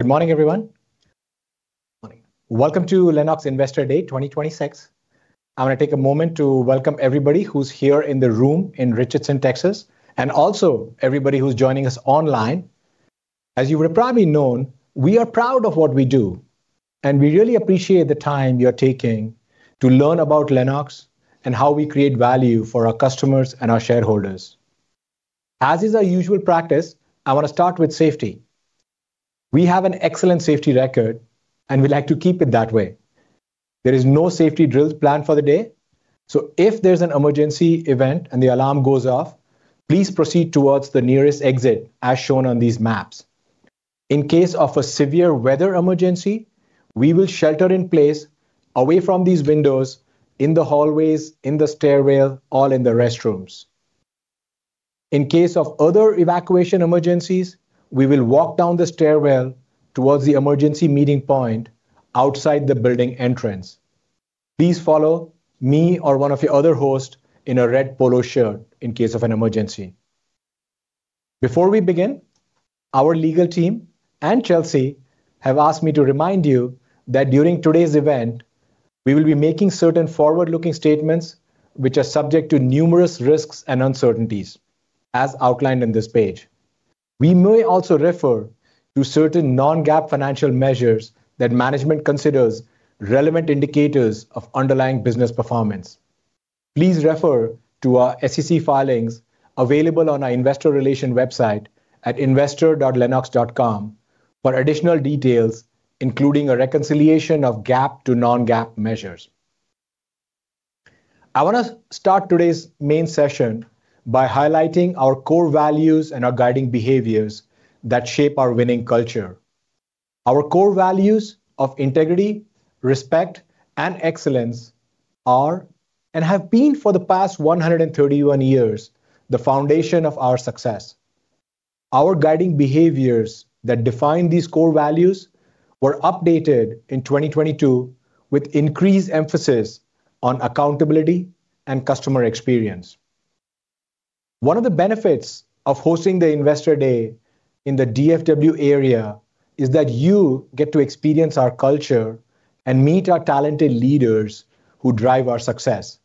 Good morning, everyone. Morning. Welcome to Lennox Investor Day 2026. I wanna take a moment to welcome everybody who's here in the room in Richardson, Texas. Also everybody who's joining us online. As you would probably known, we are proud of what we do, and we really appreciate the time you're taking to learn about Lennox and how we create value for our customers and our shareholders. As is our usual practice, I wanna start with safety. We have an excellent safety record, and we like to keep it that way. There is no safety drills planned for the day. If there's an emergency event and the alarm goes off, please proceed towards the nearest exit as shown on these maps. In case of a severe weather emergency, we will shelter in place away from these windows in the hallways, in the stairwell, or in the restrooms. In case of other evacuation emergencies, we will walk down the stairwell towards the emergency meeting point outside the building entrance. Please follow me or one of your other hosts in a red polo shirt in case of an emergency. Before we begin, our legal team and Chelsey have asked me to remind you that during today's event, we will be making certain forward-looking statements which are subject to numerous risks and uncertainties, as outlined on this page. We may also refer to certain non-GAAP financial measures that management considers relevant indicators of underlying business performance. Please refer to our SEC filings available on our investor relations website at investor.lennox.com for additional details, including a reconciliation of GAAP to non-GAAP measures. I want to start today's main session by highlighting our core values and our guiding behaviors that shape our winning culture. Our core values of integrity, respect, and excellence are, and have been for the past 131 years, the foundation of our success. Our guiding behaviors that define these core values were updated in 2022 with increased emphasis on accountability and customer experience. One of the benefits of hosting the Investor Day in the DFW area is that you get to experience our culture and meet our talented leaders who drive our success.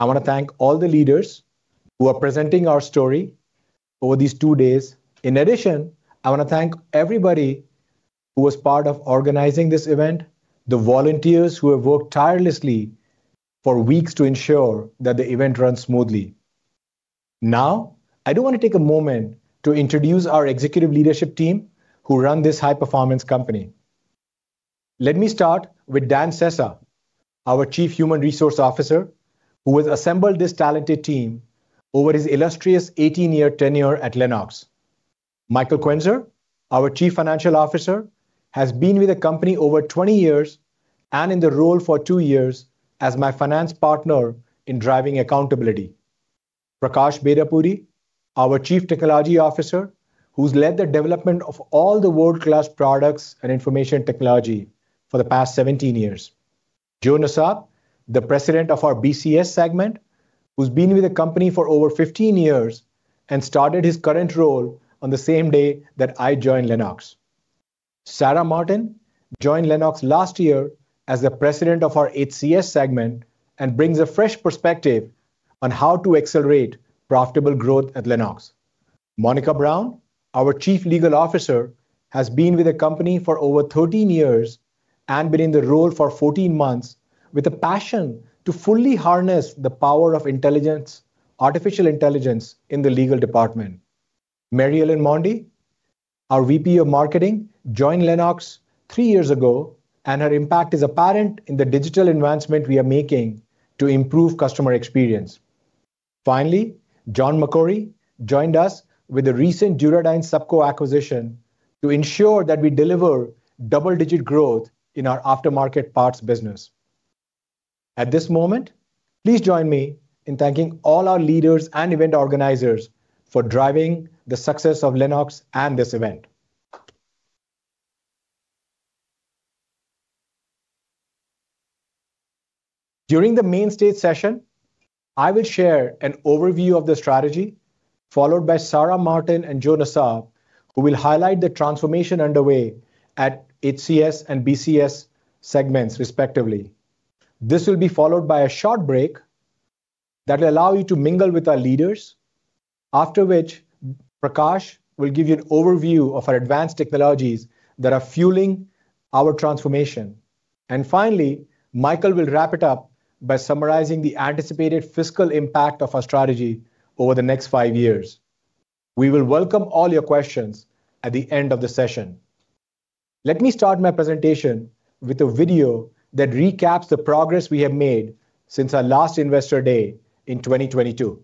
I wanna thank all the leaders who are presenting our story over these two days. In addition, I wanna thank everybody who was part of organizing this event, the volunteers who have worked tirelessly for weeks to ensure that the event runs smoothly. Now, I do wanna take a moment to introduce our executive leadership team who run this high-performance company. Let me start with Dan Sessa, our Chief Human Resources Officer, who has assembled this talented team over his illustrious 18-year tenure at Lennox. Michael Quenzer, our Chief Financial Officer, has been with the company over 20 years and in the role for two years as my finance partner in driving accountability. Prakash Bedapudi, our Chief Technology Officer, who's led the development of all the world-class products and information technology for the past 17 years. Joe Nassab, the President of our BCS segment, who's been with the company for over 15 years and started his current role on the same day that I joined Lennox. Sarah Martin joined Lennox last year as the President of our HCS segment and brings a fresh perspective on how to accelerate profitable growth at Lennox. Monica Brown, our chief legal officer, has been with the company for over 13 years and been in the role for 14 months with a passion to fully harness the power of intelligence, artificial intelligence in the legal department. Mary Ellen Mondi, our VP of marketing, joined Lennox three years ago. Her impact is apparent in the digital advancement we are making to improve customer experience. Finally, John MacQuarrie joined us with the recent Duro Dyne Supco acquisition to ensure that we deliver double-digit growth in our aftermarket parts business. At this moment, please join me in thanking all our leaders and event organizers for driving the success of Lennox and this event. During the main stage session, I will share an overview of the strategy followed by Sarah Martin and Joe Nassab, who will highlight the transformation underway at HCS and BCS segments respectively. This will be followed by a short break that will allow you to mingle with our leaders, after which Prakash will give you an overview of our advanced technologies that are fueling our transformation. Finally, Michael will wrap it up by summarizing the anticipated fiscal impact of our strategy over the next five years. We will welcome all your questions at the end of the session. Let me start my presentation with a video that recaps the progress we have made since our last Investor Day in 2022.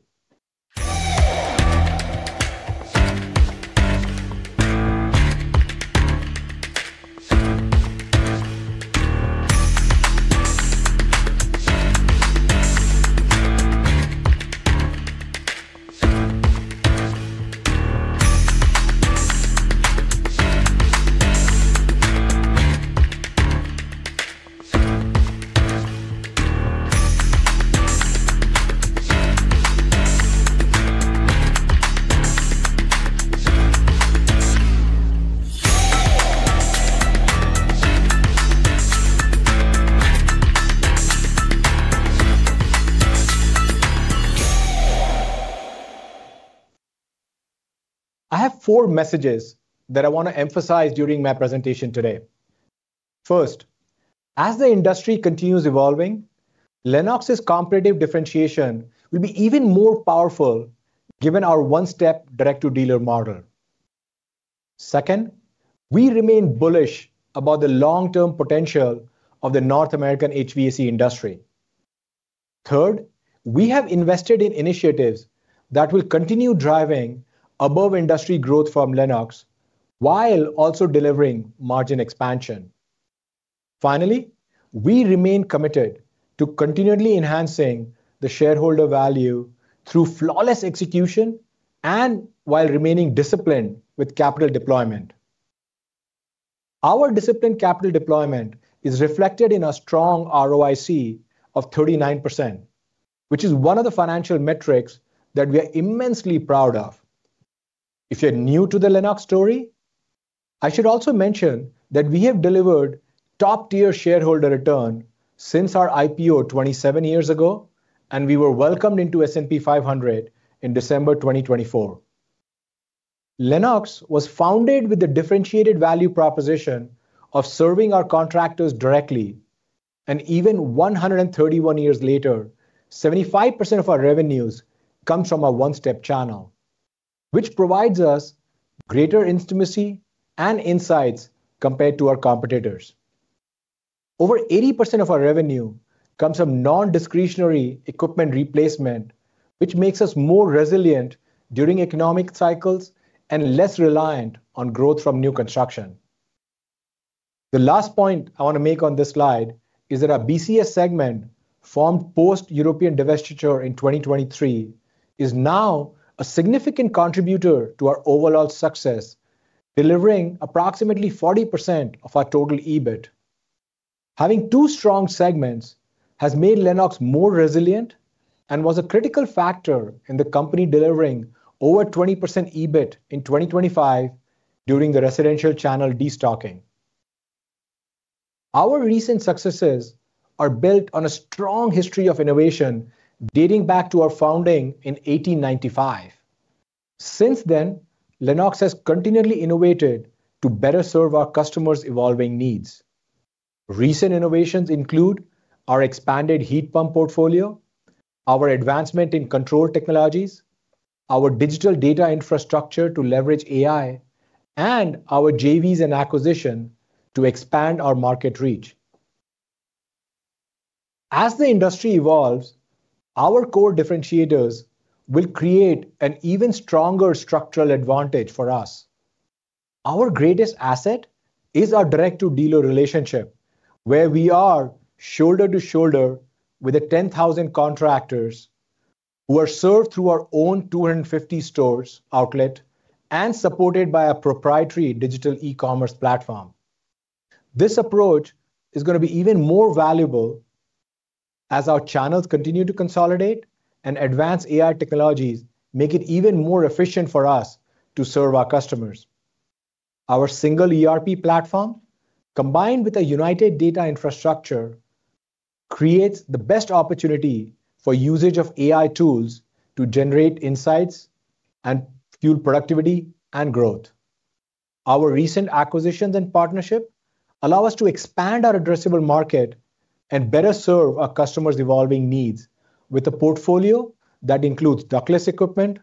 I have four messages that I want to emphasize during my presentation today. First, as the industry continues evolving, Lennox's competitive differentiation will be even more powerful given our one-step direct-to-dealer model. Second, we remain bullish about the long-term potential of the North American HVAC industry. Third, we have invested in initiatives that will continue driving above-industry growth from Lennox while also delivering margin expansion. Finally, we remain committed to continually enhancing the shareholder value through flawless execution and while remaining disciplined with capital deployment. Our disciplined capital deployment is reflected in a strong ROIC of 39%, which is one of the financial metrics that we are immensely proud of. If you're new to the Lennox story, I should also mention that we have delivered top-tier shareholder return since our IPO 27 years ago, and we were welcomed into S&P 500 in December 2024. Lennox was founded with a differentiated value proposition of serving our contractors directly. Even 131 years later, 75% of our revenues comes from our one-step channel, which provides us greater intimacy and insights compared to our competitors. Over 80% of our revenue comes from non-discretionary equipment replacement, which makes us more resilient during economic cycles and less reliant on growth from new construction. The last point I want to make on this slide is that our BCS segment, formed post-European divestiture in 2023, is now a significant contributor to our overall success, delivering approximately 40% of our total EBIT. Having two strong segments has made Lennox more resilient and was a critical factor in the company delivering over 20% EBIT in 2025 during the residential channel destocking. Our recent successes are built on a strong history of innovation dating back to our founding in 1895. Since then, Lennox has continually innovated to better serve our customers' evolving needs. Recent innovations include our expanded heat pump portfolio, our advancement in control technologies, our digital data infrastructure to leverage AI, and our JVs and acquisition to expand our market reach. As the industry evolves, our core differentiators will create an even stronger structural advantage for us. Our greatest asset is our direct-to-dealer relationship, where we are shoulder to shoulder with the 10,000 contractors who are served through our own 250 stores outlet and supported by a proprietary digital e-commerce platform. This approach is gonna be even more valuable as our channels continue to consolidate and advanced AI technologies make it even more efficient for us to serve our customers. Our single ERP platform, combined with a united data infrastructure, creates the best opportunity for usage of AI tools to generate insights and fuel productivity and growth. Our recent acquisitions and partnership allow us to expand our addressable market and better serve our customers' evolving needs with a portfolio that includes ductless equipment,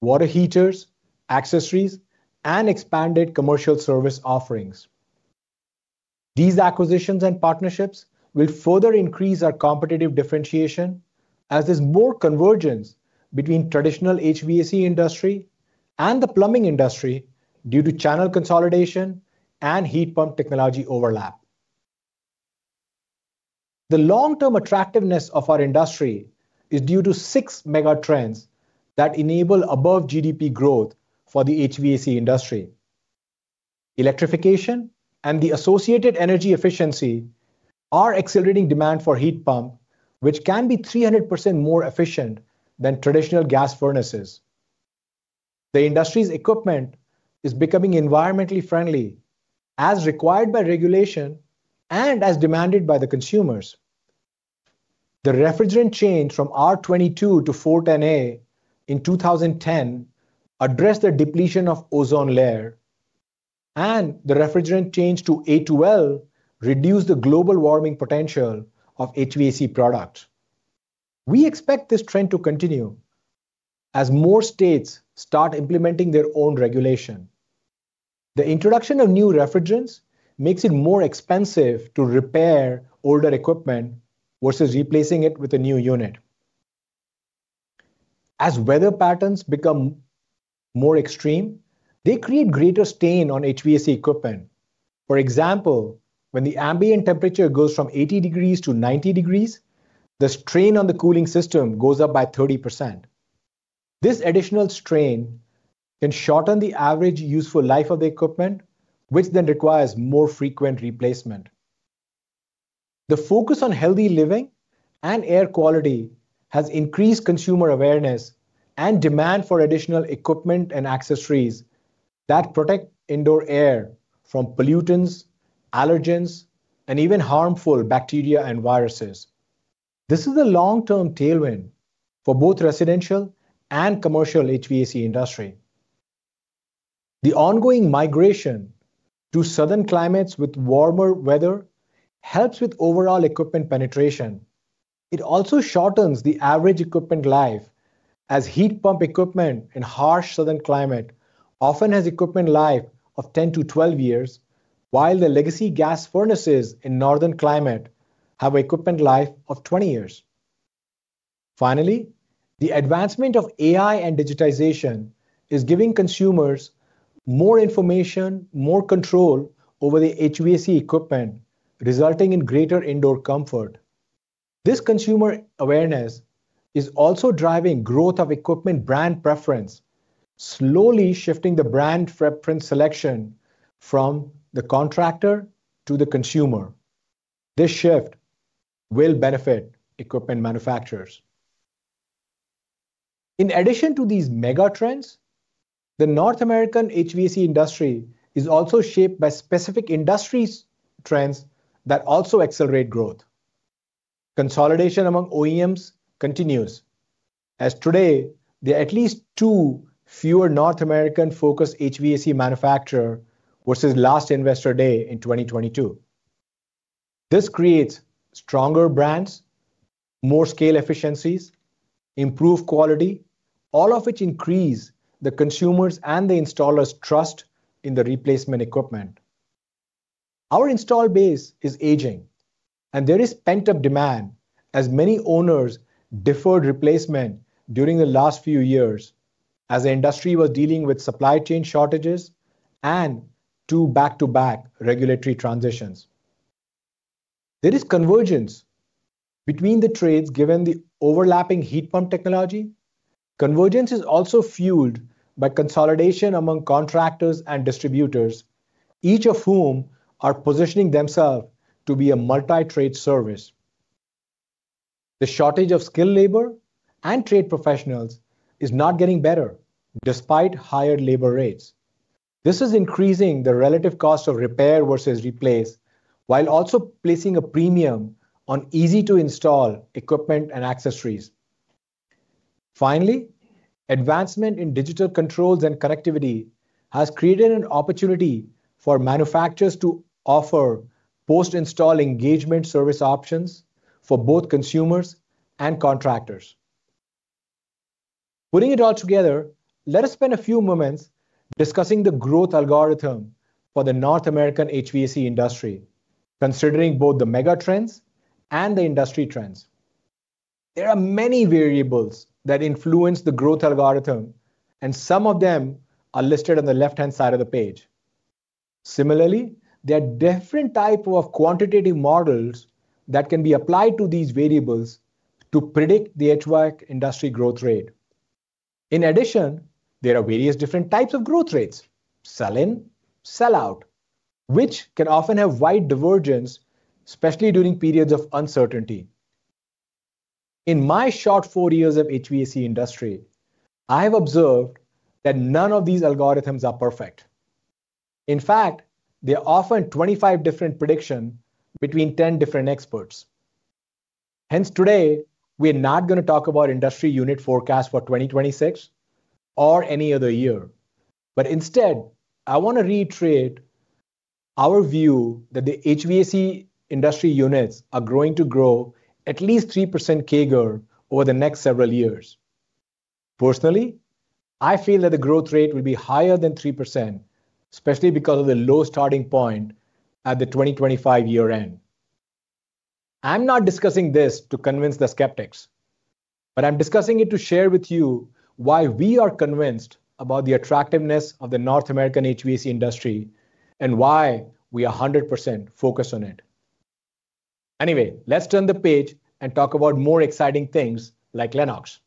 water heaters, accessories, and expanded commercial service offerings. These acquisitions and partnerships will further increase our competitive differentiation as there's more convergence between traditional HVAC industry and the plumbing industry due to channel consolidation and heat pump technology overlap. The long-term attractiveness of our industry is due to six mega trends that enable above-GDP growth for the HVAC industry. Electrification and the associated energy efficiency are accelerating demand for heat pump, which can be 300% more efficient than traditional gas furnaces. The industry's equipment is becoming environmentally friendly, as required by regulation and as demanded by the consumers. The refrigerant change from R22 to R-410A in 2010 addressed the depletion of ozone layer, and the refrigerant change to A2L reduced the global warming potential of HVAC product. We expect this trend to continue as more states start implementing their own regulation. The introduction of new refrigerants makes it more expensive to repair older equipment versus replacing it with a new unit. As weather patterns become more extreme, they create greater strain on HVAC equipment. For example, when the ambient temperature goes from 80 degrees to 90 degrees, the strain on the cooling system goes up by 30%. This additional strain can shorten the average useful life of the equipment, which then requires more frequent replacement. The focus on healthy living and air quality has increased consumer awareness and demand for additional equipment and accessories that protect indoor air from pollutants, allergens, and even harmful bacteria and viruses. This is a long-term tailwind for both residential and commercial HVAC industry. The ongoing migration to southern climates with warmer weather helps with overall equipment penetration. It also shortens the average equipment life as heat pump equipment in harsh southern climate often has equipment life of 10-12 years, while the legacy gas furnaces in northern climate have equipment life of 20 years. The advancement of AI and digitization is giving consumers more information, more control over the HVAC equipment, resulting in greater indoor comfort. This consumer awareness is also driving growth of equipment brand preference, slowly shifting the brand preference selection from the contractor to the consumer. This shift will benefit equipment manufacturers. In addition to these mega trends, the North American HVAC industry is also shaped by specific industry trends that also accelerate growth. Consolidation among OEMs continues as today there are at least two fewer North American-focused HVAC manufacturers versus last Investor Day in 2022. This creates stronger brands, more scale efficiencies, improved quality, all of which increase the consumers' and the installers' trust in the replacement equipment. Our install base is aging, and there is pent-up demand as many owners deferred replacement during the last few years as the industry was dealing with supply chain shortages and two back-to-back regulatory transitions. There is convergence between the trades given the overlapping heat pump technology. Convergence is also fueled by consolidation among contractors and distributors, each of whom are positioning themselves to be a multi-trade service. The shortage of skilled labor and trade professionals is not getting better despite higher labor rates. This is increasing the relative cost of repair versus replace, while also placing a premium on easy-to-install equipment and accessories. Advancement in digital controls and connectivity has created an opportunity for manufacturers to offer post-install engagement service options for both consumers and contractors. Putting it all together, let us spend a few moments discussing the growth algorithm for the North American HVAC industry, considering both the mega trends and the industry trends. There are many variables that influence the growth algorithm, and some of them are listed on the left-hand side of the page. Similarly, there are different type of quantitative models that can be applied to these variables to predict the HVAC industry growth rate. There are various different types of growth rates, sell-in, sell-out, which can often have wide divergence, especially during periods of uncertainty. In my short four years of HVAC industry, I have observed that none of these algorithms are perfect. There are often 25 different prediction between 10 different experts. We are not gonna talk about industry unit forecast for 2026 or any other year. I wanna reiterate our view that the HVAC industry units are going to grow at least 3% CAGR over the next several years. Personally, I feel that the growth rate will be higher than 3%, especially because of the low starting point at the 2025 year end. I'm not discussing this to convince the skeptics, but I'm discussing it to share with you why we are convinced about the attractiveness of the North American HVAC industry and why we are 100% focused on it. Let's turn the page and talk about more exciting things like Lennox.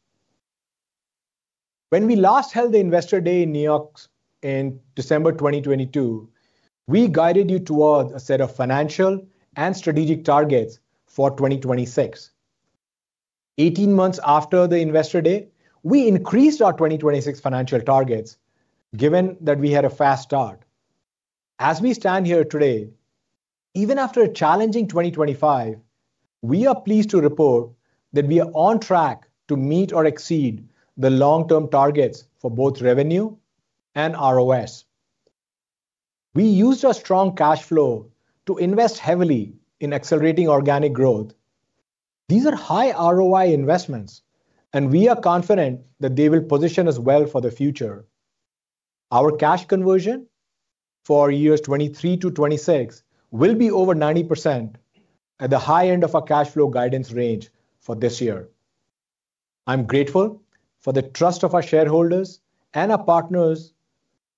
When we last held the Investor Day in New York in December 2022, we guided you towards a set of financial and strategic targets for 2026. 18 months after the Investor Day, we increased our 2026 financial targets, given that we had a fast start. As we stand here today, even after a challenging 2025, we are pleased to report that we are on track to meet or exceed the long-term targets for both revenue and ROS. We used our strong cash flow to invest heavily in accelerating organic growth. These are high ROI investments. We are confident that they will position us well for the future. Our cash conversion for years 2023 to 2026 will be over 90% at the high end of our cash flow guidance range for this year. I'm grateful for the trust of our shareholders and our partners.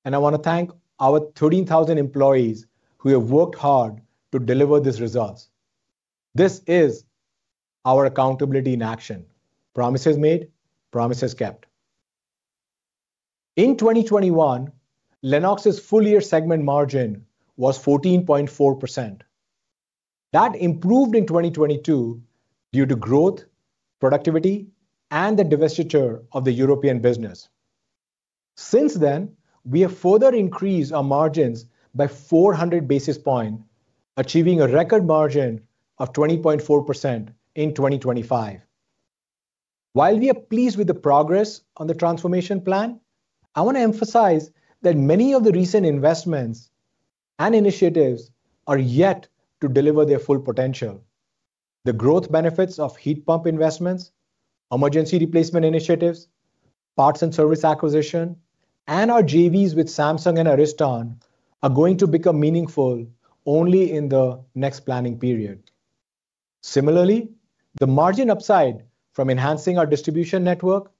I wanna thank our 13,000 employees who have worked hard to deliver these results. This is our accountability in action. Promises made, promises kept. In 2021, Lennox's full year segment margin was 14.4%. That improved in 2022 due to growth, productivity, and the divestiture of the European business. Since then, we have further increased our margins by 400 basis point, achieving a record margin of 20.4% in 2025. While we are pleased with the progress on the transformation plan, I want to emphasize that many of the recent investments and initiatives are yet to deliver their full potential. The growth benefits of heat pump investments, emergency replacement initiatives, parts and service acquisition, and our JVs with Samsung and Ariston are going to become meaningful only in the next planning period. Similarly, the margin upside from enhancing our distribution network,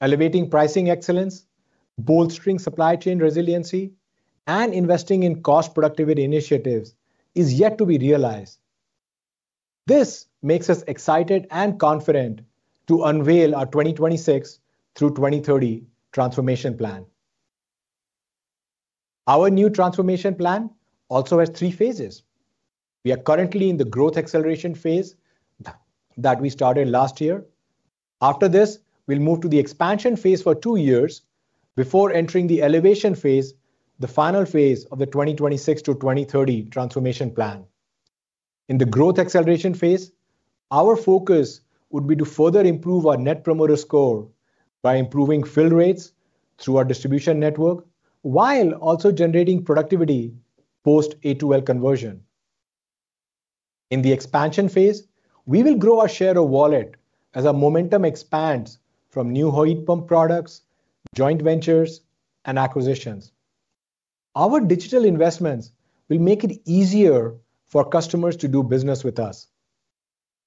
elevating pricing excellence, bolstering supply chain resiliency, and investing in cost productivity initiatives is yet to be realized. This makes us excited and confident to unveil our 2026 through 2030 transformation plan. Our new transformation plan also has three phases. We are currently in the growth acceleration phase that we started last year. After this, we'll move to the expansion phase for two years before entering the elevation phase, the final phase of the 2026 to 2030 transformation plan. In the growth acceleration phase, our focus would be to further improve our Net Promoter Score by improving fill rates through our distribution network, while also generating productivity post A2L conversion. In the expansion phase, we will grow our share of wallet as our momentum expands from new heat pump products, joint ventures, and acquisitions. Our digital investments will make it easier for customers to do business with us.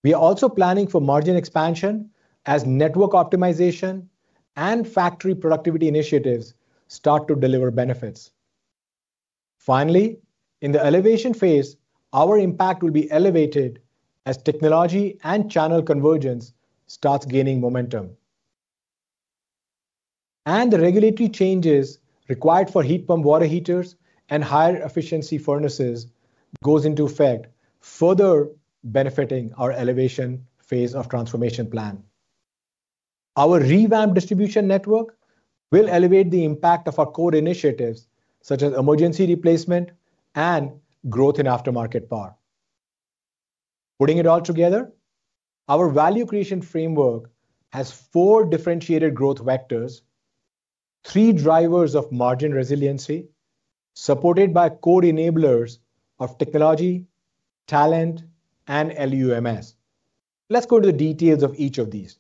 We are also planning for margin expansion as network optimization and factory productivity initiatives start to deliver benefits. Finally, in the elevation phase, our impact will be elevated as technology and channel convergence starts gaining momentum. The regulatory changes required for heat pump water heaters and higher efficiency furnaces goes into effect, further benefiting our elevation phase of transformation plan. Our revamped distribution network will elevate the impact of our core initiatives, such as emergency replacement and growth in aftermarket power. Putting it all together, our value creation framework has four differentiated growth vectors, three drivers of margin resiliency, supported by core enablers of technology, talent, and LUMS. Let's go to the details of each of these.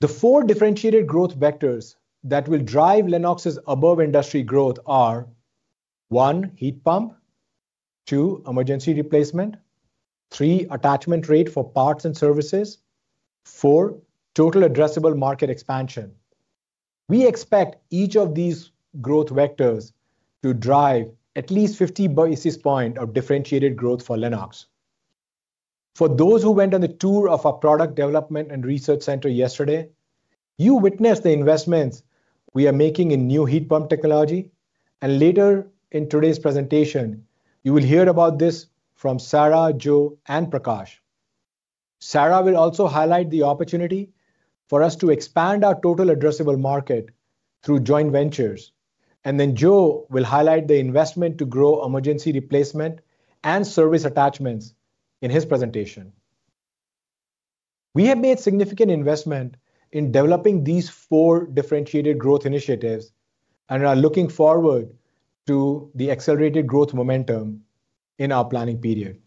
The four differentiated growth vectors that will drive Lennox's above industry growth are, one, heat pump. Two, emergency replacement. Three attachment rate for parts and services. Four, total addressable market expansion. We expect each of these growth vectors to drive at least 50 basis points of differentiated growth for Lennox. For those who went on the tour of our product development and research center yesterday, you witnessed the investments we are making in new heat pump technology. Later in today's presentation, you will hear about this from Sarah, Joe, and Prakash. Sarah will also highlight the opportunity for us to expand our total addressable market through joint ventures. Joe will highlight the investment to grow emergency replacement and service attachments in his presentation. We have made significant investment in developing these four differentiated growth initiatives and are looking forward to the accelerated growth momentum in our planning period.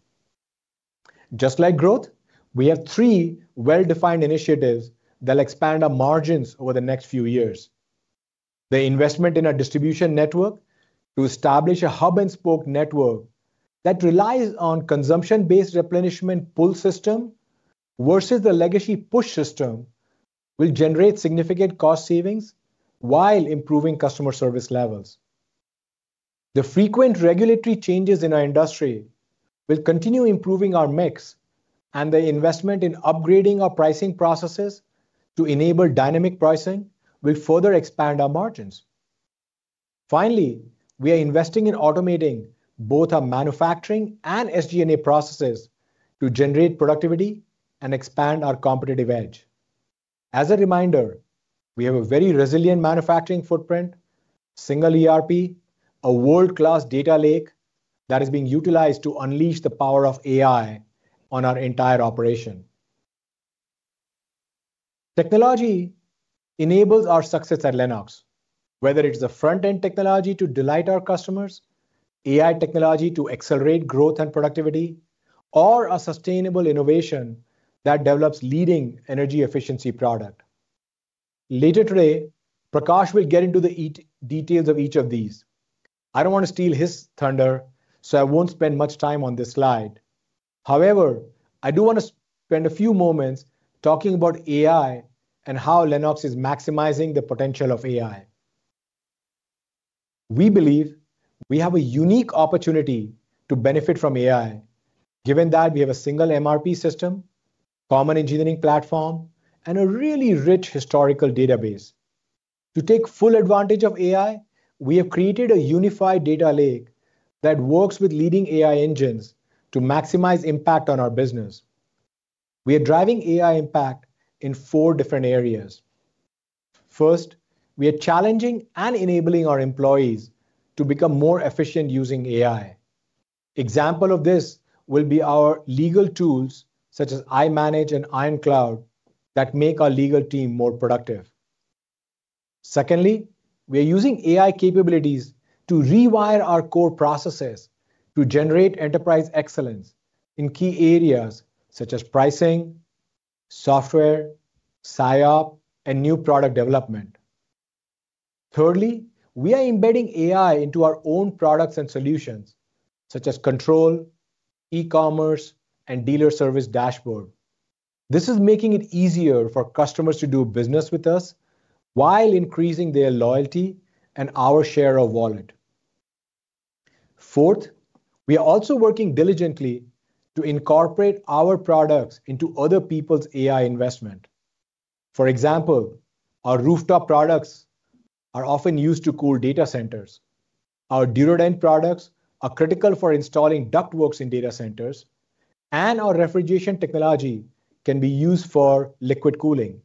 Just like growth, we have three well-defined initiatives that'll expand our margins over the next few years. The investment in our distribution network to establish a hub-and-spoke network that relies on consumption-based replenishment pull system versus the legacy push system will generate significant cost savings while improving customer service levels. The frequent regulatory changes in our industry will continue improving our mix, and the investment in upgrading our pricing processes to enable dynamic pricing will further expand our margins. Finally, we are investing in automating both our manufacturing and SG&A processes to generate productivity and expand our competitive edge. As a reminder, we have a very resilient manufacturing footprint, single ERP, a world-class data lake that is being utilized to unleash the power of AI on our entire operation. Technology enables our success at Lennox, whether it's the front-end technology to delight our customers, AI technology to accelerate growth and productivity, or a sustainable innovation that develops leading energy efficiency product. Later today, Prakash will get into the details of each of these. I don't wanna steal his thunder, I won't spend much time on this slide. However, I do wanna spend a few moments talking about AI and how Lennox is maximizing the potential of AI. We believe we have a unique opportunity to benefit from AI, given that we have a single MRP system, common engineering platform, and a really rich historical database. To take full advantage of AI, we have created a unified data lake that works with leading AI engines to maximize impact on our business. We are driving AI impact in four different areas. First, we are challenging and enabling our employees to become more efficient using AI. Example of this will be our legal tools, such as iManage and Ironclad, that make our legal team more productive. We are using AI capabilities to rewire our core processes to generate enterprise excellence in key areas such as pricing, software, SIOP, and new product development. We are embedding AI into our own products and solutions, such as control, e-commerce, and dealer service dashBoard. This is making it easier for customers to do business with us while increasing their loyalty and our share of wallet. We are also working diligently to incorporate our products into other people's AI investment. For example, our rooftop products are often used to cool data centers. Our Duro Dyne products are critical for installing ductworks in data centers, and our refrigeration technology can be used for liquid cooling.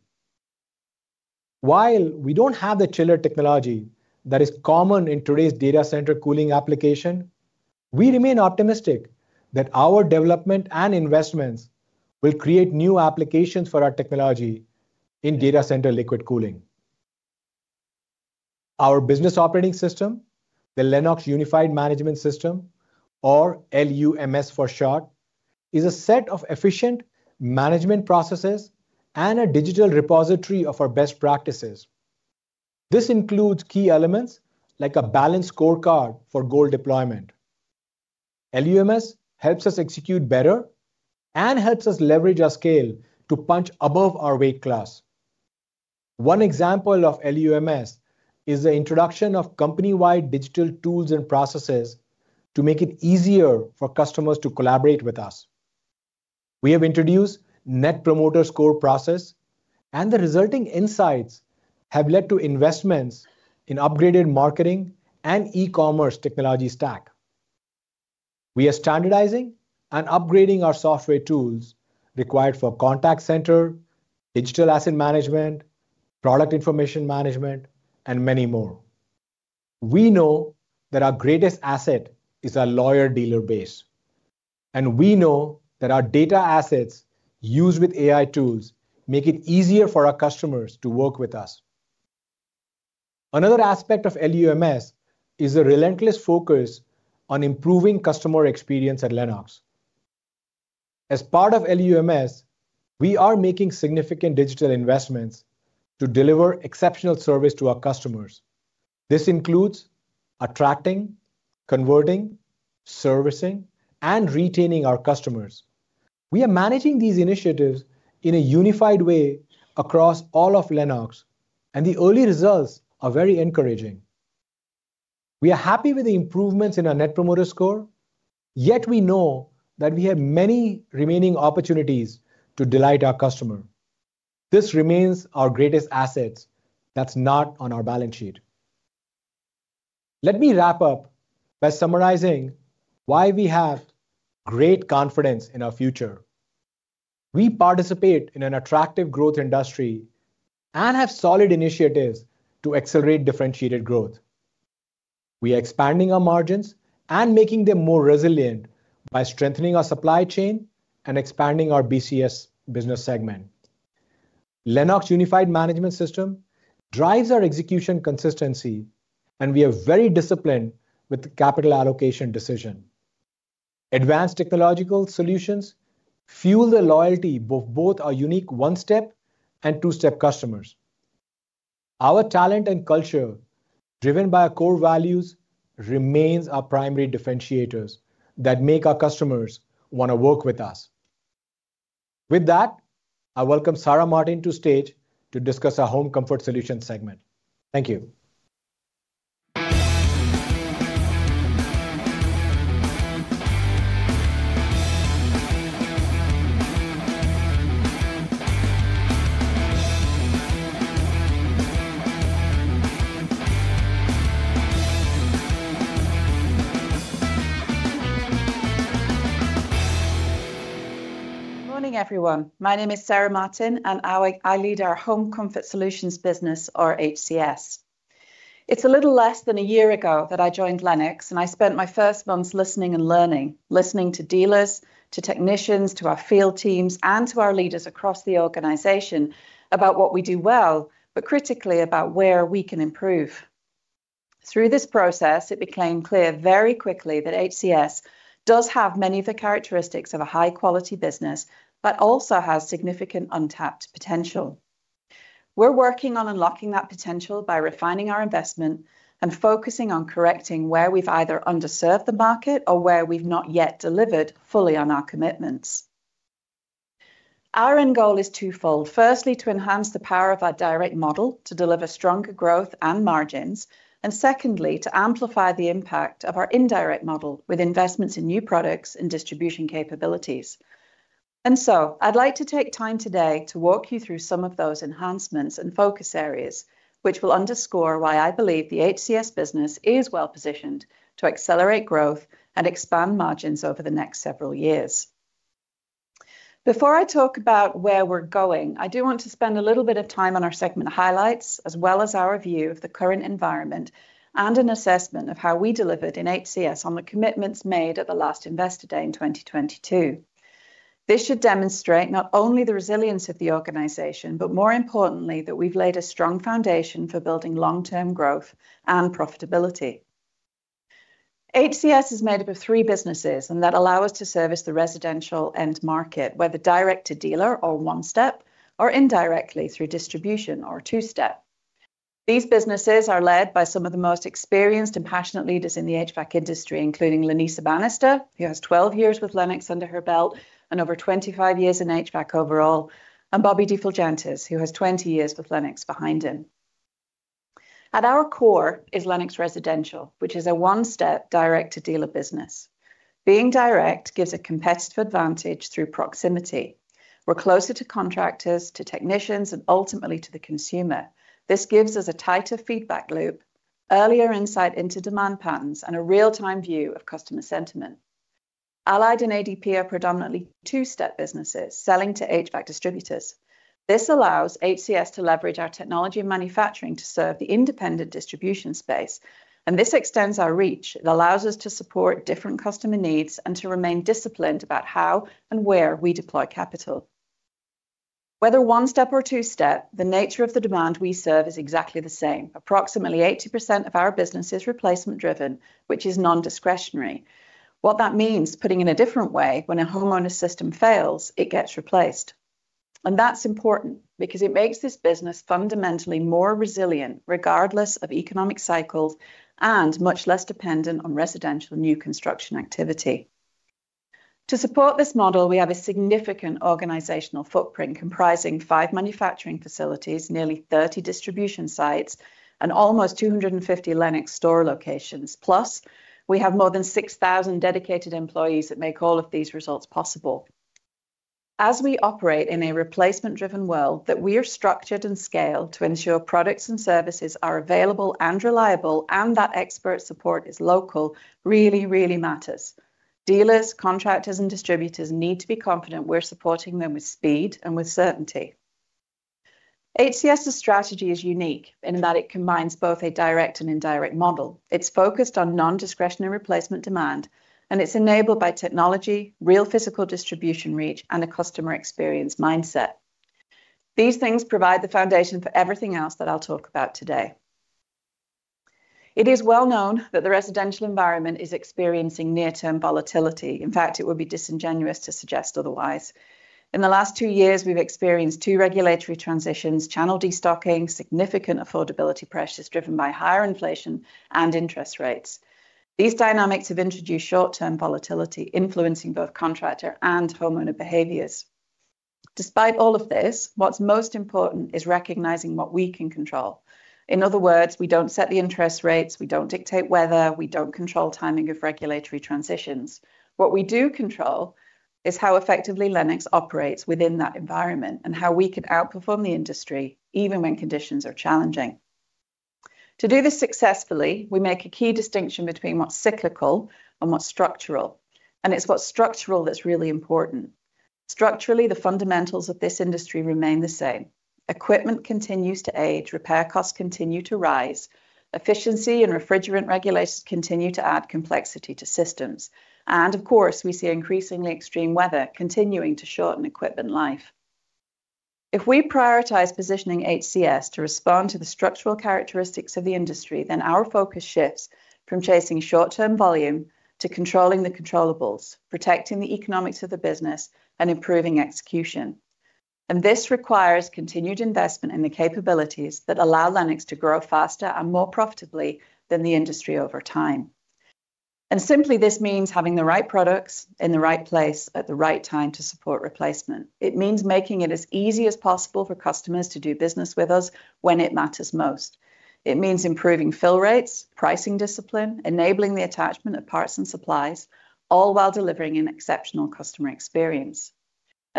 While we don't have the chiller technology that is common in today's data center cooling application, we remain optimistic that our development and investments will create new applications for our technology in data center liquid cooling. Our business operating system, the Lennox Unified Management System, or LUMS for short, is a set of efficient management processes and a digital repository of our best practices. This includes key elements like a balanced scorecard for goal deployment. LUMS helps us execute better and helps us leverage our scale to punch above our weight class. One example of LUMS is the introduction of company-wide digital tools and processes to make it easier for customers to collaborate with us. We have introduced Net Promoter Score process, and the resulting insights have led to investments in upgraded marketing and e-commerce technology stack. We are standardizing and upgrading our software tools required for contact center, digital asset management, product information management, and many more. We know that our greatest asset is our loyal dealer base. We know that our data assets used with AI tools make it easier for our customers to work with us. Another aspect of LUMS is a relentless focus on improving customer experience at Lennox. As part of LUMS, we are making significant digital investments to deliver exceptional service to our customers. This includes attracting, converting, servicing, and retaining our customers. We are managing these initiatives in a unified way across all of Lennox. The early results are very encouraging. We are happy with the improvements in our Net Promoter Score, yet we know that we have many remaining opportunities to delight our customer. This remains our greatest asset that's not on our balance sheet. Let me wrap up by summarizing why we have great confidence in our future. We participate in an attractive growth industry and have solid initiatives to accelerate differentiated growth. We are expanding our margins and making them more resilient by strengthening our supply chain and expanding our BCS business segment. Lennox Unified Management System drives our execution consistency, and we are very disciplined with the capital allocation decision. Advanced technological solutions fuel the loyalty of both our unique one-step and two-step customers. Our talent and culture, driven by our core values, remains our primary differentiators that make our customers wanna work with us. With that, I welcome Sarah Martin to stage to discuss our Home Comfort Solutions segment. Thank you. Morning, everyone. My name is Sarah Martin, and I lead our Home Comfort Solutions business or HCS. It's a little less than a year ago that I joined Lennox, and I spent my first months listening and learning, listening to dealers, to technicians, to our field teams, and to our leaders across the organization about what we do well, but critically, about where we can improve. Through this process, it became clear very quickly that HCS does have many of the characteristics of a high-quality business but also has significant untapped potential. We're working on unlocking that potential by refining our investment and focusing on correcting where we've either underserved the market or where we've not yet delivered fully on our commitments. Our end goal is twofold. Firstly, to enhance the power of our direct model to deliver stronger growth and margins, and secondly, to amplify the impact of our indirect model with investments in new products and distribution capabilities. I'd like to take time today to walk you through some of those enhancements and focus areas which will underscore why I believe the HCS business is well-positioned to accelerate growth and expand margins over the next several years. Before I talk about where we're going, I do want to spend a little bit of time on our segment highlights, as well as our view of the current environment and an assessment of how we delivered in HCS on the commitments made at the last Investor Day in 2022. This should demonstrate not only the resilience of the organization, but more importantly, that we've laid a strong foundation for building long-term growth and profitability. HCS is made up of three businesses, and that allow us to service the residential end market, whether direct to dealer or one-step, or indirectly through distribution or two-step. These businesses are led by some of the most experienced and passionate leaders in the HVAC industry, including Lanessa Banister, who has 12 years with Lennox under her belt and over 25 years in HVAC overall, and Bobby DiFulgentiz, who has 20 years with Lennox behind him. At our core is Lennox Residential, which is a one-step direct to dealer business. Being direct gives a competitive advantage through proximity. We're closer to contractors, to technicians, and ultimately to the consumer. This gives us a tighter feedback loop, earlier insight into demand patterns, and a real-time view of customer sentiment. Allied and ADP are predominantly two-step businesses, selling to HVAC distributors. This allows HCS to leverage our technology and manufacturing to serve the independent distribution space. This extends our reach. It allows us to support different customer needs and to remain disciplined about how and where we deploy capital. Whether one step or two step, the nature of the demand we serve is exactly the same. Approximately 80% of our business is replacement driven, which is non-discretionary. What that means, putting in a different way, when a homeowner system fails, it gets replaced. That's important because it makes this business fundamentally more resilient regardless of economic cycles and much less dependent on residential new construction activity. To support this model, we have a significant organizational footprint comprising five manufacturing facilities, nearly 30 distribution sites, and almost 250 Lennox store locations. We have more than 6,000 dedicated employees that make all of these results possible. As we operate in a replacement-driven world, that we are structured and scaled to ensure products and services are available and reliable and that expert support is local really, really matters. Dealers, contractors, and distributors need to be confident we're supporting them with speed and with certainty. HCS's strategy is unique in that it combines both a direct and indirect model. It's focused on non-discretionary replacement demand, it's enabled by technology, real physical distribution reach, and a customer experience mindset. These things provide the foundation for everything else that I'll talk about today. It is well known that the residential environment is experiencing near-term volatility. It would be disingenuous to suggest otherwise. In the last two years, we've experienced two regulatory transitions, channel destocking, significant affordability pressures driven by higher inflation and interest rates. These dynamics have introduced short-term volatility, influencing both contractor and homeowner behaviors. Despite all of this, what's most important is recognizing what we can control. In other words, we don't set the interest rates, we don't dictate weather, we don't control timing of regulatory transitions. What we do control is how effectively Lennox operates within that environment and how we can outperform the industry even when conditions are challenging. To do this successfully, we make a key distinction between what's cyclical and what's structural, and it's what's structural that's really important. Structurally, the fundamentals of this industry remain the same. Equipment continues to age, repair costs continue to rise, efficiency and refrigerant regulations continue to add complexity to systems. Of course, we see increasingly extreme weather continuing to shorten equipment life. If we prioritize positioning HCS to respond to the structural characteristics of the industry, then our focus shifts from chasing short-term volume to controlling the controllables, protecting the economics of the business, and improving execution. Simply this means having the right products in the right place at the right time to support replacement. It means making it as easy as possible for customers to do business with us when it matters most. It means improving fill rates, pricing discipline, enabling the attachment of parts and supplies, all while delivering an exceptional customer experience.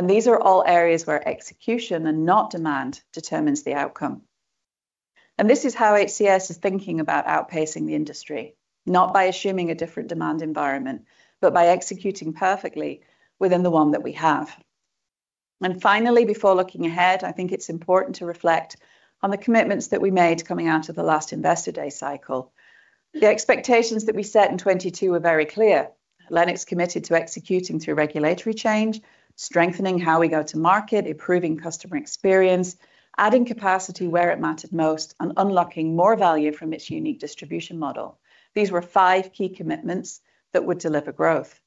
These are all areas where execution and not demand determines the outcome. This is how HCS is thinking about outpacing the industry, not by assuming a different demand environment, but by executing perfectly within the one that we have. Finally, before looking ahead, I think it's important to reflect on the commitments that we made coming out of the last Investor Day cycle. The expectations that we set in 2022 were very clear. Lennox committed to executing through regulatory change, strengthening how we go to market, improving customer experience, adding capacity where it mattered most, and unlocking more value from its unique distribution model. These were five key commitments that would deliver growth,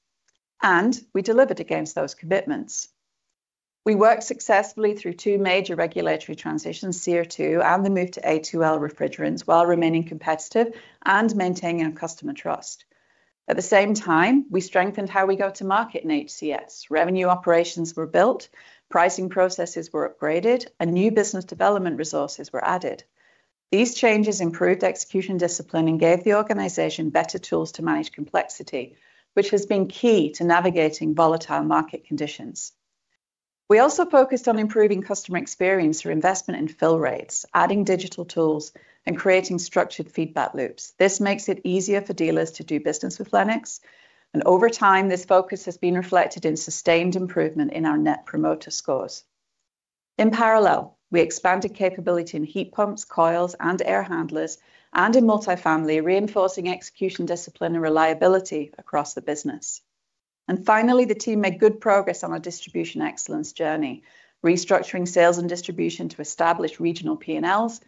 and we delivered against those commitments. We worked successfully through wo major regulatory transitions, SEER2 and the move to A2L refrigerants while remaining competitive and mtaintaining our customer trust. At the same time, we strengthened how we go to market in HCS. Revenue operations were built, pricing processes were upgraded, and new business development resources were added. These changes improved execution discipline and gave the organization better tools to manage complexity, which has been key to navigating volatile market conditions. We also focused on improving customer experience through investment in fill rates, adding digital tools, and creating structured feedback loops. This makes it easier for dealers to do business with Lennox. Over time, this focus has been reflected in sustained improvement in our Net Promoter Scores. In parallel, we expanded capability in heat pumps, coils, and air handlers, and in multifamily, reinforcing execution discipline and reliability across the business. Finally, the team made good progress on our distribution excellence journey, restructuring sales and distribution to establish regional P&Ls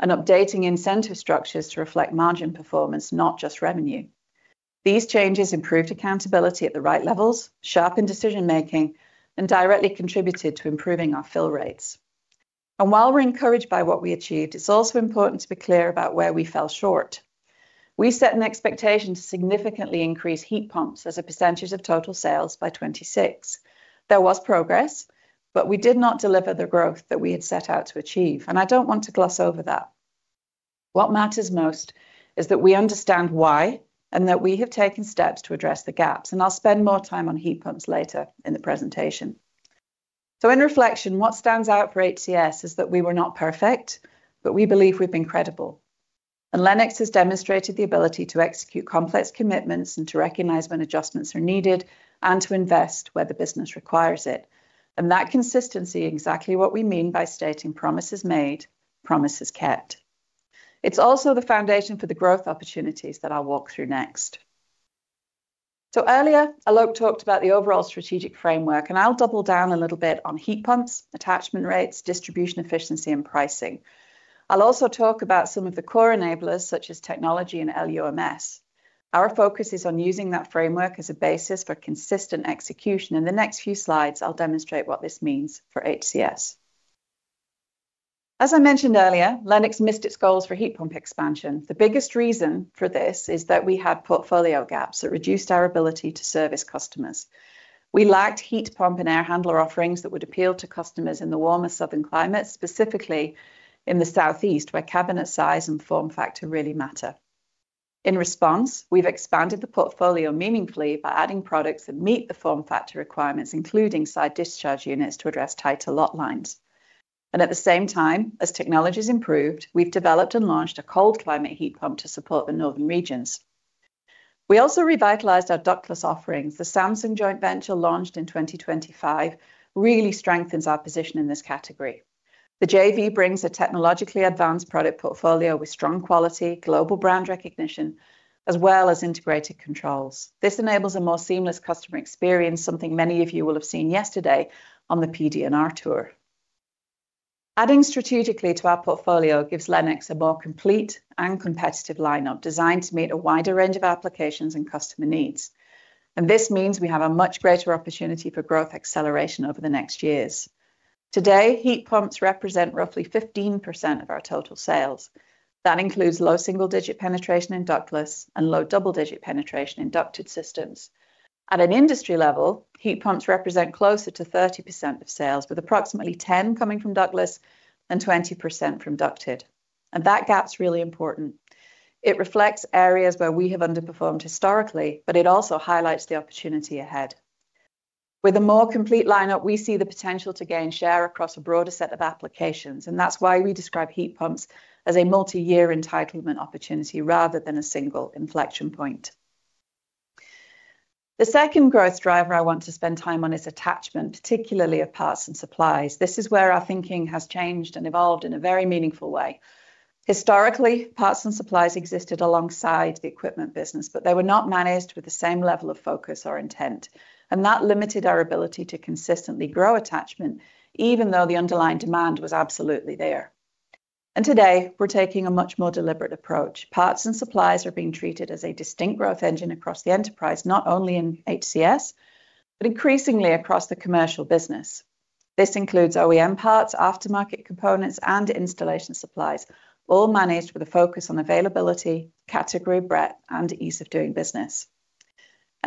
and updating incentive structures to reflect margin performance, not just revenue. These changes improved accountability at the right levels, sharpened decision-making, and directly contributed to improving our fill rates. While we're encouraged by what we achieved, it's also important to be clear about where we fell short. We set an expectation to significantly increase heat pumps as a percentage of total sales by 2026. There was progress, but we did not deliver the growth that we had set out to achieve, and I don't want to gloss over that. What matters most is that we understand why and that we have taken steps to address the gaps, and I'll spend more time on heat pumps later in the presentation. In reflection, what stands out for HCS is that we were not perfect, but we believe we've been credible. Lennox has demonstrated the ability to execute complex commitments and to recognize when adjustments are needed and to invest where the business requires it. That consistency exactly what we mean by stating promises made, promises kept. It's also the foundation for the growth opportunities that I'll walk through next. Earlier, Alok talked about the overall strategic framework, and I'll double down a little bit on heat pumps, attachment rates, distribution efficiency, and pricing. I'll also talk about some of the core enablers, such as technology and LUMS. Our focus is on using that framework as a basis for consistent execution. In the next few slides, I'll demonstrate what this means for HCS. As I mentioned earlier, Lennox missed its goals for heat pump expansion. The biggest reason for this is that we have portfolio gaps that reduced our ability to service customers. We lacked heat pump and air handler offerings that would appeal to customers in the warmer southern climates, specifically in the southeast, where cabinet size and form factor really matter. In response, we've expanded the portfolio meaningfully by adding products that meet the form factor requirements, including side discharge units to address tighter lot lines. At the same time, as technology's improved, we've developed and launched a cold climate heat pump to support the northern regions. We also revitalized our ductless offerings. The Samsung joint venture launched in 2025 really strengthens our position in this category. The JV brings a technologically advanced product portfolio with strong quality, global brand recognition, as well as integrated controls. This enables a more seamless customer experience, something many of you will have seen yesterday on the PD&R tour. Adding strategically to our portfolio gives Lennox a more complete and competitive lineup designed to meet a wider range of applications and customer needs. This means we have a much greater opportunity for growth acceleration over the next years. Today, heat pumps represent roughly 15% of our total sales. That includes low single-digit penetration in ductless and low double-digit penetration in ducted systems. At an industry level, heat pumps represent closer to 30% of sales, with approximately 10 coming from ductless and 20% from ducted. That gap's really important. It reflects areas where we have underperformed historically, but it also highlights the opportunity ahead. With a more complete lineup, we see the potential to gain share across a broader set of applications, and that's why we describe heat pumps as a multi-year entitlement opportunity rather than a single inflection point. The second growth driver I want to spend time on is attachment, particularly of parts and supplies. This is where our thinking has changed and evolved in a very meaningful way. Historically, parts and supplies existed alongside the equipment business, but they were not managed with the same level of focus or intent, and that limited our ability to consistently grow attachment even though the underlying demand was absolutely there. Today, we're taking a much more deliberate approach. Parts and supplies are being treated as a distinct growth engine across the enterprise, not only in HCS, but increasingly across the commercial business. This includes OEM parts, aftermarket components, and installation supplies, all managed with a focus on availability, category breadth, and ease of doing business.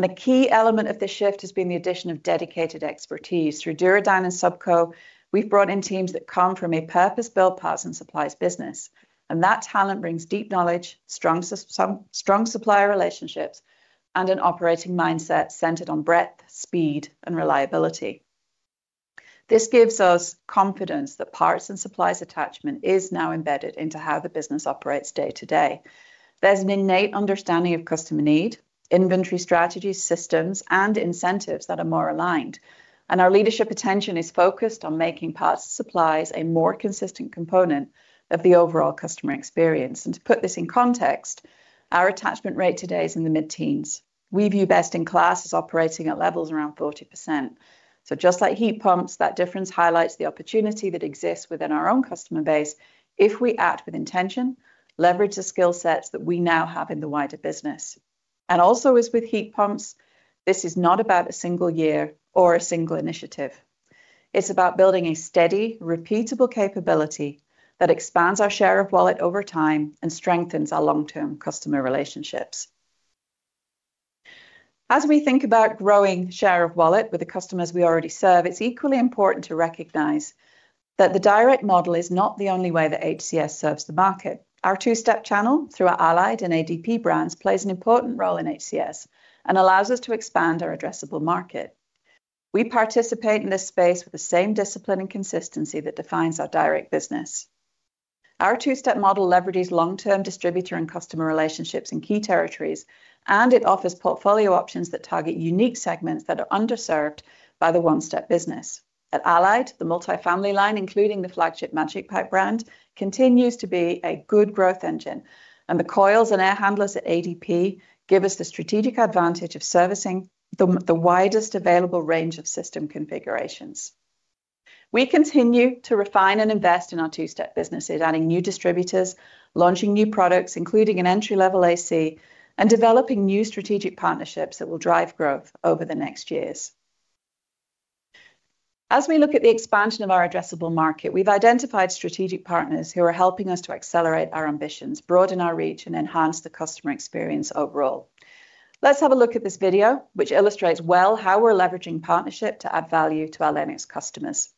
A key element of this shift has been the addition of dedicated expertise. Through Duro Dyne and Supco, we've brought in teams that come from a purpose-built parts and supplies business, that talent brings deep knowledge, strong supplier relationships, and an operating mindset centered on breadth, speed, and reliability. This gives us confidence that parts and supplies attachment is now embedded into how the business operates day to day. There's an innate understanding of customer need, inventory strategies, systems, and incentives that are more aligned. Our leadership attention is focused on making parts and supplies a more consistent component of the overall customer experience. To put this in context, our attachment rate today is in the mid-teens. We view best in class as operating at levels around 40%. Just like heat pumps, that difference highlights the opportunity that exists within our own customer base if we act with intention, leverage the skill sets that we now have in the wider business. Also as with heat pumps, this is not about a single year or a single initiative. It's about building a steady, repeatable capability that expands our share of wallet over time and strengthens our long-term customer relationships. We think about growing share of wallet with the customers we already serve, it's equally important to recognize that the direct model is not the only way that HCS serves the market. Our two-step channel through our Allied and ADP brands plays an important role in HCS and allows us to expand our addressable market. We participate in this space with the same discipline and consistency that defines our direct business. Our two-step model leverages long-term distributor and customer relationships in key territories, and it offers portfolio options that target unique segments that are underserved by the one-step business. At Allied, the multifamily line, including the flagship MagicPak brand, continues to be a good growth engine, and the coils and air handlers at ADP give us the strategic advantage of servicing the widest available range of system configurations. We continue to refine and invest in our two-step businesses, adding new distributors, launching new products, including an entry-level AC, and developing new strategic partnerships that will drive growth over the next years. As we look at the expansion of our addressable market, we've identified strategic partners who are helping us to accelerate our ambitions, broaden our reach, and enhance the customer experience overall. Let's have a look at this video, which illustrates well how we're leveraging partnership to add value to our Lennox customers.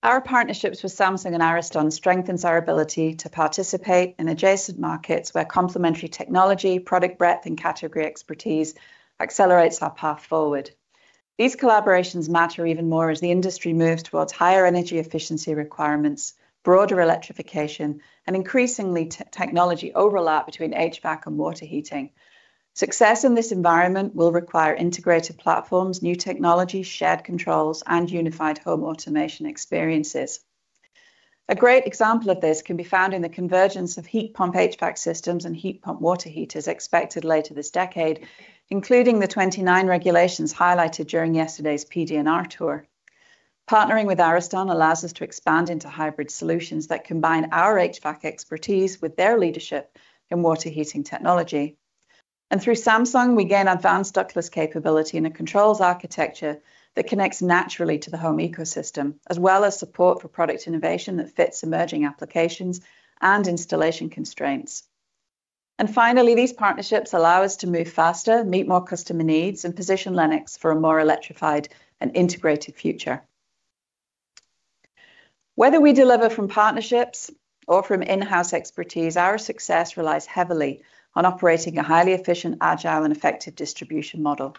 Our partnerships with Samsung and Ariston strengthens our ability to participate in adjacent markets where complementary technology, product breadth, and category expertise accelerates our path forward. These collaborations matter even more as the industry moves towards higher energy efficiency requirements, broader electrification, and increasingly technology overlap between HVAC and water heating. Success in this environment will require integrated platforms, new technologies, shared controls, and unified home automation experiences. A great example of this can be found in the convergence of heat pump HVAC systems and heat pump water heaters expected later this decade, including the 29 regulations highlighted during yesterday's PD&R tour. Partnering with Ariston allows us to expand into hybrid solutions that combine our HVAC expertise with their leadership in water heating technology. Through Samsung, we gain advanced ductless capability and a controls architecture that connects naturally to the home ecosystem, as well as support for product innovation that fits emerging applications and installation constraints. Finally, these partnerships allow us to move faster, meet more customer needs, and position Lennox for a more electrified and integrated future. Whether we deliver from partnerships or from in-house expertise, our success relies heavily on operating a highly efficient, agile, and effective distribution model.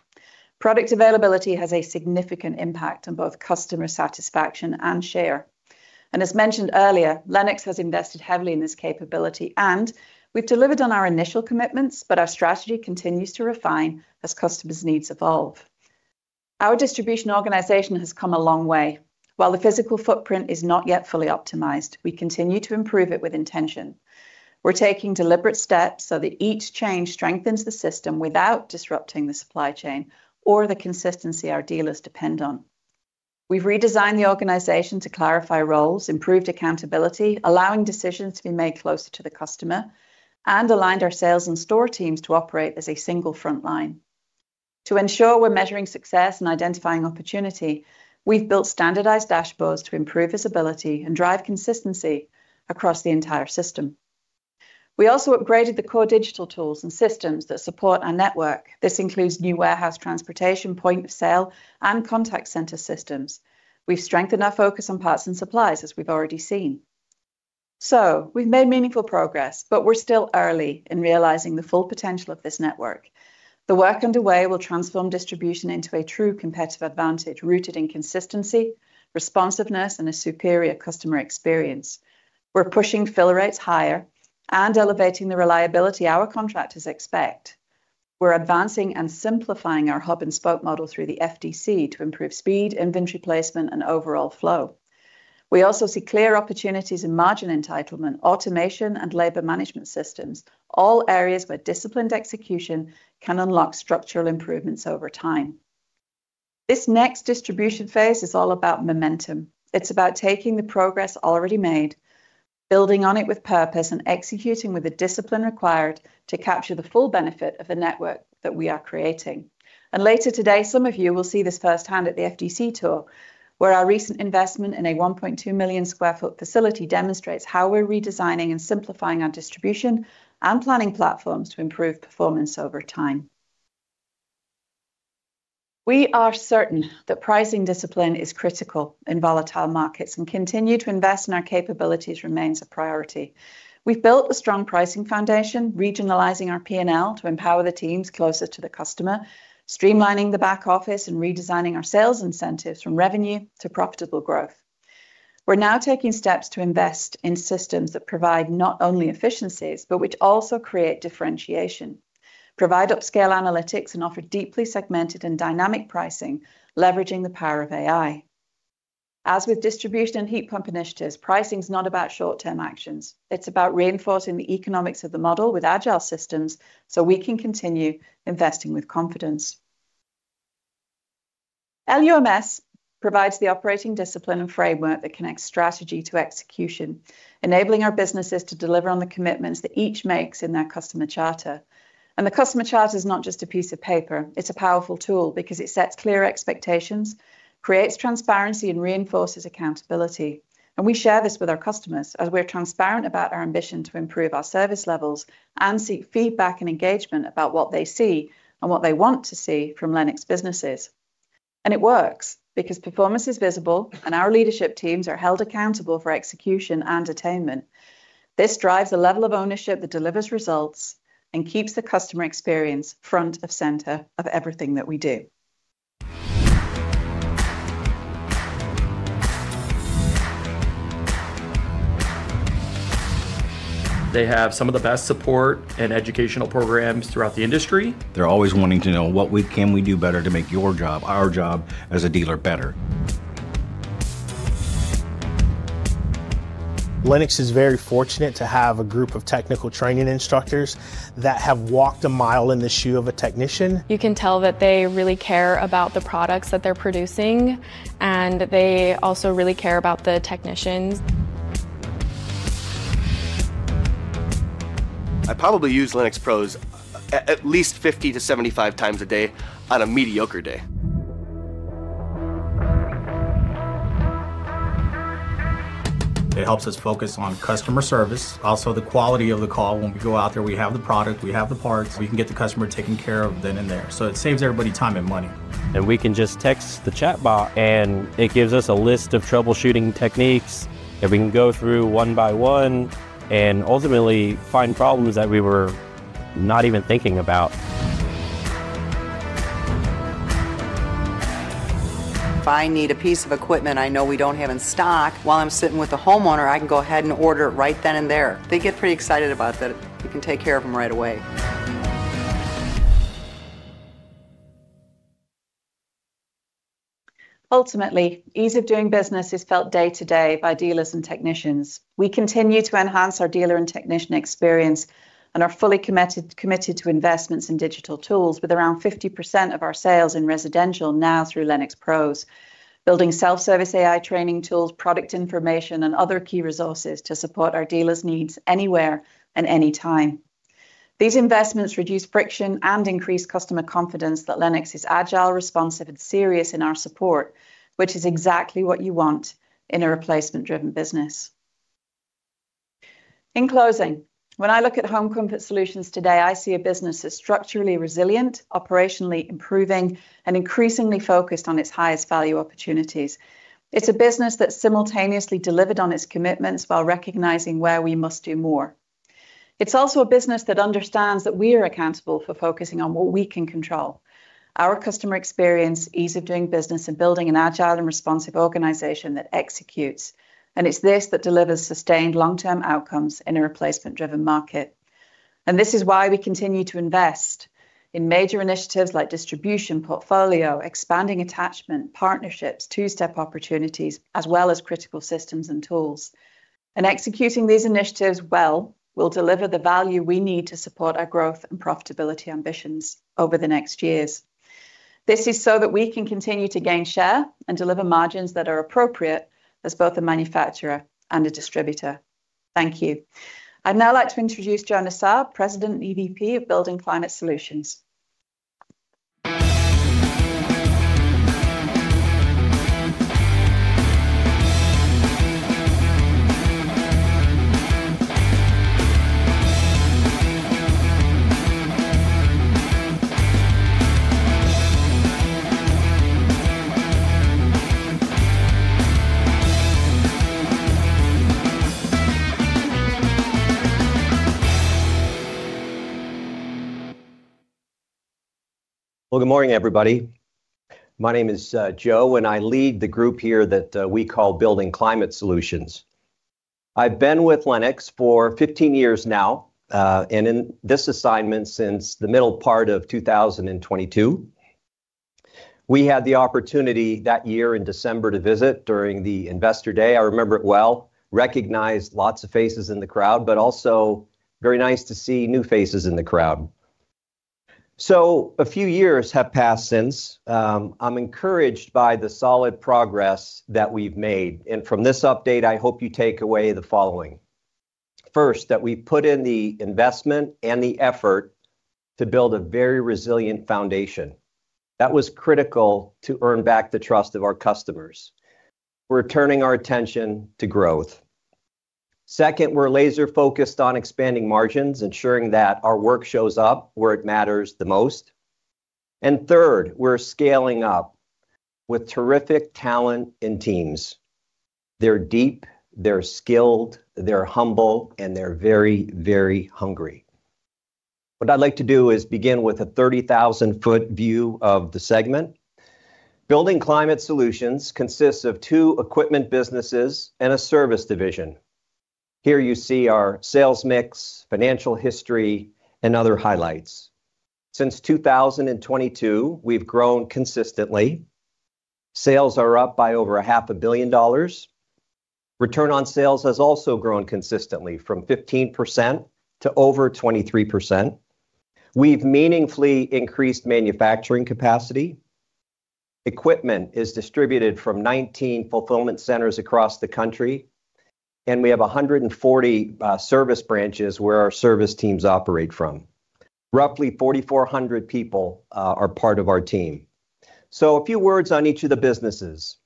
Product availability has a significant impact on both customer satisfaction and share. As mentioned earlier, Lennox has invested heavily in this capability, and we've delivered on our initial commitments, but our strategy continues to refine as customers' needs evolve. Our distribution organization has come a long way. While the physical footprint is not yet fully optimized, we continue to improve it with intention. We're taking deliberate steps so that each change strengthens the system without disrupting the supply chain or the consistency our dealers depend on. We've redesigned the organization to clarify roles, improved accountability, allowing decisions to be made closer to the customer, and aligned our sales and store teams to operate as a single front line. To ensure we're measuring success and identifying opportunity, we've built standardized dashboards to improve visibility and drive consistency across the entire system. We also upgraded the core digital tools and systems that support our network. This includes new warehouse transportation, point of sale, and contact center systems. We've strengthened our focus on parts and supplies, as we've already seen. We've made meaningful progress, but we're still early in realizing the full potential of this network. The work underway will transform distribution into a true competitive advantage rooted in consistency, responsiveness, and a superior customer experience. We're pushing fill rates higher and elevating the reliability our contractors expect. We're advancing and simplifying our hub and spoke model through the FDC to improve speed, inventory placement, and overall flow. We also see clear opportunities in margin entitlement, automation, and labor management systems, all areas where disciplined execution can unlock structural improvements over time. This next distribution phase is all about momentum. It's about taking the progress already made, building on it with purpose, and executing with the discipline required to capture the full benefit of the network that we are creating. Later today, some of you will see this firsthand at the FDC tour, where our recent investment in a 1.2 million sq ft facility demonstrates how we're redesigning and simplifying our distribution and planning platforms to improve performance over time. We are certain that pricing discipline is critical in volatile markets and continue to invest in our capabilities remains a priority. We've built a strong pricing foundation, regionalizing our P&L to empower the teams closer to the customer, streamlining the back office, and redesigning our sales incentives from revenue to profitable growth. We're now taking steps to invest in systems that provide not only efficiencies, but which also create differentiation, provide upscale analytics, and offer deeply segmented and dynamic pricing, leveraging the power of AI. As with distribution and heat pump initiatives, pricing is not about short-term actions. It's about reinforcing the economics of the model with agile systems, so we can continue investing with confidence. LUMS provides the operating discipline and framework that connects strategy to execution, enabling our businesses to deliver on the commitments that each makes in their customer charter. The customer charter is not just a piece of paper. It's a powerful tool because it sets clear expectations, creates transparency, and reinforces accountability. We share this with our customers as we're transparent about our ambition to improve our service levels and seek feedback and engagement about what they see and what they want to see from Lennox businesses. It works because performance is visible and our leadership teams are held accountable for execution and attainment. This drives a level of ownership that delivers results and keeps the customer experience front of center of everything that we do. They have some of the best support and educational programs throughout the industry. They're always wanting to know can we do better to make your job, our job as a dealer better? Lennox is very fortunate to have a group of technical training instructors that have walked a mile in the shoe of a technician. You can tell that they really care about the products that they're producing, and they also really care about the technicians. I probably use Lennox Pros at least 50 to 75 times a day on a mediocre day. It helps us focus on customer service. Also, the quality of the call when we go out there, we have the product, we have the parts, we can get the customer taken care of then and there. It saves everybody time and money. We can just text the chatbot, and it gives us a list of troubleshooting techniques that we can go through one by one and ultimately find problems that we were not even thinking about. If I need a piece of equipment I know we don't have in stock while I'm sitting with a homeowner, I can go ahead and order it right then and there. They get pretty excited about that we can take care of them right away. Ultimately, ease of doing business is felt day to day by dealers and technicians. We continue to enhance our dealer and technician experience and are fully committed to investments in digital tools with around 50% of our sales in residential now through LennoxPros, building self-service AI training tools, product information, and other key resources to support our dealers' needs anywhere and anytime. These investments reduce friction and increase customer confidence that Lennox is agile, responsive, and serious in our support, which is exactly what you want in a replacement-driven business. In closing, when I look at Home Comfort Solutions today, I see a business that's structurally resilient, operationally improving, and increasingly focused on its highest value opportunities. It's a business that simultaneously delivered on its commitments while recognizing where we must do more. It's also a business that understands that we are accountable for focusing on what we can control. Our customer experience, ease of doing business, and building an agile and responsive organization that executes. It's this that delivers sustained long-term outcomes in a replacement-driven market. This is why we continue to invest in major initiatives like distribution, portfolio, expanding attachment, partnerships, two-step opportunities, as well as critical systems and tools. Executing these initiatives well will deliver the value we need to support our growth and profitability ambitions over the next years. This is so that we can continue to gain share and deliver margins that are appropriate as both a manufacturer and a distributor. Thank you. I'd now like to introduce Joe Nassab, President and EVP of Building Climate Solutions. Good morning, everybody. My name is Joe, and I lead the group here that we call Building Climate Solutions. I've been with Lennox for 15 years now, and in this assignment since the middle part of 2022. We had the opportunity that year in December to visit during the Investor Day. I remember it well. Recognized lots of faces in the crowd, but also very nice to see new faces in the crowd. A few years have passed since. I'm encouraged by the solid progress that we've made. From this update, I hope you take away the following. First, that we put in the investment and the effort to build a very resilient foundation that was critical to earn back the trust of our customers. We're turning our attention to growth. Second, we're laser-focused on expanding margins, ensuring that our work shows up where it matters the most. Third, we're scaling up with terrific talent and teams. They're deep, they're skilled, they're humble, and they're very, very hungry. What I'd like to do is begin with a 30,000-ft view of the segment. Building Climate Solutions consists of two equipment businesses and a service division. Here you see our sales mix, financial history, and other highlights. Since 2022, we've grown consistently. Sales are up by over $500 million. Return on sales has also grown consistently from 15% to over 23%. We've meaningfully increased manufacturing capacity. Equipment is distributed from 19 fulfillment centers across the country, and we have 140 service branches where our service teams operate from. Roughly 4,400 people are part of our team. A few words on each of the businesses.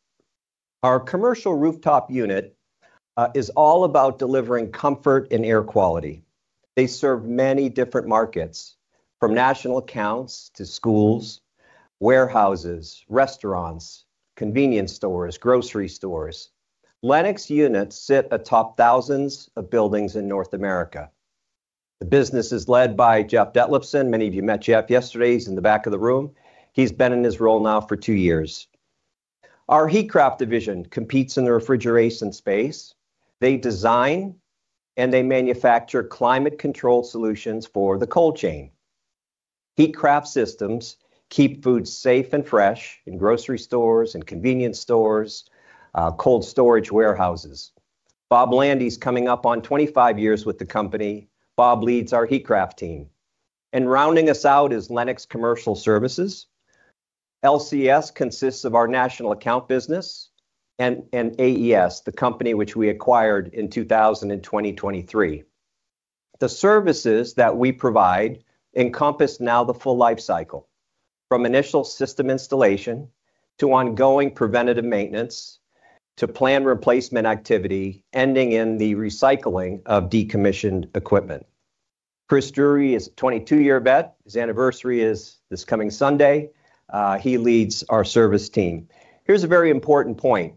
Our commercial rooftop unit is all about delivering comfort and air quality. They serve many different markets, from national accounts to schools, warehouses, restaurants, convenience stores, grocery stores. Lennox units sit atop thousands of buildings in North America. The business is led by Geoff Dethlefsen Many of you met Geoff yesterday. He's in the back of the room. He's been in this role now for two years. Our Heatcraft division competes in the refrigeration space. They design, and they manufacture climate-controlled solutions for the cold chain. Heatcraft systems keep food safe and fresh in grocery stores and convenience stores, cold storage warehouses. Bob Landy's coming up on 25 years with the company. Bob leads our Heatcraft team. Rounding us out is Lennox Commercial Services. LCS consists of our national account business and AES, the company which we acquired in 2023. The services that we provide encompass now the full life cycle, from initial system installation to ongoing preventative maintenance to planned replacement activity, ending in the recycling of decommissioned equipment. Chris Drury is a 22-year vet. His anniversary is this coming Sunday. He leads our service team. Here's a very important point.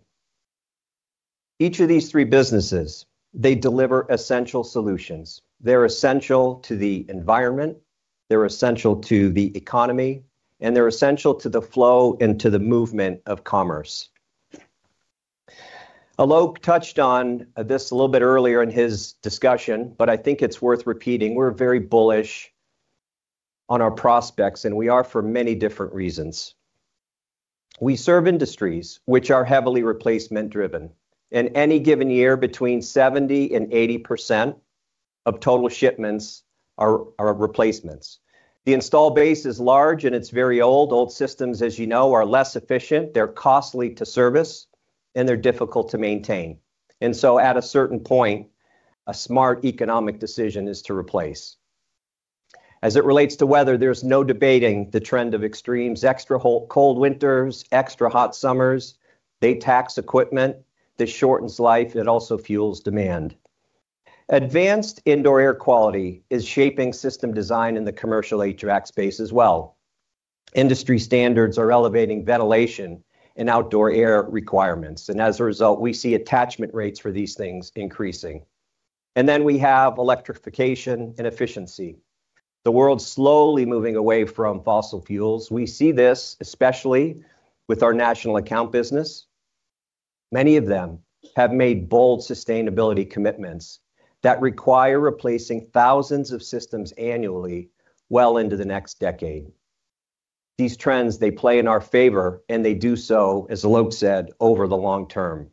Each of these three businesses, they deliver essential solutions. They're essential to the environment, they're essential to the economy, and they're essential to the flow and to the movement of commerce. Alok touched on this a little bit earlier in his discussion, but I think it's worth repeating. We're very bullish on our prospects, and we are for many different reasons. We serve industries which are heavily replacement-driven. In any given year, between 70% and 80% of total shipments are replacements. The install base is large, and it's very old. Old systems, as you know, are less efficient. They're costly to service, and they're difficult to maintain. At a certain point, a smart economic decision is to replace. As it relates to weather, there's no debating the trend of extremes. Extra cold winters, extra hot summers, they tax equipment. This shortens life. It also fuels demand. Advanced indoor air quality is shaping system design in the commercial HVAC space as well. Industry standards are elevating ventilation and outdoor air requirements. As a result, we see attachment rates for these things increasing. We have electrification and efficiency. The world's slowly moving away from fossil fuels. We see this especially with our national account business. Many of them have made bold sustainability commitments that require replacing thousands of systems annually well into the next decade. These trends, they play in our favor, and they do so, as Alok said, over the long term.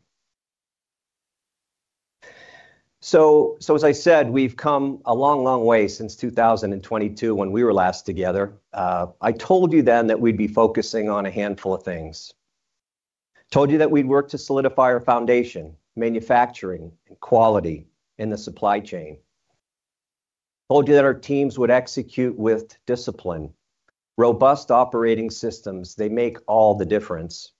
As I said, we've come a long, long way since 2022 when we were last together. I told you then that we'd be focusing on a handful of things. Told you that we'd work to solidify our foundation, manufacturing and quality in the supply chain. Told you that our teams would execute with discipline. Robust operating systems, they make all the difference.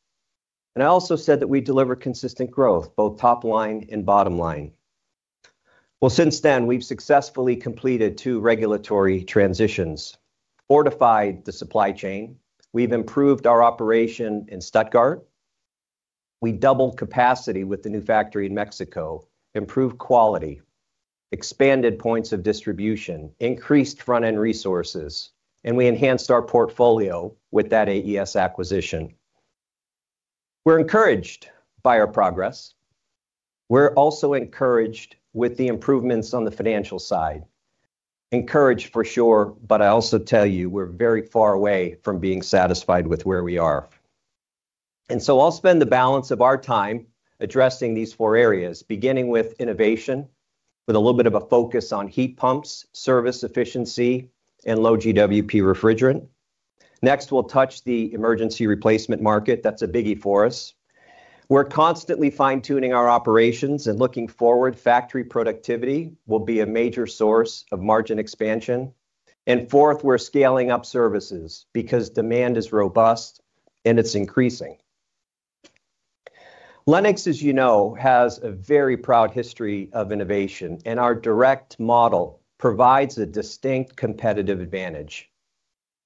I also said that we'd deliver consistent growth, both top line and bottom line. Well, since then, we've successfully completed two regulatory transitions, fortified the supply chain. We've improved our operation in Stuttgart. We doubled capacity with the new factory in Mexico, improved quality, expanded points of distribution, increased front-end resources, and we enhanced our portfolio with that AES acquisition. We're encouraged by our progress. We're also encouraged with the improvements on the financial side. Encouraged for sure, I also tell you we're very far away from being satisfied with where we are. I'll spend the balance of our time addressing these four areas, beginning with innovation, with a little bit of a focus on heat pumps, service efficiency, and Low GWP refrigerant. Next, we'll touch the emergency replacement market. That's a biggie for us. We're constantly fine-tuning our operations and looking forward. Factory productivity will be a major source of margin expansion. Fourth, we're scaling up services because demand is robust, and it's increasing. Lennox, as you know, has a very proud history of innovation, and our direct model provides a distinct competitive advantage.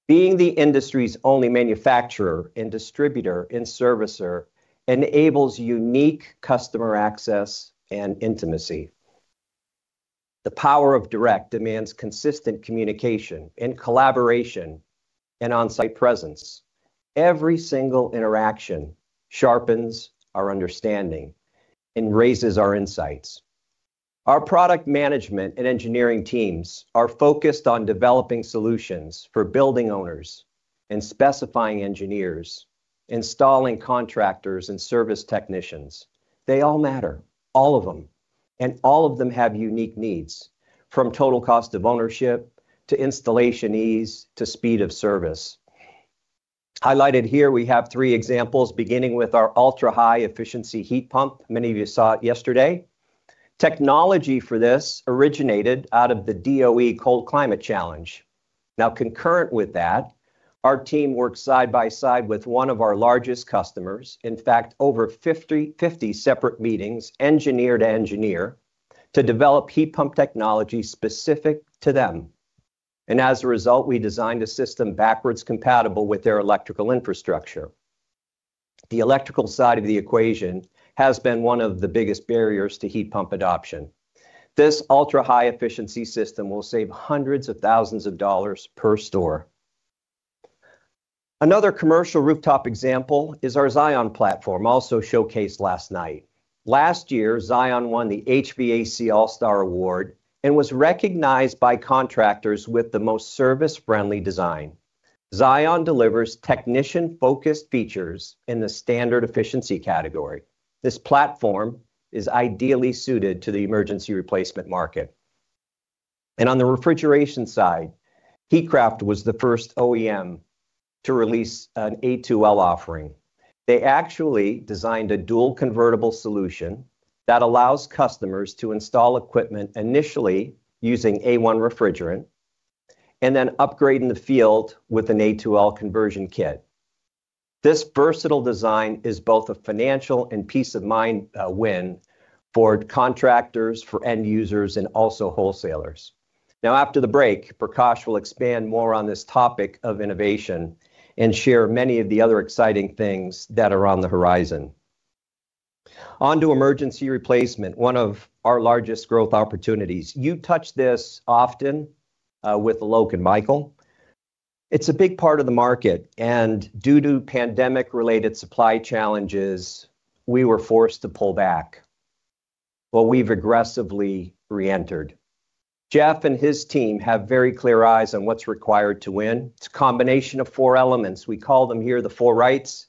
Being the industry's only manufacturer and distributor and servicer enables unique customer access and intimacy. The power of direct demands consistent communication and collaboration and on-site presence. Every single interaction sharpens our understanding and raises our insights. Our product management and engineering teams are focused on developing solutions for building owners and specifying engineers, installing contractors and service technicians. They all matter, all of them, and all of them have unique needs, from total cost of ownership to installation ease to speed of service. Highlighted here, we have three examples, beginning with our ultra-high efficiency heat pump. Many of you saw it yesterday. Technology for this originated out of the DOE Cold Climate Challenge. Concurrent with that, our team worked side by side with one of our largest customers, in fact, over 50 separate meetings, engineer to engineer, to develop heat pump technology specific to them. As a result, we designed a system backwards compatible with their electrical infrastructure. The electrical side of the equation has been one of the biggest barriers to heat pump adoption. This ultra-high efficiency system will save hundreds of thousands of dollars per store. Another commercial rooftop example is our Xion platform, also showcased last night. Last year, Xion won the HVAC All-Star Awards and was recognized by contractors with the most service-friendly design. Xion delivers technician-focused features in the standard efficiency category. This platform is ideally suited to the emergency replacement market. On the refrigeration side, Heatcraft was the first OEM to release an A2L offering. They actually designed a dual convertible solution that allows customers to install equipment initially using A1 refrigerant and then upgrade in the field with an A2L conversion kit. This versatile design is both a financial and peace of mind win for contractors, for end users, and also wholesalers. After the break, Prakash will expand more on this topic of innovation and share many of the other exciting things that are on the horizon. On to emergency replacement, one of our largest growth opportunities. You touch this often with Alok and Michael. It's a big part of the market, due to pandemic-related supply challenges, we were forced to pull back. We've aggressively reentered. Geoff and his team have very clear eyes on what's required to win. It's a combination of four elements. We call them here the four rights: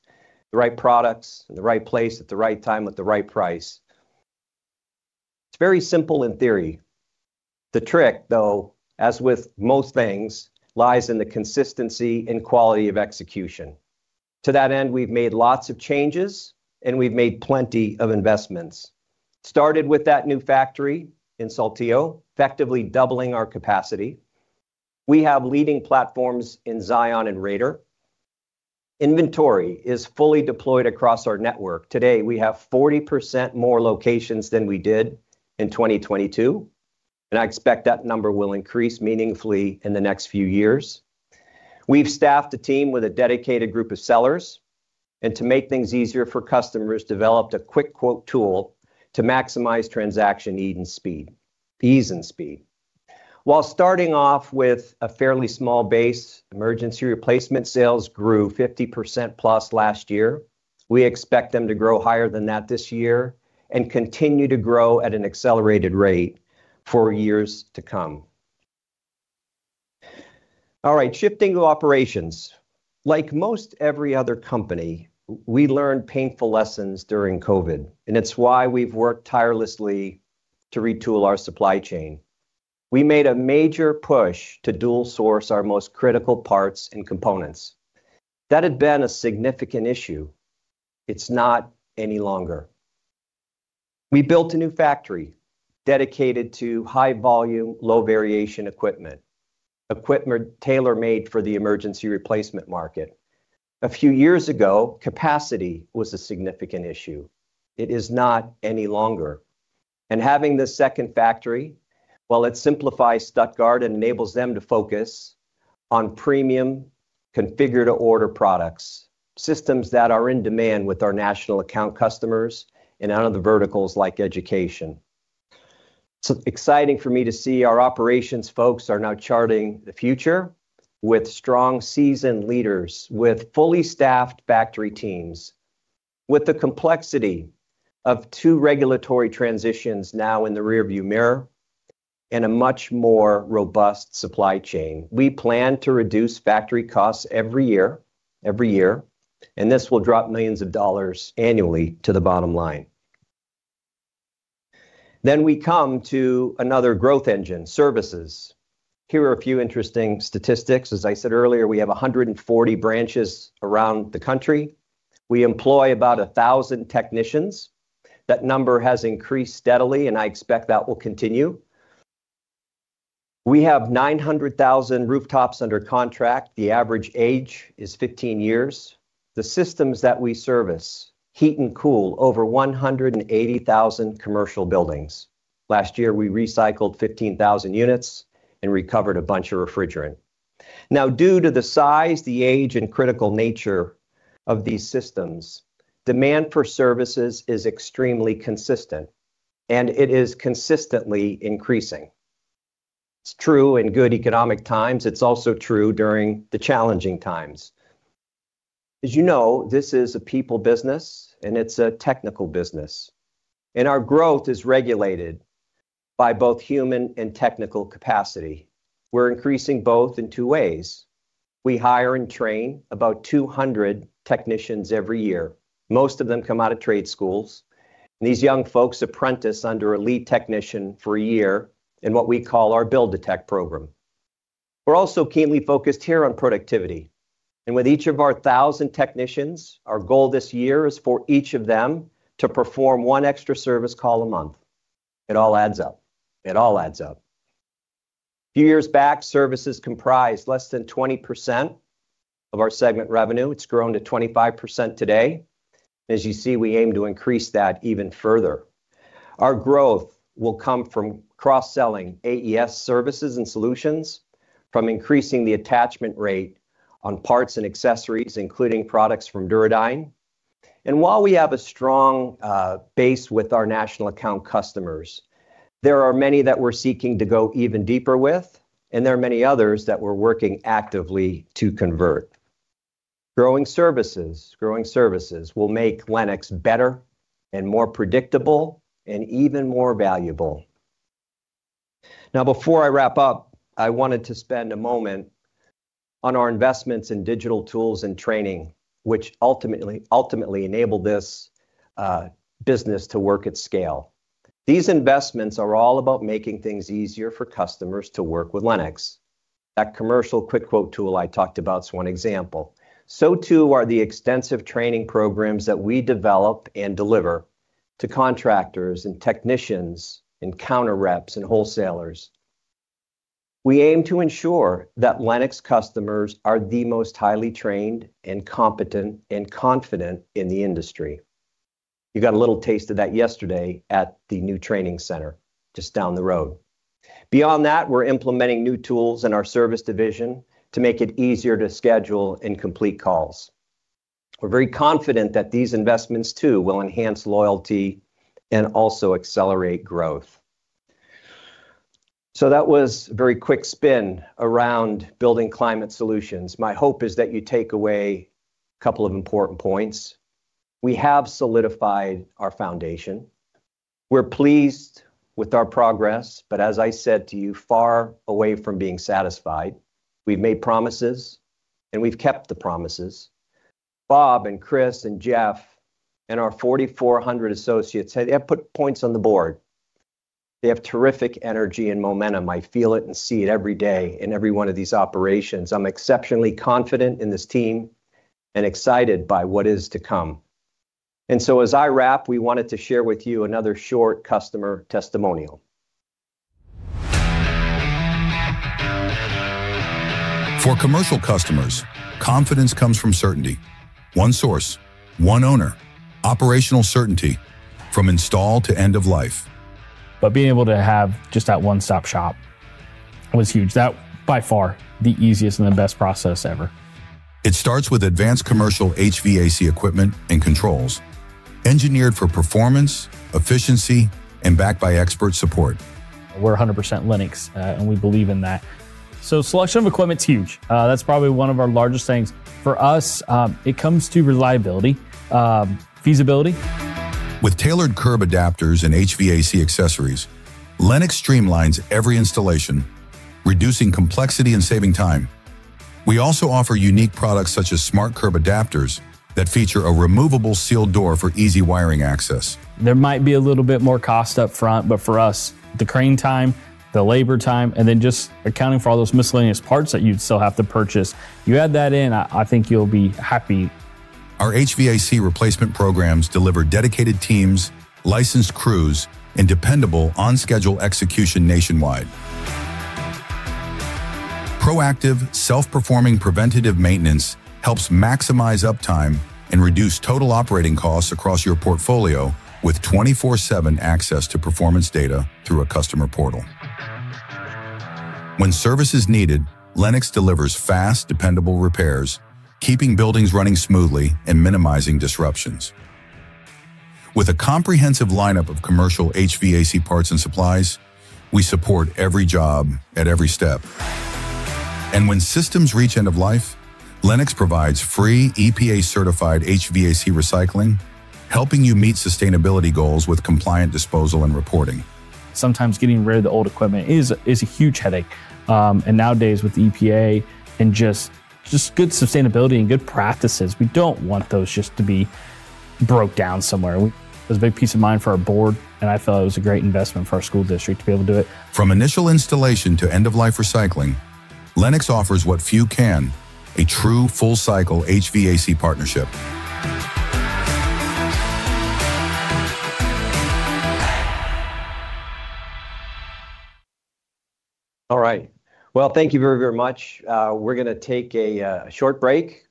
the right products in the right place at the right time with the right price. It's very simple in theory. The trick, though, as with most things, lies in the consistency and quality of execution. To that end, we've made lots of changes, and we've made plenty of investments. Started with that new factory in Saltillo, effectively doubling our capacity. We have leading platforms in Xion and Raider. Inventory is fully deployed across our network. Today, we have 40% more locations than we did in 2022, and I expect that number will increase meaningfully in the next few years. We've staffed a team with a dedicated group of sellers, and to make things easier for customers, developed a quick quote tool to maximize transaction ease and speed. While starting off with a fairly small base, emergency replacement sales grew 50%+ last year. We expect them to grow higher than that this year and continue to grow at an accelerated rate for years to come. Shifting to operations. Like most every other company, we learned painful lessons during COVID, and it's why we've worked tirelessly to retool our supply chain. We made a major push to dual source our most critical parts and components. That had been a significant issue. It's not any longer. We built a new factory dedicated to high-volume, low-variation equipment. Equipment tailor-made for the emergency replacement market. A few years ago, capacity was a significant issue. It is not any longer. Having this second factory, while it simplifies Stuttgart and enables them to focus on premium configure-to-order products, systems that are in demand with our national account customers and out of the verticals like education. It's exciting for me to see our operations folks are now charting the future with strong, seasoned leaders, with fully staffed factory teams. With the complexity of two regulatory transitions now in the rearview mirror and a much more robust supply chain, we plan to reduce factory costs every year, and this will drop millions of dollars annually to the bottom line. We come to another growth engine, services. Here are a few interesting statistics. As I said earlier, we have 140 branches around the country. We employ about 1,000 technicians. That number has increased steadily. I expect that will continue. We have 900,000 rooftops under contract. The average age is 15 years. The systems that we service heat and cool over 180,000 commercial buildings. Last year, we recycled 15,000 units and recovered a bunch of refrigerant. Due to the size, the age, and critical nature of these systems, demand for services is extremely consistent. It is consistently increasing. It's true in good economic times. It's also true during the challenging times. As you know, this is a people business. It's a technical business. Our growth is regulated by both human and technical capacity. We're increasing both in two ways. We hire and train about 200 technicians every year. Most of them come out of trade schools. These young folks apprentice under a lead technician for a year in what we call our BuildATech program. We're also keenly focused here on productivity, and with each of our 1,000 technicians, our goal this year is for each of them to perform one extra service call a month. It all adds up. It all adds up. A few years back, services comprised less than 20% of our segment revenue. It's grown to 25% today. As you see, we aim to increase that even further. Our growth will come from cross-selling AES services and solutions, from increasing the attachment rate on parts and accessories, including products from Duro Dyne. While we have a strong base with our national account customers, there are many that we're seeking to go even deeper with, and there are many others that we're working actively to convert. Growing services will make Lennox better and more predictable and even more valuable. Now, before I wrap up, I wanted to spend a moment on our investments in digital tools and training, which ultimately enable this business to work at scale. These investments are all about making things easier for customers to work with Lennox. That commercial quick quote tool I talked about is one example. So too are the extensive training programs that we develop and deliver to contractors and technicians and counter reps and wholesalers. We aim to ensure that Lennox customers are the most highly trained and competent and confident in the industry. You got a little taste of that yesterday at the new training center just down the road. Beyond that, we're implementing new tools in our service division to make it easier to schedule and complete calls. We're very confident that these investments, too, will enhance loyalty and also accelerate growth. That was a very quick spin around Building Climate Solutions. My hope is that you take away a couple of important points. We have solidified our foundation. We're pleased with our progress, but as I said to you, far away from being satisfied. We've made promises, and we've kept the promises. Bob and Chris and Geoff and our 4,400 associates, they have put points on the Board. They have terrific energy and momentum. I feel it and see it every day in every one of these operations. I'm exceptionally confident in this team and excited by what is to come. As I wrap, we wanted to share with you another short customer testimonial. For commercial customers, confidence comes from certainty. One source, one owner, operational certainty from install to end of life. Being able to have just that one-stop shop was huge. That by far the easiest and the best process ever. It starts with advanced commercial HVAC equipment and controls, engineered for performance, efficiency, and backed by expert support. We're 100% Lennox. We believe in that. Selection of equipment's huge. That's probably one of our largest things. For us, it comes to reliability, feasibility. With tailored curb adapters and HVAC accessories, Lennox streamlines every installation, reducing complexity and saving time. We also offer unique products such as smart curb adapters that feature a removable sealed door for easy wiring access. There might be a little bit more cost up front, for us, the crane time, the labor time, and then just accounting for all those miscellaneous parts that you'd still have to purchase, you add that in, I think you'll be happy. Our HVAC replacement programs deliver dedicated teams, licensed crews, and dependable on-schedule execution nationwide. Proactive, self-performing preventative maintenance helps maximize uptime and reduce total operating costs across your portfolio with 24/7 access to performance data through a customer portal. When service is needed, Lennox delivers fast, dependable repairs, keeping buildings running smoothly and minimizing disruptions. With a comprehensive lineup of commercial HVAC parts and supplies, we support every job at every step. When systems reach end of life, Lennox provides free EPA-certified HVAC recycling, helping you meet sustainability goals with compliant disposal and reporting. Sometimes getting rid of the old equipment is a huge headache. Nowadays with EPA and just good sustainability and good practices, we don't want those just to be broke down somewhere. It was a big peace of mind for our Board. I felt it was a great investment for our school district to be able to do it. From initial installation to end-of-life recycling, Lennox offers what few can, a true full-cycle HVAC partnership. All right. Well, thank you very, very much. We're gonna take a short break.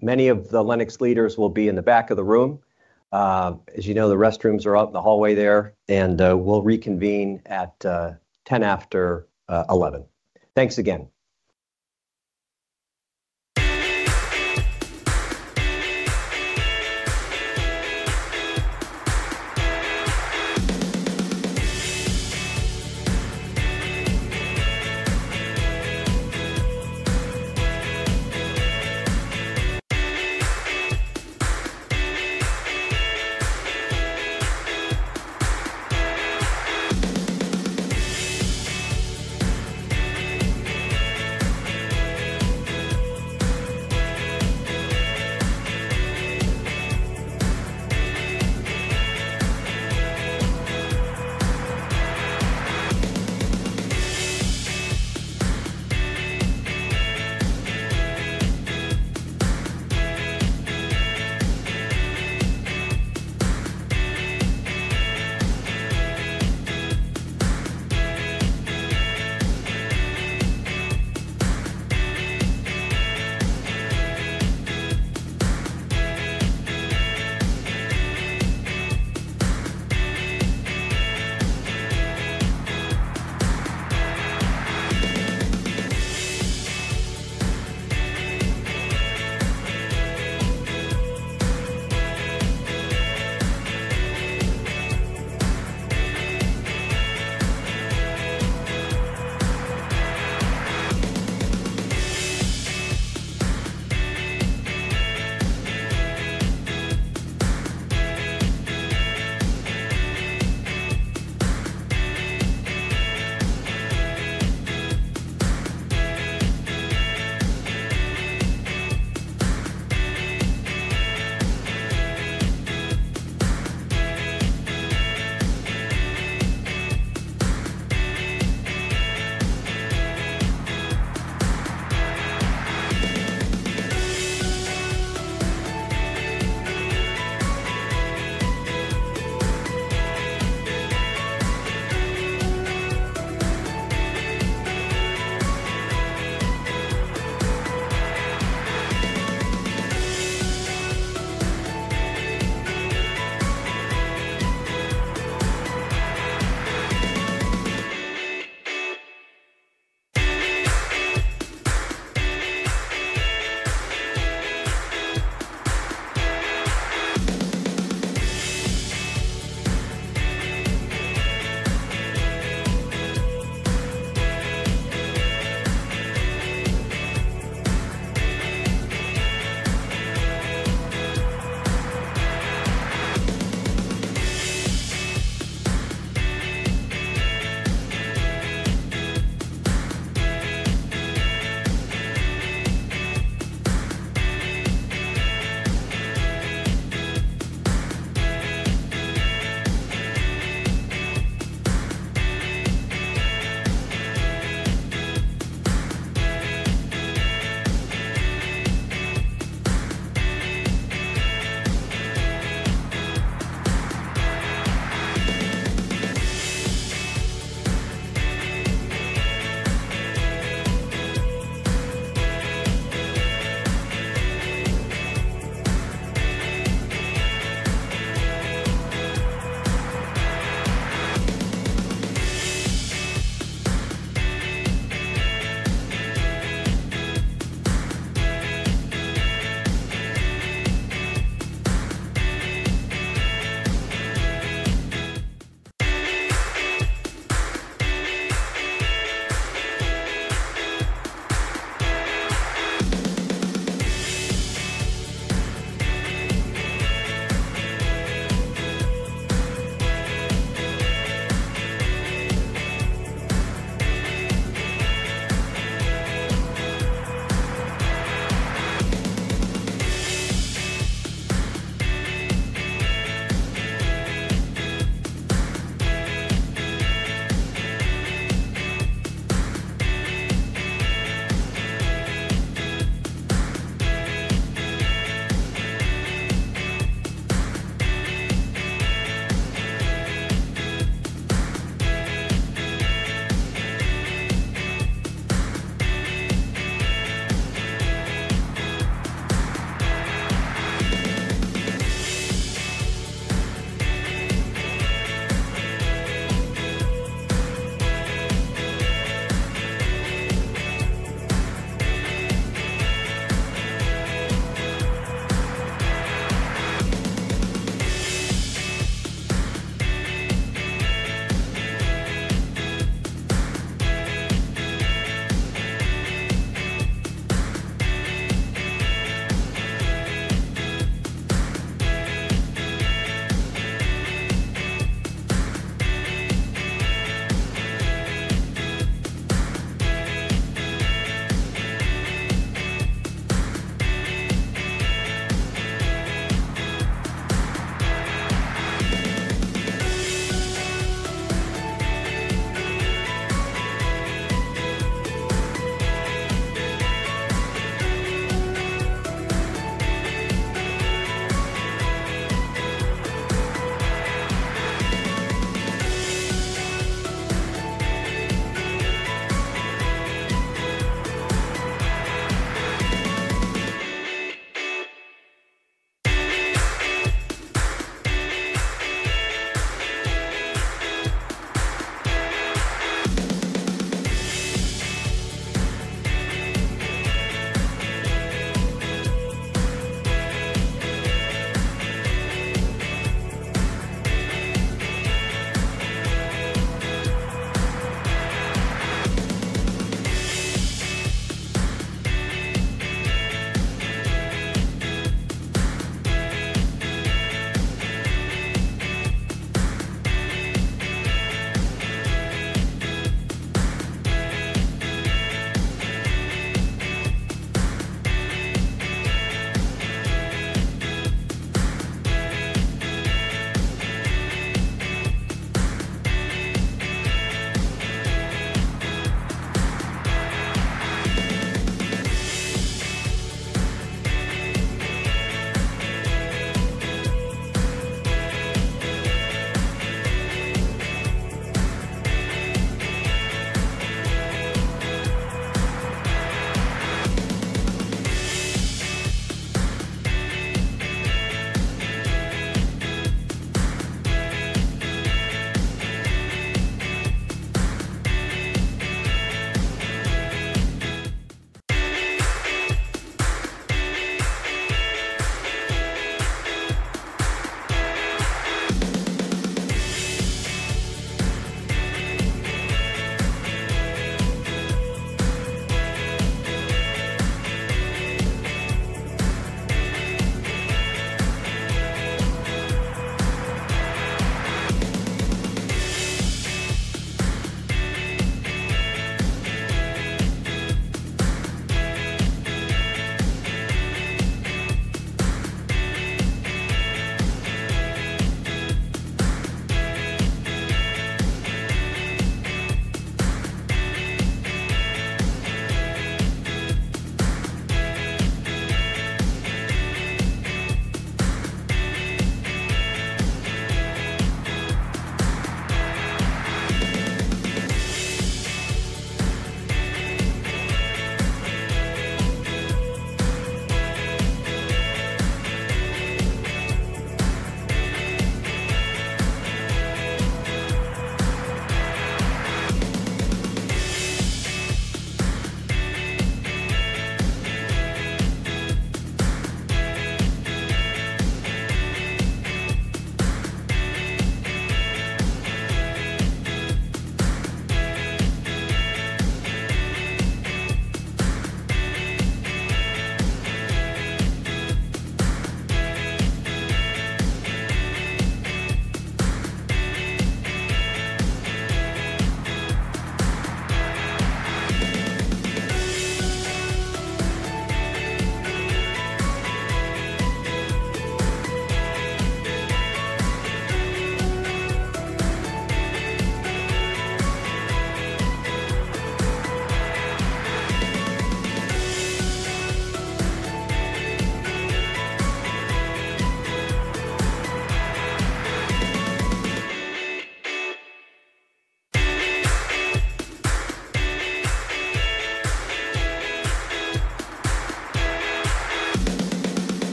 Many of the Lennox leaders will be in the back of the room. As you know, the restrooms are out in the hallway there, and we'll reconvene at 10 after 11. Thanks again.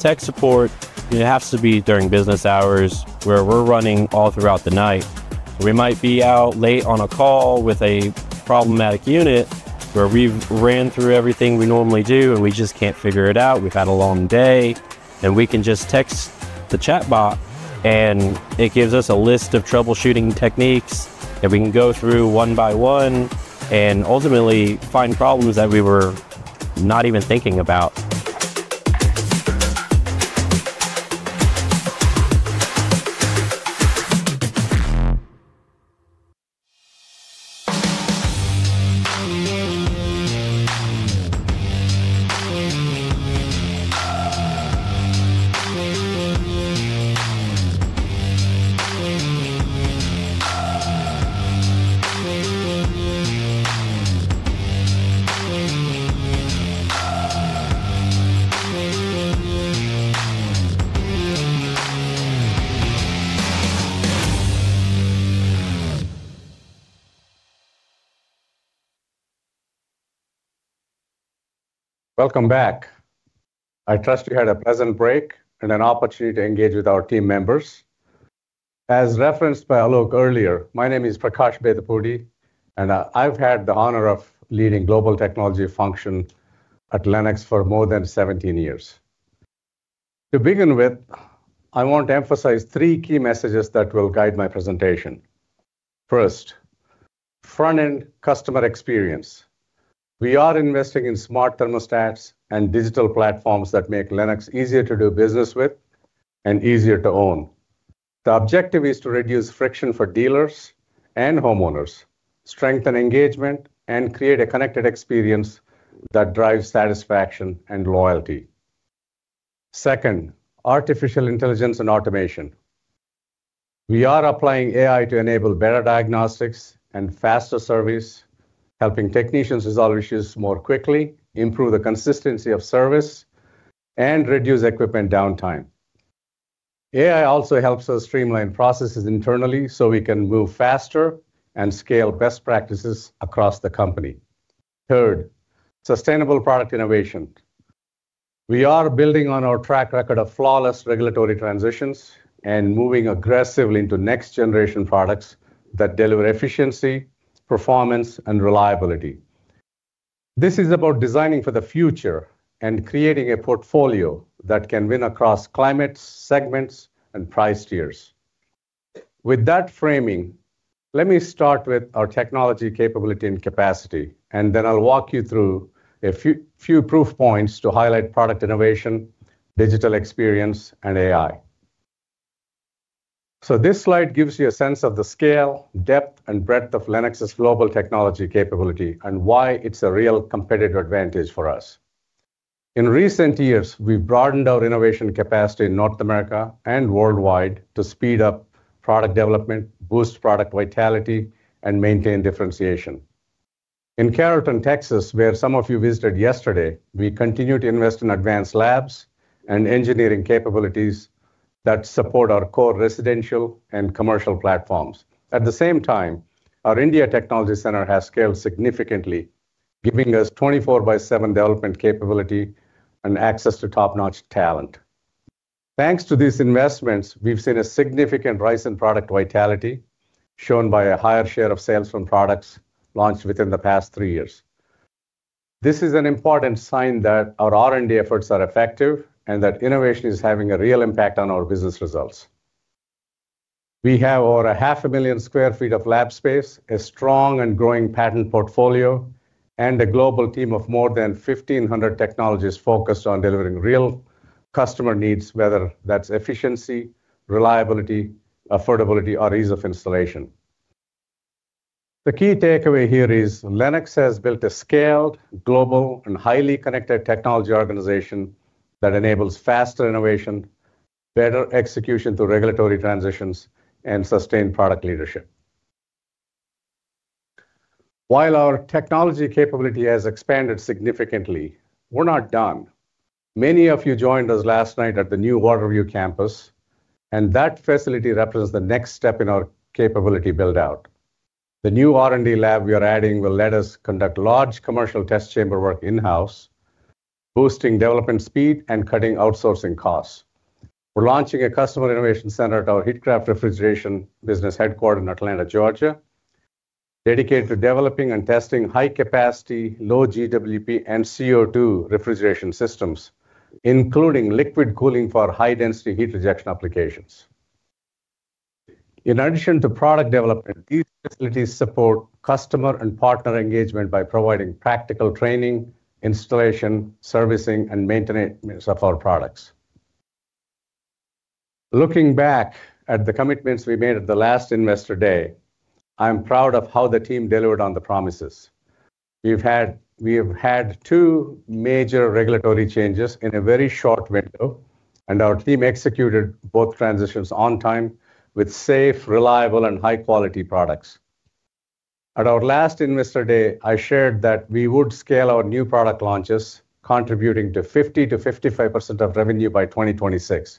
With tech support, it has to be during business hours where we're running all throughout the night. We might be out late on a call with a problematic unit where we've ran through everything we normally do, and we just can't figure it out. We've had a long day, and we can just text the chatbot, and it gives us a list of troubleshooting techniques that we can go through one by one and ultimately find problems that we were not even thinking about. Welcome back. I trust you had a pleasant break and an opportunity to engage with our team members. As referenced by Alok earlier, my name is Prakash Bedapudi, and I've had the honor of leading global technology function at Lennox for more than 17 years. To begin with, I want to emphasize three key messages that will guide my presentation. First, front-end customer experience. We are investing in smart thermostats and digital platforms that make Lennox easier to do business with and easier to own. The objective is to reduce friction for dealers and homeowners, strengthen engagement, and create a connected experience that drives satisfaction and loyalty. Second, artificial intelligence and automation. We are applying AI to enable better diagnostics and faster service, helping technicians resolve issues more quickly, improve the consistency of service, and reduce equipment downtime. AI also helps us streamline processes internally so we can move faster and scale best practices across the company. Third, sustainable product innovation. We are building on our track record of flawless regulatory transitions and moving aggressively into next-generation products that deliver efficiency, performance, and reliability. This is about designing for the future and creating a portfolio that can win across climates, segments, and price tiers. With that framing, let me start with our technology capability and capacity, and then I'll walk you through a few proof points to highlight product innovation, digital experience, and AI. This slide gives you a sense of the scale, depth, and breadth of Lennox's global technology capability and why it's a real competitive advantage for us. In recent years, we've broadened our innovation capacity in North America and worldwide to speed up product development, boost product vitality, and maintain differentiation. In Carrollton, Texas, where some of you visited yesterday, we continue to invest in advanced labs and engineering capabilities that support our core residential and commercial platforms. At the same time, our India technology center has scaled significantly, giving us 24 by seven development capability and access to top-notch talent. Thanks to these investments, we've seen a significant rise in product vitality shown by a higher share of sales from products launched within the past three years. This is an important sign that our R&D efforts are effective and that innovation is having a real impact on our business results. We have over a 500,000 sq ft of lab space, a strong and growing patent portfolio, and a global team of more than 1,500 technologists focused on delivering real customer needs, whether that's efficiency, reliability, affordability, or ease of installation. The key takeaway here is Lennox has built a scaled global and highly connected technology organization that enables faster innovation, better execution through regulatory transitions, and sustained product leadership. While our technology capability has expanded significantly, we're not done. Many of you joined us last night at the new Waterview campus, and that facility represents the next step in our capability build-out. The new R&D lab we are adding will let us conduct large commercial test chamber work in-house. Boosting development speed and cutting outsourcing costs. We're launching a customer innovation center at our Heatcraft Refrigeration Business headquarters in Atlanta, Georgia, dedicated to developing and testing high-capacity, Low GWP, and CO₂ refrigeration systems, including liquid cooling for high-density heat rejection applications. In addition to product development, these facilities support customer and partner engagement by providing practical training, installation, servicing, and maintenance of our products. Looking back at the commitments we made at the last Investor Day, I am proud of how the team delivered on the promises. We have had two major regulatory changes in a very short window, and our team executed both transitions on time with safe, reliable, and high-quality products. At our last Investor Day, I shared that we would scale our new product launches, contributing to 50%-55% of revenue by 2026.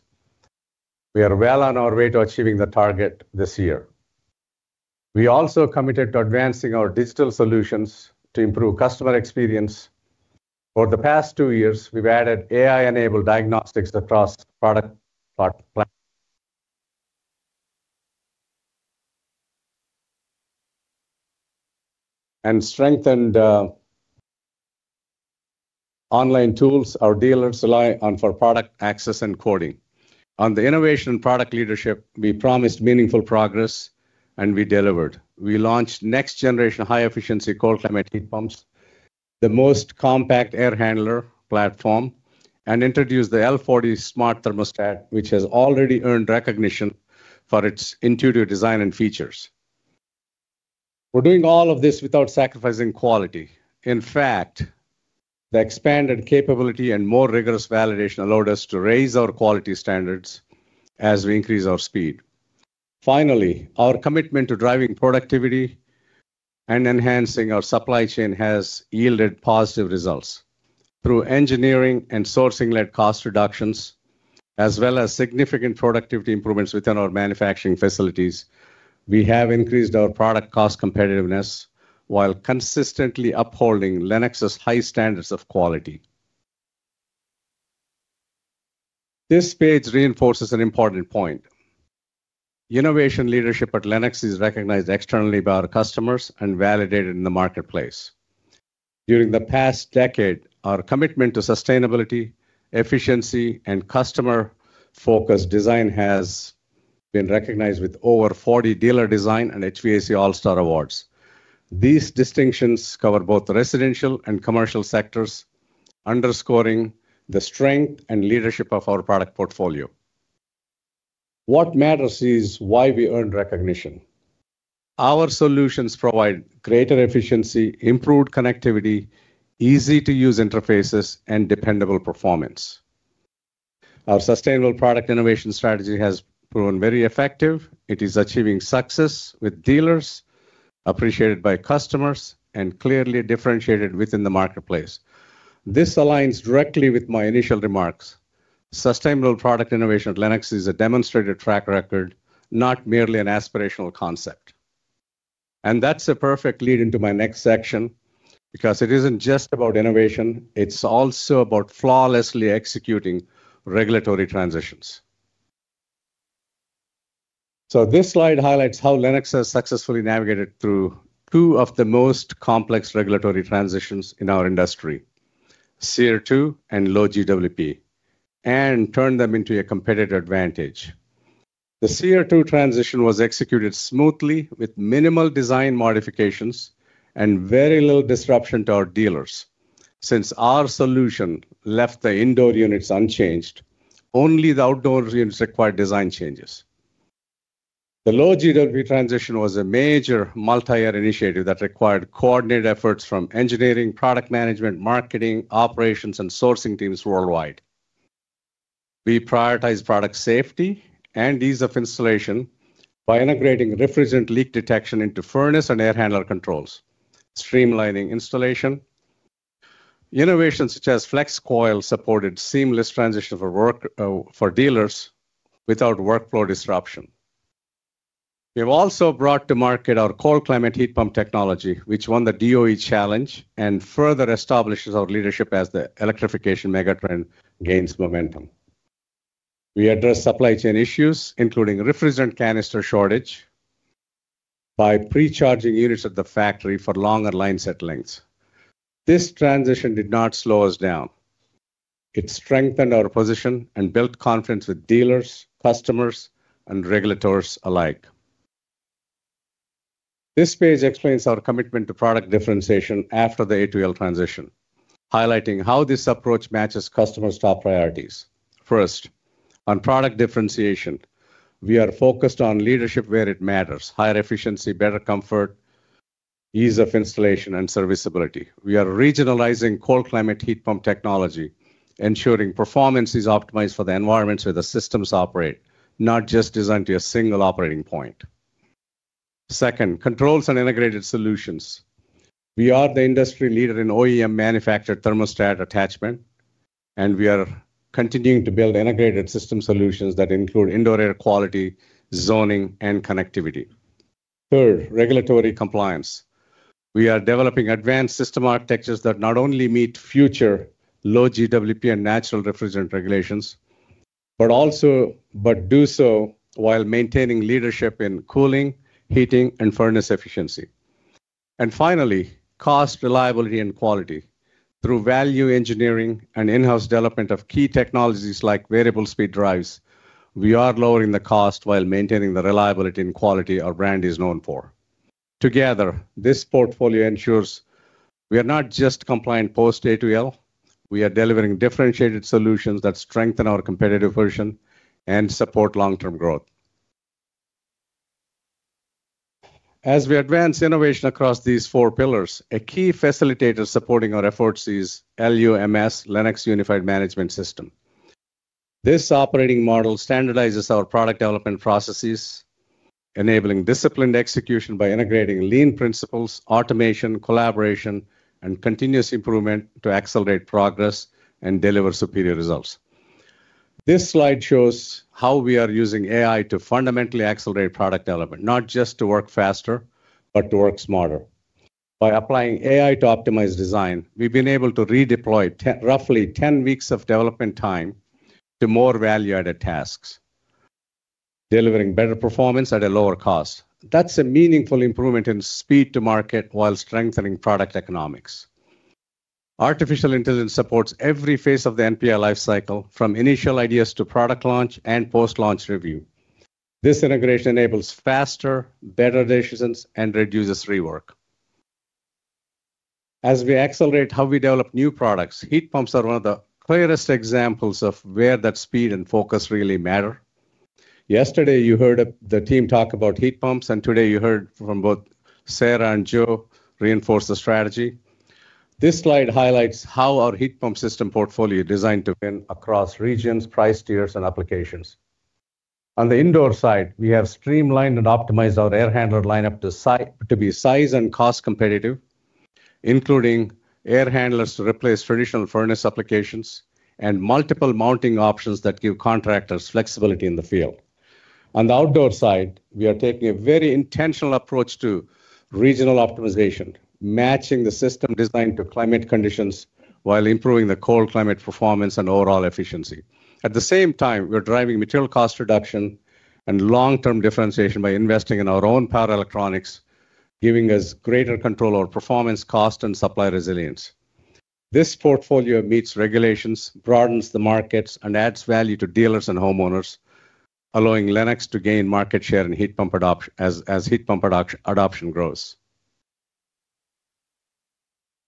We are well on our way to achieving the target this year. We also committed to advancing our digital solutions to improve customer experience. For the past two years, we've added AI-enabled diagnostics across product platform. Strengthened online tools our dealers rely on for product access and coding. On the innovation product leadership, we promised meaningful progress, and we delivered. We launched next-generation high-efficiency cold climate heat pumps, the most compact air handler platform, and introduced the S40 Smart Thermostat, which has already earned recognition for its intuitive design and features. We're doing all of this without sacrificing quality. In fact, the expanded capability and more rigorous validation allowed us to raise our quality standards as we increase our speed. Finally, our commitment to driving productivity and enhancing our supply chain has yielded positive results. Through engineering and sourcing-led cost reductions, as well as significant productivity improvements within our manufacturing facilities, we have increased our product cost competitiveness while consistently upholding Lennox's high standards of quality. This page reinforces an important point. Innovation leadership at Lennox is recognized externally by our customers and validated in the marketplace. During the past decade, our commitment to sustainability, efficiency, and customer-focused design has been recognized with over 40 Dealer Design and HVAC All-Star Awards. These distinctions cover both residential and commercial sectors, underscoring the strength and leadership of our product portfolio. What matters is why we earned recognition. Our solutions provide greater efficiency, improved connectivity, easy-to-use interfaces, and dependable performance. Our sustainable product innovation strategy has proven very effective. It is achieving success with dealers, appreciated by customers, and clearly differentiated within the marketplace. This aligns directly with my initial remarks. Sustainable product innovation at Lennox is a demonstrated track record, not merely an aspirational concept. That's a perfect lead into my next section, because it isn't just about innovation, it's also about flawlessly executing regulatory transitions. This slide highlights how Lennox has successfully navigated through two of the most complex regulatory transitions in our industry, SEER2 and Low GWP, and turned them into a competitive advantage. The SEER2 transition was executed smoothly with minimal design modifications and very little disruption to our dealers. Since our solution left the indoor units unchanged, only the outdoor units required design changes. The Low GWP transition was a major multi-year initiative that required coordinated efforts from engineering, product management, marketing, operations, and sourcing teams worldwide. We prioritize product safety and ease of installation by integrating refrigerant leak detection into furnace and air handler controls, streamlining installation. Innovations such as FlexCoil supported seamless transition for dealers without workflow disruption. We've also brought to market our cold climate heat pump technology, which won the DOE challenge and further establishes our leadership as the electrification megatrend gains momentum. We addressed supply chain issues, including refrigerant canister shortage, by pre-charging units at the factory for longer line set lengths. This transition did not slow us down. It strengthened our position and built confidence with dealers, customers, and regulators alike. This page explains our commitment to product differentiation after the A2L transition, highlighting how this approach matches customers' top priorities. First, on product differentiation, we are focused on leadership where it matters, higher efficiency, better comfort, ease of installation, and serviceability. We are regionalizing cold climate heat pump technology, ensuring performance is optimized for the environments where the systems operate, not just designed to a single operating point. Second, controls and integrated solutions. We are the industry leader in OEM manufactured thermostat attachment, and we are continuing to build integrated system solutions that include indoor air quality, zoning, and connectivity. Third, regulatory compliance. We are developing advanced system architectures that not only meet future Low GWP and natural refrigerant regulations, but also do so while maintaining leadership in cooling, heating, and furnace efficiency. Finally, cost, reliability, and quality. Through value engineering and in-house development of key technologies like variable speed drives, we are lowering the cost while maintaining the reliability and quality our brand is known for. Together, this portfolio ensures we are not just compliant post A2L, we are delivering differentiated solutions that strengthen our competitive position and support long-term growth. As we advance innovation across these four pillars, a key facilitator supporting our efforts is LUMS, Lennox Unified Management System. This operating model standardizes our product development processes, enabling disciplined execution by integrating lean principles, automation, collaboration, and continuous improvement to accelerate progress and deliver superior results. This slide shows how we are using AI to fundamentally accelerate product development, not just to work faster, but to work smarter. By applying AI to optimize design, we've been able to redeploy roughly 10 weeks of development time to more value-added tasks, delivering better performance at a lower cost. That's a meaningful improvement in speed to market while strengthening product economics. Artificial intelligence supports every phase of the NPL lifecycle, from initial ideas to product launch and post-launch review. This integration enables faster, better decisions and reduces rework. As we accelerate how we develop new products, heat pumps are one of the clearest examples of where that speed and focus really matter. Yesterday, you heard the team talk about heat pumps, and today you heard from both Sarah and Joe reinforce the strategy. This slide highlights how our heat pump system portfolio designed to win across regions, price tiers, and applications. On the indoor side, we have streamlined and optimized our air handler lineup to be size and cost competitive, including air handlers to replace traditional furnace applications and multiple mounting options that give contractors flexibility in the field. On the outdoor side, we are taking a very intentional approach to regional optimization, matching the system designed to climate conditions while improving the cold climate performance and overall efficiency. At the same time, we're driving material cost reduction and long-term differentiation by investing in our own power electronics, giving us greater control over performance, cost, and supply resilience. This portfolio meets regulations, broadens the markets, and adds value to dealers and homeowners, allowing Lennox to gain market share and as heat pump adoption grows.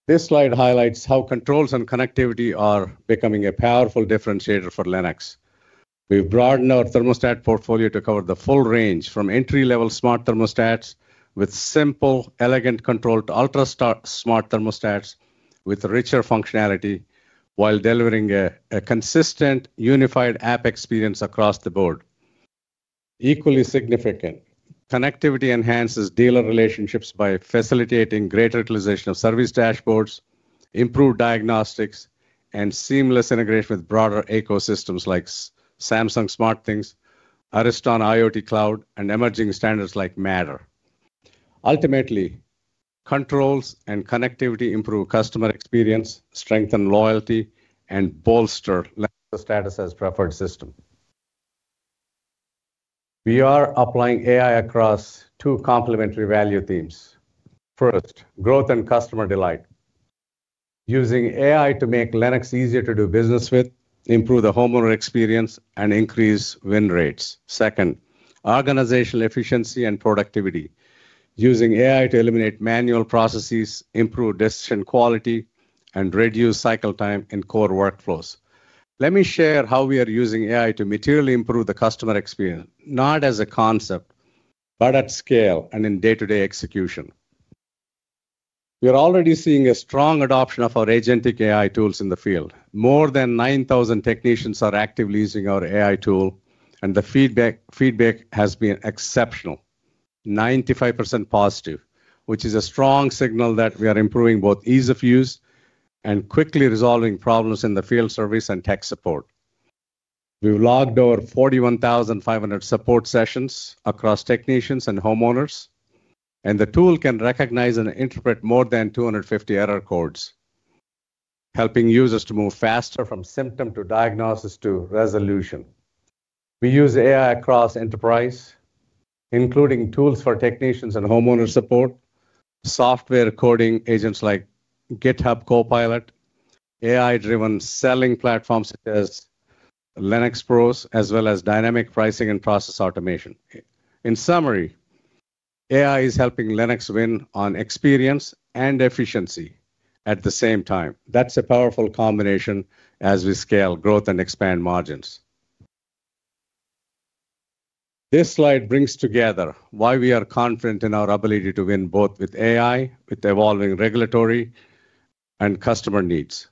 This slide highlights how controls and connectivity are becoming a powerful differentiator for Lennox. We've broadened our thermostat portfolio to cover the full range from entry-level smart thermostats with simple, elegant control to ultra smart thermostats with richer functionality while delivering a consistent, unified app experience across the Board. Equally significant, connectivity enhances dealer relationships by facilitating greater utilization of service dashboards, improved diagnostics, and seamless integration with broader ecosystems like Samsung SmartThings, Ariston IoT Cloud, and emerging standards like Matter. Ultimately, controls and connectivity improve customer experience, strengthen loyalty, and bolster Lennox's status as preferred system. We are applying AI across two complementary value themes. First, growth and customer delight. Using AI to make Lennox easier to do business with, improve the homeowner experience, and increase win rates. Second, organizational efficiency and productivity. Using AI to eliminate manual processes, improve decision quality, and reduce cycle time in core workflows. Let me share how we are using AI to materially improve the customer experience, not as a concept, but at scale and in day-to-day execution. We are already seeing a strong adoption of our agentic AI tools in the field. More than 9,000 technicians are actively using our AI tool, and the feedback has been exceptional. 95% positive, which is a strong signal that we are improving both ease of use and quickly resolving problems in the field service and tech support. We've logged over 41,500 support sessions across technicians and homeowners, and the tool can recognize and interpret more than 250 error codes, helping users to move faster from symptom to diagnosis to resolution. We use AI across enterprise, including tools for technicians and homeowner support, software coding agents like GitHub Copilot, AI-driven selling platforms such as LennoxPros, as well as dynamic pricing and process automation. In summary, AI is helping Lennox win on experience and efficiency at the same time. That's a powerful combination as we scale growth and expand margins. This slide brings together why we are confident in our ability to win both with AI, with evolving regulatory, and customer needs.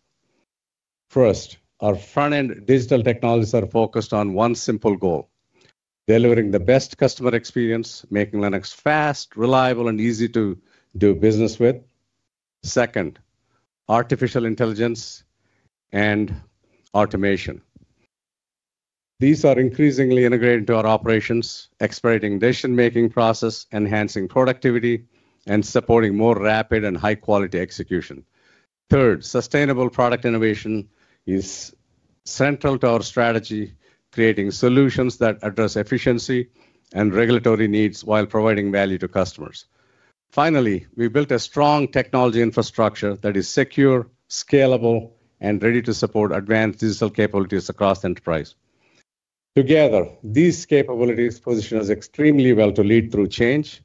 First, our front-end digital technologies are focused on one simple goal: delivering the best customer experience, making Lennox fast, reliable, and easy to do business with. Second, artificial intelligence and automation. These are increasingly integrated into our operations, expediting decision-making process, enhancing productivity, and supporting more rapid and high-quality execution. Sustainable product innovation is central to our strategy, creating solutions that address efficiency and regulatory needs while providing value to customers. We built a strong technology infrastructure that is secure, scalable, and ready to support advanced digital capabilities across the enterprise. Together, these capabilities position us extremely well to lead through change,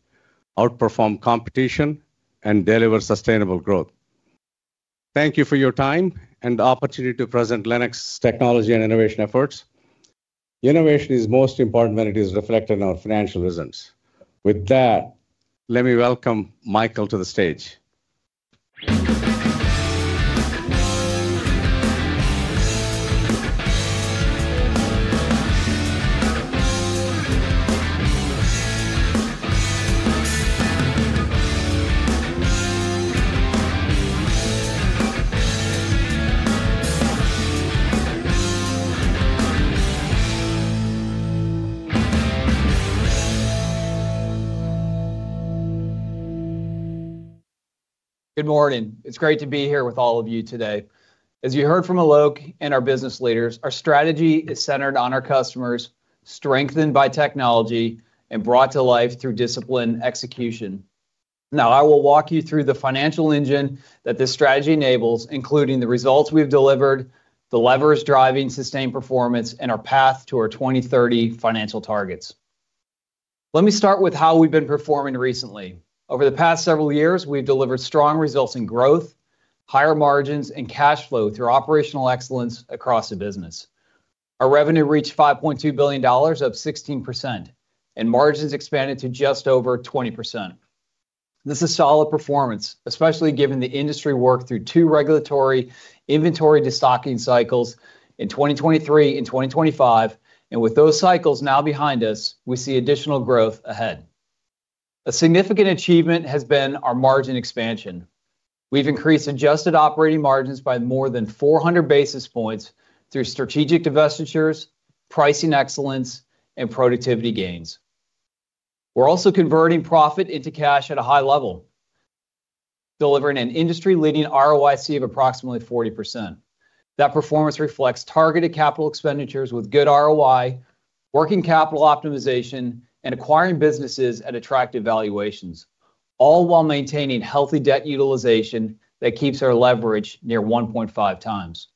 outperform competition, and deliver sustainable growth. Thank you for your time and the opportunity to present Lennox technology and innovation efforts. Innovation is most important when it is reflected in our financial results. With that, let me welcome Michael to the stage. Good morning. It's great to be here with all of you today. As you heard from Alok and our business leaders, our strategy is centered on our customers, strengthened by technology, and brought to life through disciplined execution. I will walk you through the financial engine that this strategy enables, including the results we've delivered, the levers driving sustained performance, and our path to our 2030 financial targets. Let me start with how we've been performing recently. Over the past several years, we've delivered strong results in growth, higher margins, and cash flow through operational excellence across the business. Our revenue reached $5.2 billion, up 16%, and margins expanded to just over 20%. This is solid performance, especially given the industry worked through two regulatory inventory de-stocking cycles in 2023 and 2025. With those cycles now behind us, we see additional growth ahead. A significant achievement has been our margin expansion. We've increased adjusted operating margins by more than 400 basis points through strategic divestitures, pricing excellence, and productivity gains. We're also converting profit into cash at a high level, delivering an industry-leading ROIC of approximately 40%. That performance reflects targeted capital expenditures with good ROI, working capital optimization, and acquiring businesses at attractive valuations, all while maintaining healthy debt utilization that keeps our leverage near 1.5x.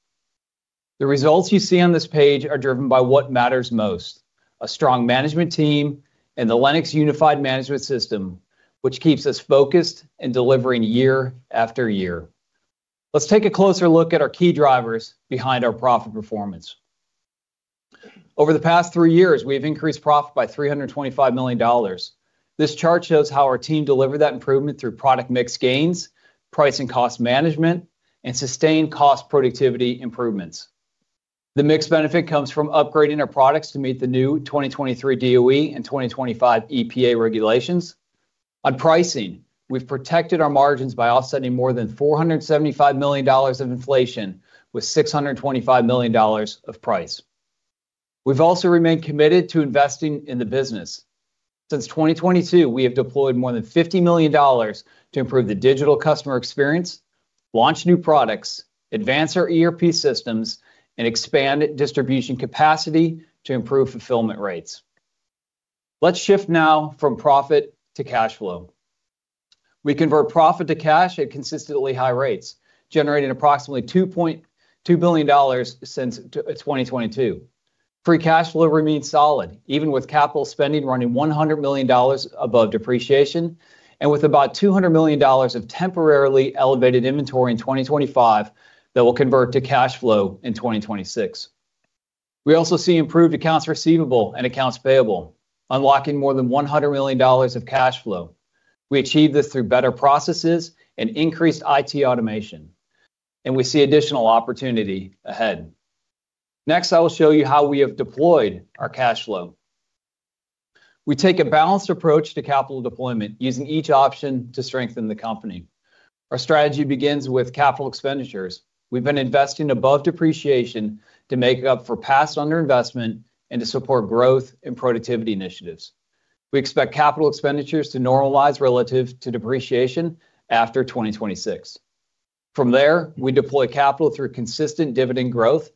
The results you see on this page are driven by what matters most: a strong management team and the Lennox Unified Management System, which keeps us focused in delivering year after year. Let's take a closer look at our key drivers behind our profit performance. Over the past three years, we have increased profit by $325 million. This chart shows how our team delivered that improvement through product mix gains, price and cost management, and sustained cost productivity improvements. The mix benefit comes from upgrading our products to meet the new 2023 DOE and 2025 EPA regulations. On pricing, we've protected our margins by offsetting more than $475 million of inflation with $625 million of price. We've also remained committed to investing in the business. Since 2022, we have deployed more than $50 million to improve the digital customer experience, launch new products, advance our ERP systems, and expand distribution capacity to improve fulfillment rates. Let's shift now from profit to cash flow. We convert profit to cash at consistently high rates, generating approximately $2.2 billion since 2022. Free cash flow remains solid, even with capital spending running $100 million above depreciation and with about $200 million of temporarily elevated inventory in 2025 that will convert to cash flow in 2026. We also see improved accounts receivable and accounts payable, unlocking more than $100 million of cash flow. We achieve this through better processes and increased IT automation. We see additional opportunity ahead. I will show you how we have deployed our cash flow. We take a balanced approach to capital deployment using each option to strengthen the company. Our strategy begins with capital expenditures. We've been investing above depreciation to make up for past underinvestment and to support growth and productivity initiatives. We expect capital expenditures to normalize relative to depreciation after 2026. From there, we deploy capital through consistent dividend growth,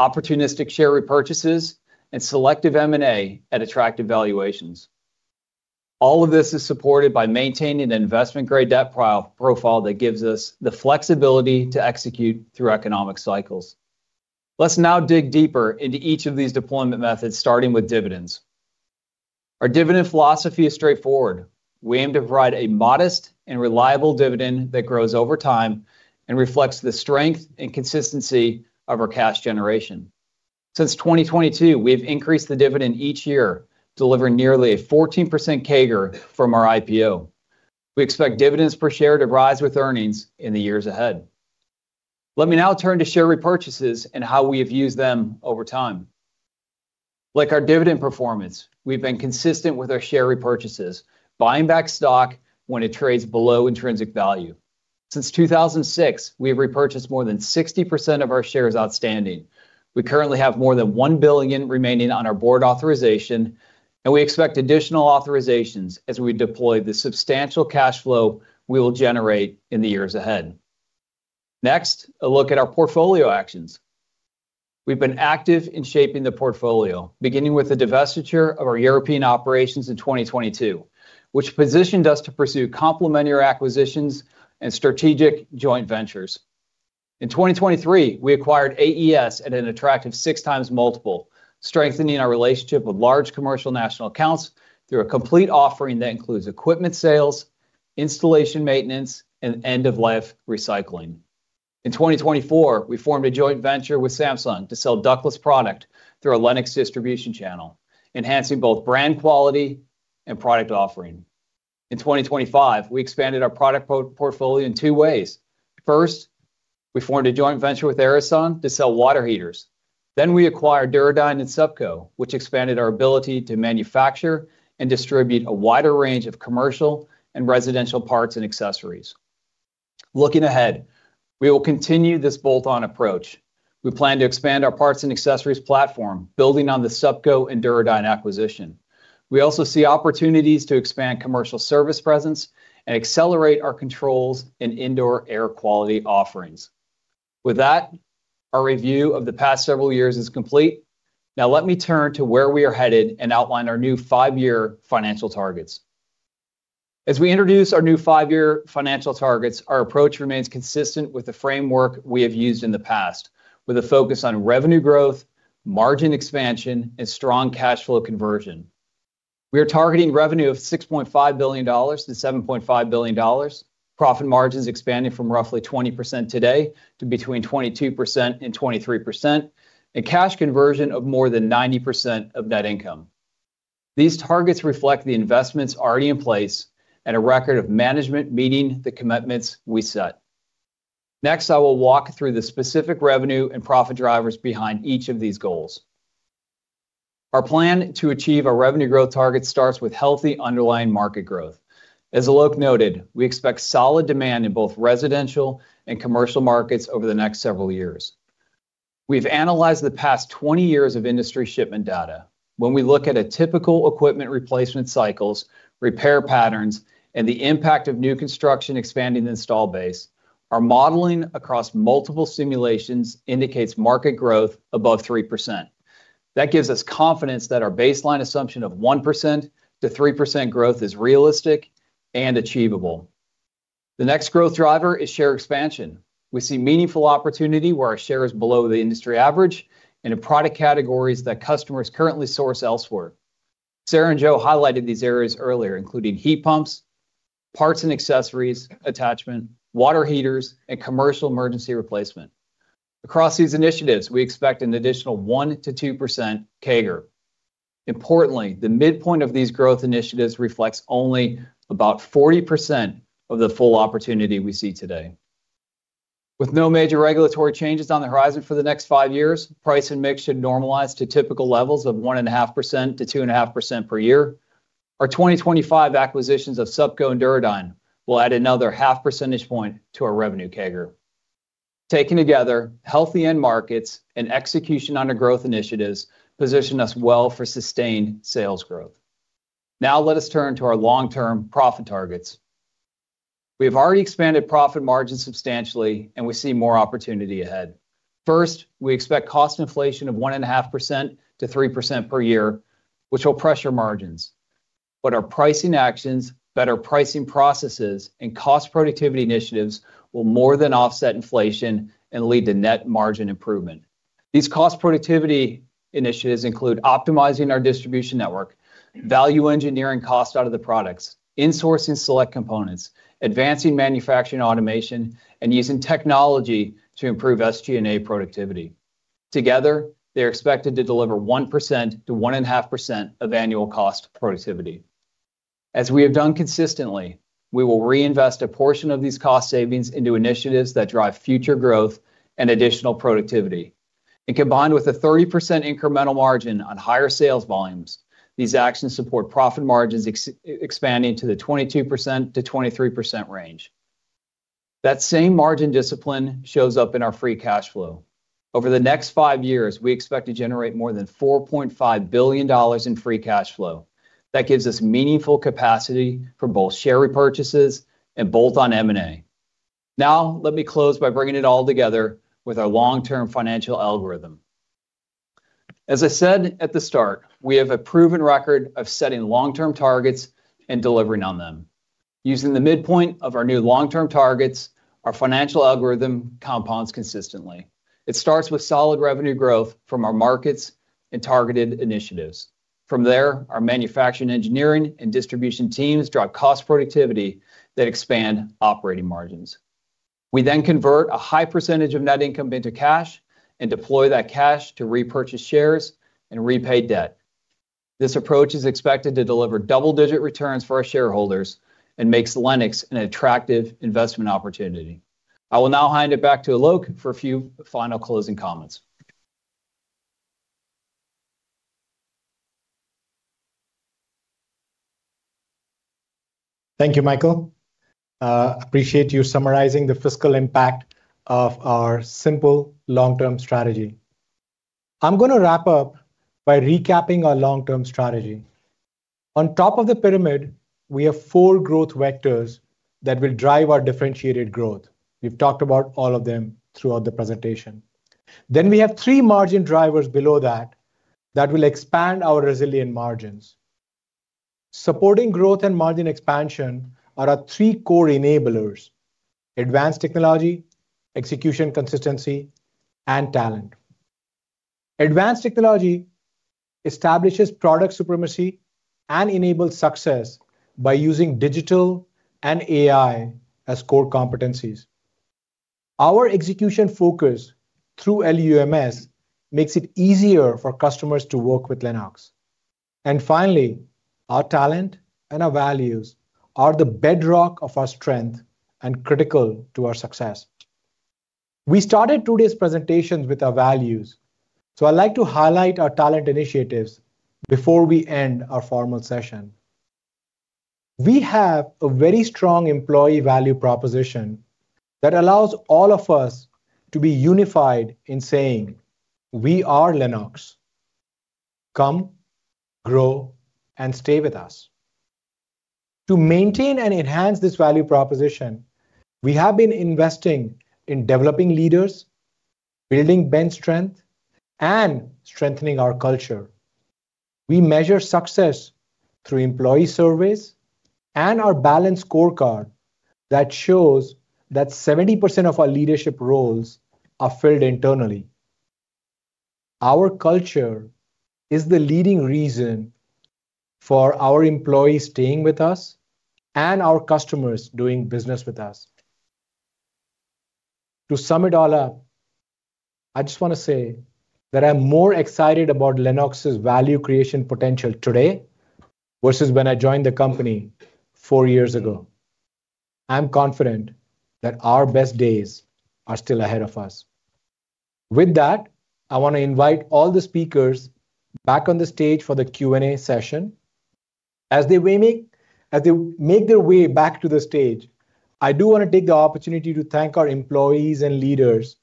opportunistic share repurchases, and selective M&A at attractive valuations. All of this is supported by maintaining an investment-grade debt profile that gives us the flexibility to execute through economic cycles. Let's now dig deeper into each of these deployment methods, starting with dividends. Our dividend philosophy is straightforward. We aim to provide a modest and reliable dividend that grows over time and reflects the strength and consistency of our cash generation. Since 2022, we have increased the dividend each year, delivering nearly a 14% CAGR from our IPO. We expect dividends per share to rise with earnings in the years ahead. Let me now turn to share repurchases and how we have used them over time. Like our dividend performance, we've been consistent with our share repurchases, buying back stock when it trades below intrinsic value. Since 2006, we have repurchased more than 60% of our shares outstanding. We currently have more than $1 billion remaining on our Board authorization. We expect additional authorizations as we deploy the substantial cash flow we will generate in the years ahead. Next, a look at our portfolio actions. We've been active in shaping the portfolio, beginning with the divestiture of our European operations in 2022, which positioned us to pursue complementary acquisitions and strategic joint ventures. In 2023, we acquired AES at an attractive 6x multiple, strengthening our relationship with large commercial national accounts through a complete offering that includes equipment sales, installation maintenance, and end-of-life recycling. In 2024, we formed a joint venture with Samsung to sell ductless product through a Lennox distribution channel, enhancing both brand quality and product offering. In 2025, we expanded our product portfolio in two ways. First, we formed a joint venture with Ariston to sell water heaters. We acquired Duro Dyne and Supco, which expanded our ability to manufacture and distribute a wider range of commercial and residential parts and accessories. Looking ahead, we will continue this bolt-on approach. We plan to expand our parts and accessories platform, building on the Supco and Duro Dyne acquisition. We also see opportunities to expand commercial service presence and accelerate our controls and indoor air quality offerings. With that, our review of the past several years is complete. Now let me turn to where we are headed and outline our new five-year financial targets. As we introduce our new five-year financial targets, our approach remains consistent with the framework we have used in the past, with a focus on revenue growth, margin expansion, and strong cash flow conversion. We are targeting revenue of $6.5 billion-$7.5 billion, profit margins expanding from roughly 20% today to between 22% and 23%, and cash conversion of more than 90% of net income. These targets reflect the investments already in place and a record of management meeting the commitments we set. I will walk through the specific revenue and profit drivers behind each of these goals. Our plan to achieve our revenue growth target starts with healthy underlying market growth. As Alok noted, we expect solid demand in both residential and commercial markets over the next several years. We've analyzed the past 20 years of industry shipment data. When we look at a typical equipment replacement cycles, repair patterns, and the impact of new construction expanding the install base, our modeling across multiple simulations indicates market growth above 3%. That gives us confidence that our baseline assumption of 1%-3% growth is realistic and achievable. The next growth driver is share expansion. We see meaningful opportunity where our share is below the industry average and in product categories that customers currently source elsewhere. Sarah and Joe highlighted these areas earlier, including heat pumps, parts and accessories attachment, water heaters, and commercial emergency replacement. Across these initiatives, we expect an additional 1%-2% CAGR. Importantly, the midpoint of these growth initiatives reflects only about 40% of the full opportunity we see today. With no major regulatory changes on the horizon for the next five years, price and mix should normalize to typical levels of 1.5%-2.5% per year. Our 2025 acquisitions of Supco and Duro Dyne will add another half percentage point to our revenue CAGR. Taken together, healthy end markets and execution under growth initiatives position us well for sustained sales growth. Let us turn to our long-term profit targets. We have already expanded profit margins substantially, and we see more opportunity ahead. First, we expect cost inflation of 1.5%-3% per year, which will pressure margins. Our pricing actions, better pricing processes, and cost productivity initiatives will more than offset inflation and lead to net margin improvement. These cost productivity initiatives include optimizing our distribution network, value engineering cost out of the products, insourcing select components, advancing manufacturing automation, and using technology to improve SG&A productivity. Together, they're expected to deliver 1%-1.5% of annual cost productivity. As we have done consistently, we will reinvest a portion of these cost savings into initiatives that drive future growth and additional productivity. Combined with a 30% incremental margin on higher sales volumes, these actions support profit margins expanding to the 22%-23% range. That same margin discipline shows up in our free cash flow. Over the next five years, we expect to generate more than $4.5 billion in free cash flow. That gives us meaningful capacity for both share repurchases and bolt-on M&A. Now, let me close by bringing it all together with our long-term financial algorithm. As I said at the start, we have a proven record of setting long-term targets and delivering on them. Using the midpoint of our new long-term targets, our financial algorithm compounds consistently. It starts with solid revenue growth from our markets and targeted initiatives. From there, our manufacturing, engineering, and distribution teams drive cost productivity that expand operating margins. We then convert a high percentage of net income into cash and deploy that cash to repurchase shares and repay debt. This approach is expected to deliver double-digit returns for our shareholders and makes Lennox an attractive investment opportunity. I will now hand it back to Alok for a few final closing comments. Thank you, Michael. Appreciate you summarizing the fiscal impact of our simple long-term strategy. I'm gonna wrap up by recapping our long-term strategy. On top of the pyramid, we have four growth vectors that will drive our differentiated growth. We've talked about all of them throughout the presentation. We have three margin drivers below that that will expand our resilient margins. Supporting growth and margin expansion are our three core enablers: advanced technology, execution consistency, and talent. Advanced technology establishes product supremacy and enables success by using digital and AI as core competencies. Our execution focus through LUMS makes it easier for customers to work with Lennox. Finally, our talent and our values are the bedrock of our strength and critical to our success. We started today's presentations with our values, so I'd like to highlight our talent initiatives before we end our formal session. We have a very strong employee value proposition that allows all of us to be unified in saying, "We are Lennox. Come, grow, and stay with us." To maintain and enhance this value proposition, we have been investing in developing leaders, building bench strength, and strengthening our culture. We measure success through employee surveys and our balanced scorecard that shows that 70% of our leadership roles are filled internally. Our culture is the leading reason for our employees staying with us and our customers doing business with us. To sum it all up, I just wanna say that I'm more excited about Lennox's value creation potential today versus when I joined the company four years ago. I'm confident that our best days are still ahead of us. With that, I wanna invite all the speakers back on the stage for the Q&A session. As they make their way back to the stage, I do wanna take the opportunity to thank our employees and leaders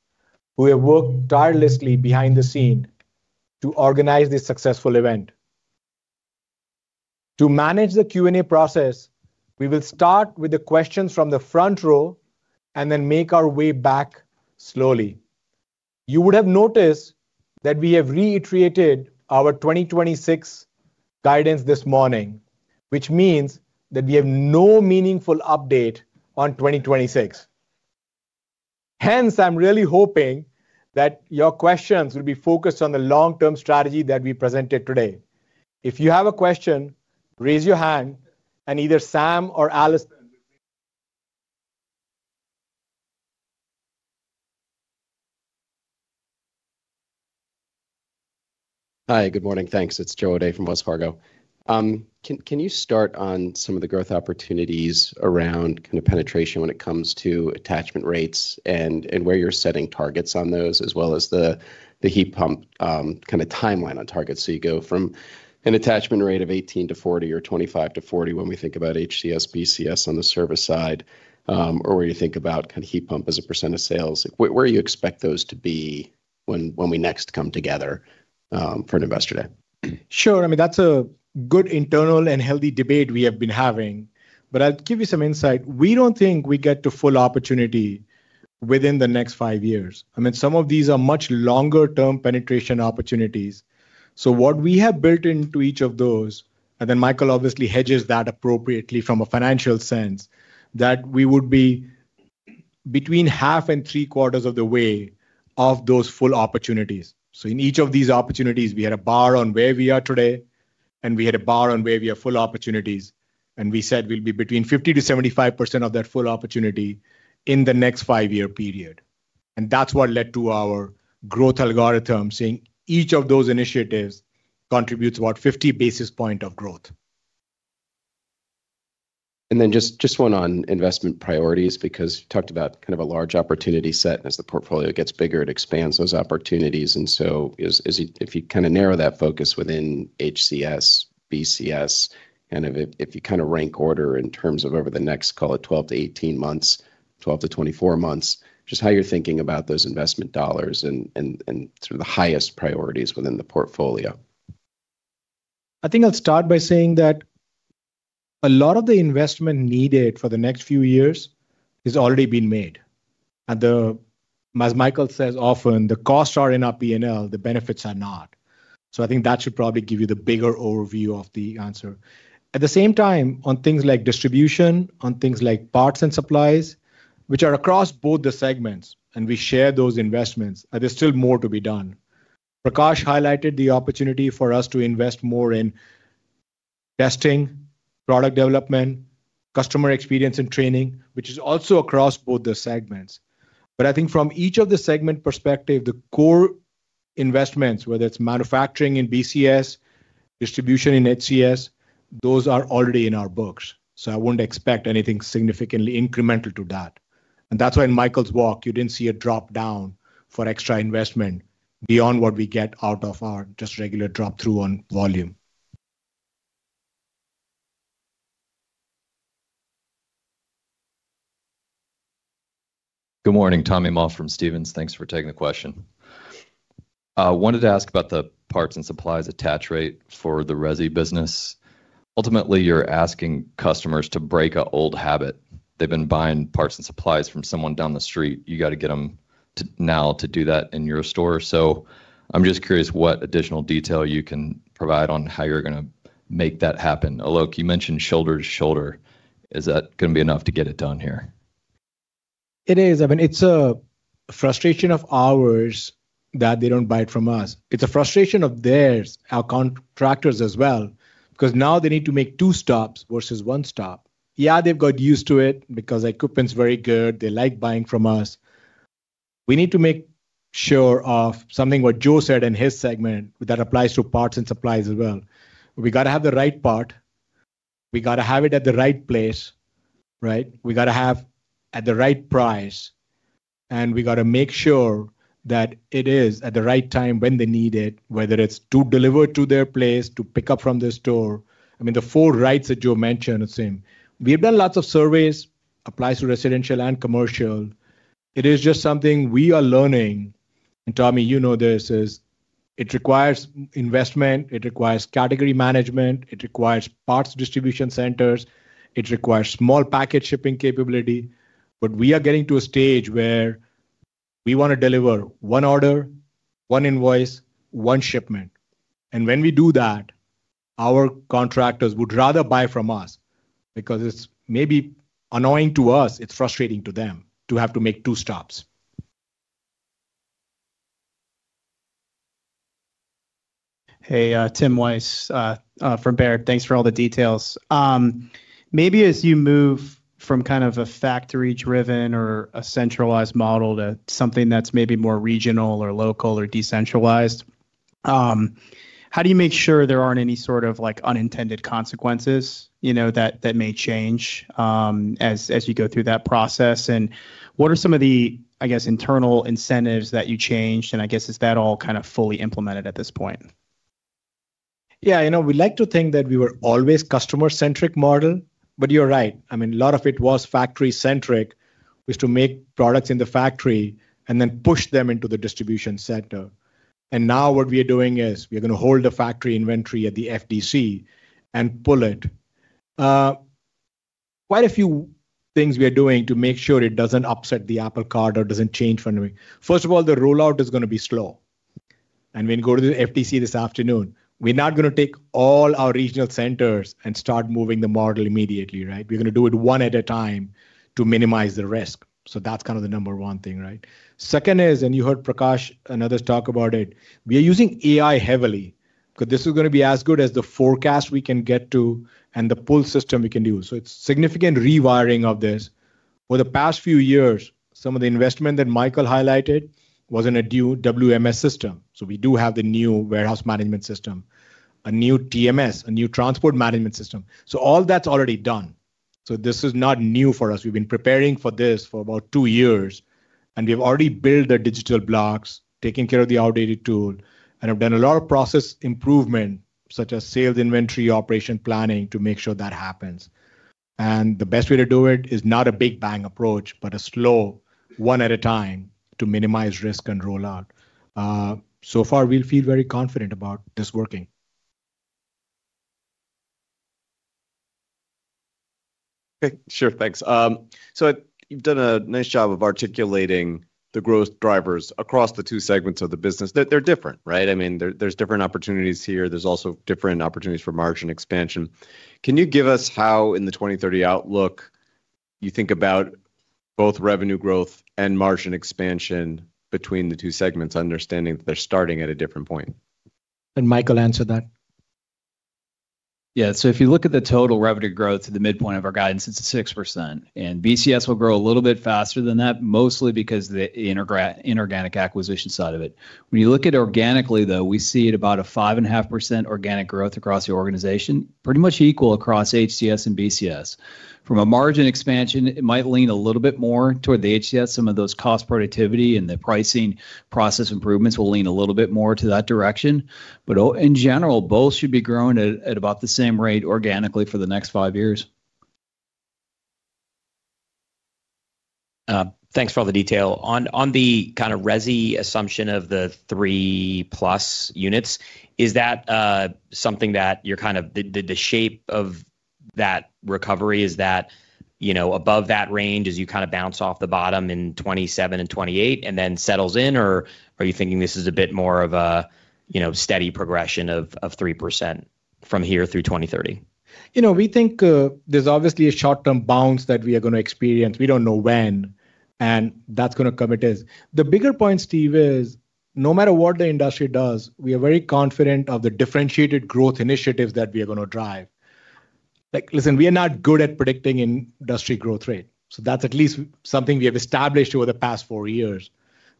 who have worked tirelessly behind the scene to organize this successful event. To manage the Q&A process, we will start with the questions from the front row and then make our way back slowly. You would have noticed that we have reiterated our 2026 guidance this morning, which means that we have no meaningful update on 2026. Hence, I'm really hoping that your questions will be focused on the long-term strategy that we presented today. If you have a question, raise your hand and either Sam or Alice- Hi, good morning. Thanks. It's Joe O'Dea from Wells Fargo. can you start on some of the growth opportunities around kind of penetration when it comes to attachment rates and where you're setting targets on those as well as the heat pump, kinda timeline on targets so you go from an attachment rate of 18-40 or 25-40 when we think about HCS, BCS on the service side, or where you think about kind of heat pump as a percent of sales? Where do you expect those to be when we next come together for an Investor Day? Sure. I mean, that's a good internal and healthy debate we have been having, but I'll give you some insight. We don't think we get to full opportunity within the next five years. I mean, some of these are much longer term penetration opportunities. What we have built into each of those, and then Michael obviously hedges that appropriately from a financial sense, that we would be between half and three-quarters of the way of those full opportunities. In each of these opportunities, we had a bar on where we are today, and we had a bar on where we have full opportunities, and we said we'll be between 50%-75% of that full opportunity in the next five-year period. That's what led to our growth algorithm, saying each of those initiatives contributes about 50 basis points of growth. Just one on investment priorities, because you talked about kind of a large opportunity set, and as the portfolio gets bigger, it expands those opportunities. Is it if you kinda narrow that focus within HCS, BCS, and if you kinda rank order in terms of over the next, call it 12-18 months, 12-24 months, just how you're thinking about those investment dollars and sort of the highest priorities within the portfolio? I think I'll start by saying that a lot of the investment needed for the next few years has already been made. As Michael says, often the costs are in our P&L, the benefits are not. I think that should probably give you the bigger overview of the answer. At the same time, on things like distribution, on things like parts and supplies, which are across both the segments, and we share those investments, and there's still more to be done. Prakash highlighted the opportunity for us to invest more in testing, product development, customer experience and training, which is also across both the segments. I think from each of the segment perspective, the core investments, whether it's manufacturing in BCS, distribution in HCS, those are already in our books. I wouldn't expect anything significantly incremental to that. That's why in Michael's walk, you didn't see a drop down for extra investment beyond what we get out of our just regular drop through on volume. Good morning, Tommy Moll from Stephens. Thanks for taking the question. Wanted to ask about the parts and supplies attach rate for the resi business. Ultimately, you're asking customers to break a old habit. They've been buying parts and supplies from someone down the street. You gotta get them to now to do that in your store. I'm just curious what additional detail you can provide on how you're gonna make that happen. Alok, you mentioned shoulder to shoulder. Is that gonna be enough to get it done here? It is. I mean, it's a frustration of ours that they don't buy it from us. It's a frustration of theirs, our contractors as well, because now they need to make two stops versus one stop. Yeah, they've got used to it because our equipment's very good. They like buying from us. We need to make sure of something what Joe said in his segment that applies to parts and supplies as well. We gotta have the right part. We gotta have it at the right place, right? We gotta have at the right price, and we gotta make sure that it is at the right time when they need it, whether it's to deliver to their place, to pick up from the store. I mean, the four rights that Joe mentioned are same. We've done lots of surveys, applies to residential and commercial. It is just something we are learning, and Tommy, you know this, is it requires investment, it requires category management, it requires parts distribution centers, it requires small package shipping capability. We are getting to a stage where we wanna deliver one order, one invoice, one shipment. When we do that, our contractors would rather buy from us because it's maybe annoying to us, it's frustrating to them to have to make two stops. Hey, Tim Wojs, from Baird. Thanks for all the details. Maybe as you move from kind of a factory driven or a centralized model to something that's maybe more regional or local or decentralized, how do you make sure there aren't any sort of like unintended consequences, you know, that may change, as you go through that process? What are some of the, I guess, internal incentives that you changed, and I guess, is that all kind of fully implemented at this point? Yeah. You know, we like to think that we were always customer-centric model, but you're right. I mean, a lot of it was factory centric, was to make products in the factory and then push them into the distribution center. Now, what we are doing is we're gonna hold the factory inventory at the FDC and pull it. Quite a few things we are doing to make sure it doesn't upset the apple cart or doesn't change funding. First of all, the rollout is gonna be slow. When you go to the FDC this afternoon, we're not gonna take all our regional centers and start moving the model immediately, right? We're gonna do it one at a time to minimize the risk. That's kind of the number one thing, right? Second is, you heard Prakash and others talk about it, we are using AI heavily, because this is gonna be as good as the forecast we can get to and the pull system we can do. It's significant rewiring of this. For the past few years, some of the investment that Michael highlighted was in a new WMS system, so we do have the new warehouse management system, a new TMS, a new transport management system. All that's already done. This is not new for us. We've been preparing for this for about two years, and we've already built the digital blocks, taking care of the outdated tool, and have done a lot of process improvement, such as Sales, Inventory, Operation Planning, to make sure that happens. The best way to do it is not a big bang approach, but a slow one at a time to minimize risk and roll out. So far, we feel very confident about this working. Okay. Sure. Thanks. You've done a nice job of articulating the growth drivers across the two segments of the business. They're different, right? I mean, there's different opportunities here. There's also different opportunities for margin expansion. Can you give us how in the 2030 outlook you think about both revenue growth and margin expansion between the two segments, understanding that they're starting at a different point? Can Michael answer that? Yeah. If you look at the total revenue growth to the midpoint of our guidance, it's at 6%. BCS will grow a little bit faster than that, mostly because the inorganic acquisition side of it. When you look at organically, though, we see it about a 5.5% organic growth across the organization, pretty much equal across HCS and BCS. From a margin expansion, it might lean a little bit more toward the HCS. Some of those cost productivity and the pricing process improvements will lean a little bit more to that direction. In general, both should be growing at about the same rate organically for the next five years. Thanks for all the detail. On, on the kinda resi assumption of the 3+ units, is that, something that you're kind of the shape of that recovery, is that, you know, above that range as you kinda bounce off the bottom in 2027 and 2028 and then settles in, or are you thinking this is a bit more of a, you know, steady progression of 3% from here through 2030? You know, we think there's obviously a short-term bounce that we are going to experience. We don't know when, and that's going to come it is. The bigger point, Steve, is no matter what the industry does, we are very confident of the differentiated growth initiatives that we are going to drive. Like, listen, we are not good at predicting industry growth rate, that's at least something we have established over the past four years.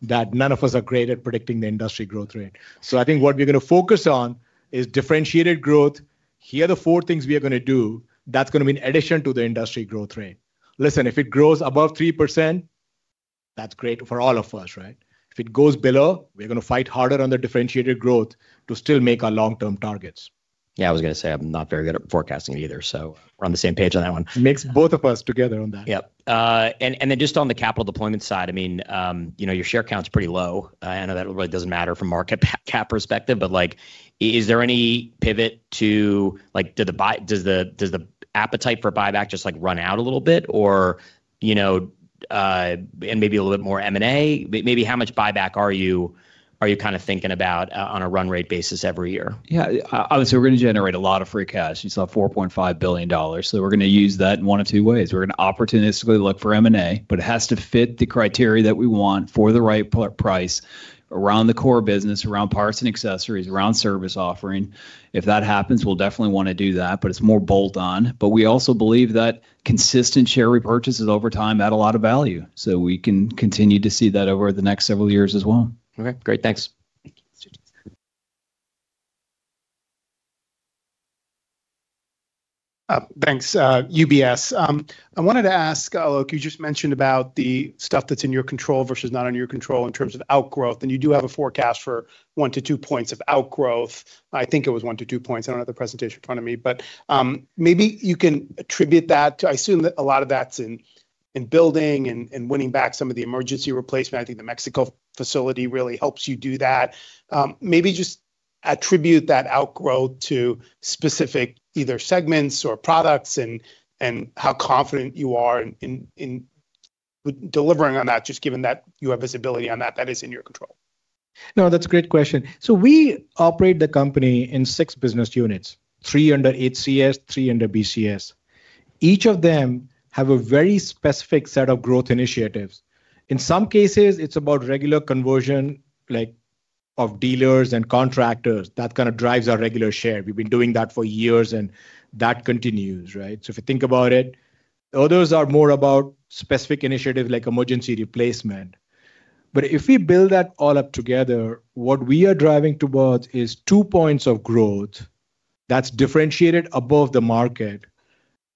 That none of us are great at predicting the industry growth rate. I think what we're going to focus on is differentiated growth. Here are the four things we are going to do that's going to be in addition to the industry growth rate. Listen, if it grows above 3%, that's great for all of us, right? If it goes below, we're going to fight harder on the differentiated growth to still make our long-term targets. Yeah, I was gonna say, I'm not very good at forecasting either. We're on the same page on that one. Makes both of us together on that. Yep. Then just on the capital deployment side, I mean, you know, your share count's pretty low. I know that really doesn't matter from market cap perspective, but, like, is there any pivot to, like, does the appetite for buyback just, like, run out a little bit or, you know, and maybe a little bit more M&A? Maybe how much buyback are you kinda thinking about on a run rate basis every year? Yeah. Obviously, we're gonna generate a lot of free cash. You saw $4.5 billion, so we're gonna use that in one of two ways. We're gonna opportunistically look for M&A, but it has to fit the criteria that we want for the right price around the core business, around parts and accessories, around service offering. If that happens, we'll definitely wanna do that, but it's more bolt-on. We also believe that consistent share repurchases over time add a lot of value, so we can continue to see that over the next several years as well. Okay, great. Thanks. Thank you. Thanks. UBS, I wanted to ask, Alok, you just mentioned about the stuff that's in your control versus not under your control in terms of outgrowth, and you do have a forecast for 1 points-2 points of outgrowth. I think it was 1 points-2 points. I don't have the presentation in front of me. Maybe you can attribute that to I assume that a lot of that's in building and winning back some of the emergency replacement. I think the Mexico facility really helps you do that. Maybe just attribute that outgrowth to specific either segments or products and how confident you are in delivering on that, just given that you have visibility on that is in your control. That's a great question. We operate the company in six business units, three under HCS, three under BCS. Each of them have a very specific set of growth initiatives. In some cases, it's about regular conversion, like, of dealers and contractors. That kind of drives our regular share. We've been doing that for years, and that continues, right? If you think about it, others are more about specific initiatives like emergency replacement. If we build that all up together, what we are driving towards is two points of growth that's differentiated above the market.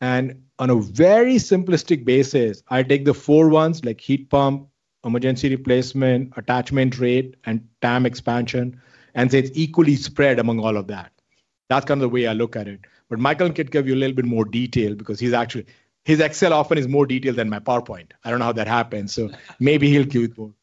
On a very simplistic basis, I take the four ones, like heat pump, emergency replacement, attachment rate, and TAM expansion, and say it's equally spread among all of that. That's kind of the way I look at it. Michael can give you a little bit more detail because he's actually his Excel often is more detailed than my PowerPoint. I don't know how that happens. Maybe he'll give you more.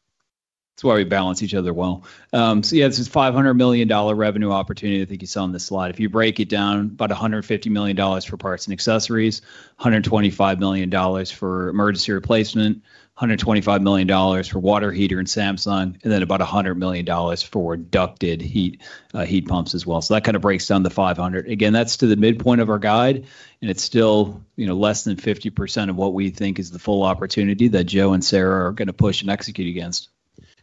That's why we balance each other well. Yeah, this is $500 million revenue opportunity I think you saw on this slide. If you break it down, about $150 million for parts and accessories, $125 million for emergency replacement, $125 million for water heater and Samsung, and then about $100 million for ducted heat pumps as well. That kind of breaks down the $500 million. Again, that's to the midpoint of our guide, and it's still, you know, less than 50% of what we think is the full opportunity that Joe and Sarah are gonna push and execute against.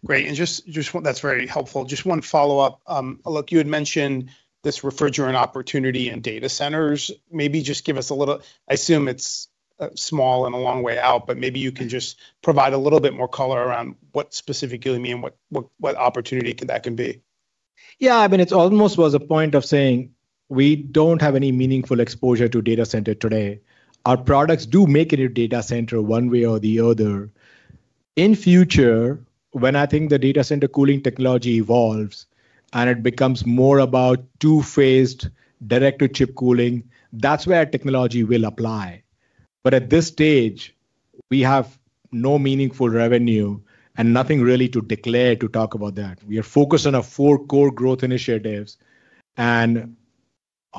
Great. Just, just one-- That's very helpful. Just one follow-up. Alok, you had mentioned this refrigerant opportunity in data centers. Maybe just give us a little... I assume it's small and a long way out, but maybe you can just provide a little bit more color around what specifically you mean, what opportunity that can be? Yeah. I mean, it almost was a point of saying we don't have any meaningful exposure to data center today. Our products do make it a data center one way or the other. In future, when I think the data center cooling technology evolves and it becomes more about two-phased direct-to-chip cooling, that's where technology will apply. At this stage, we have no meaningful revenue and nothing really to declare to talk about that. We are focused on our four core growth initiatives.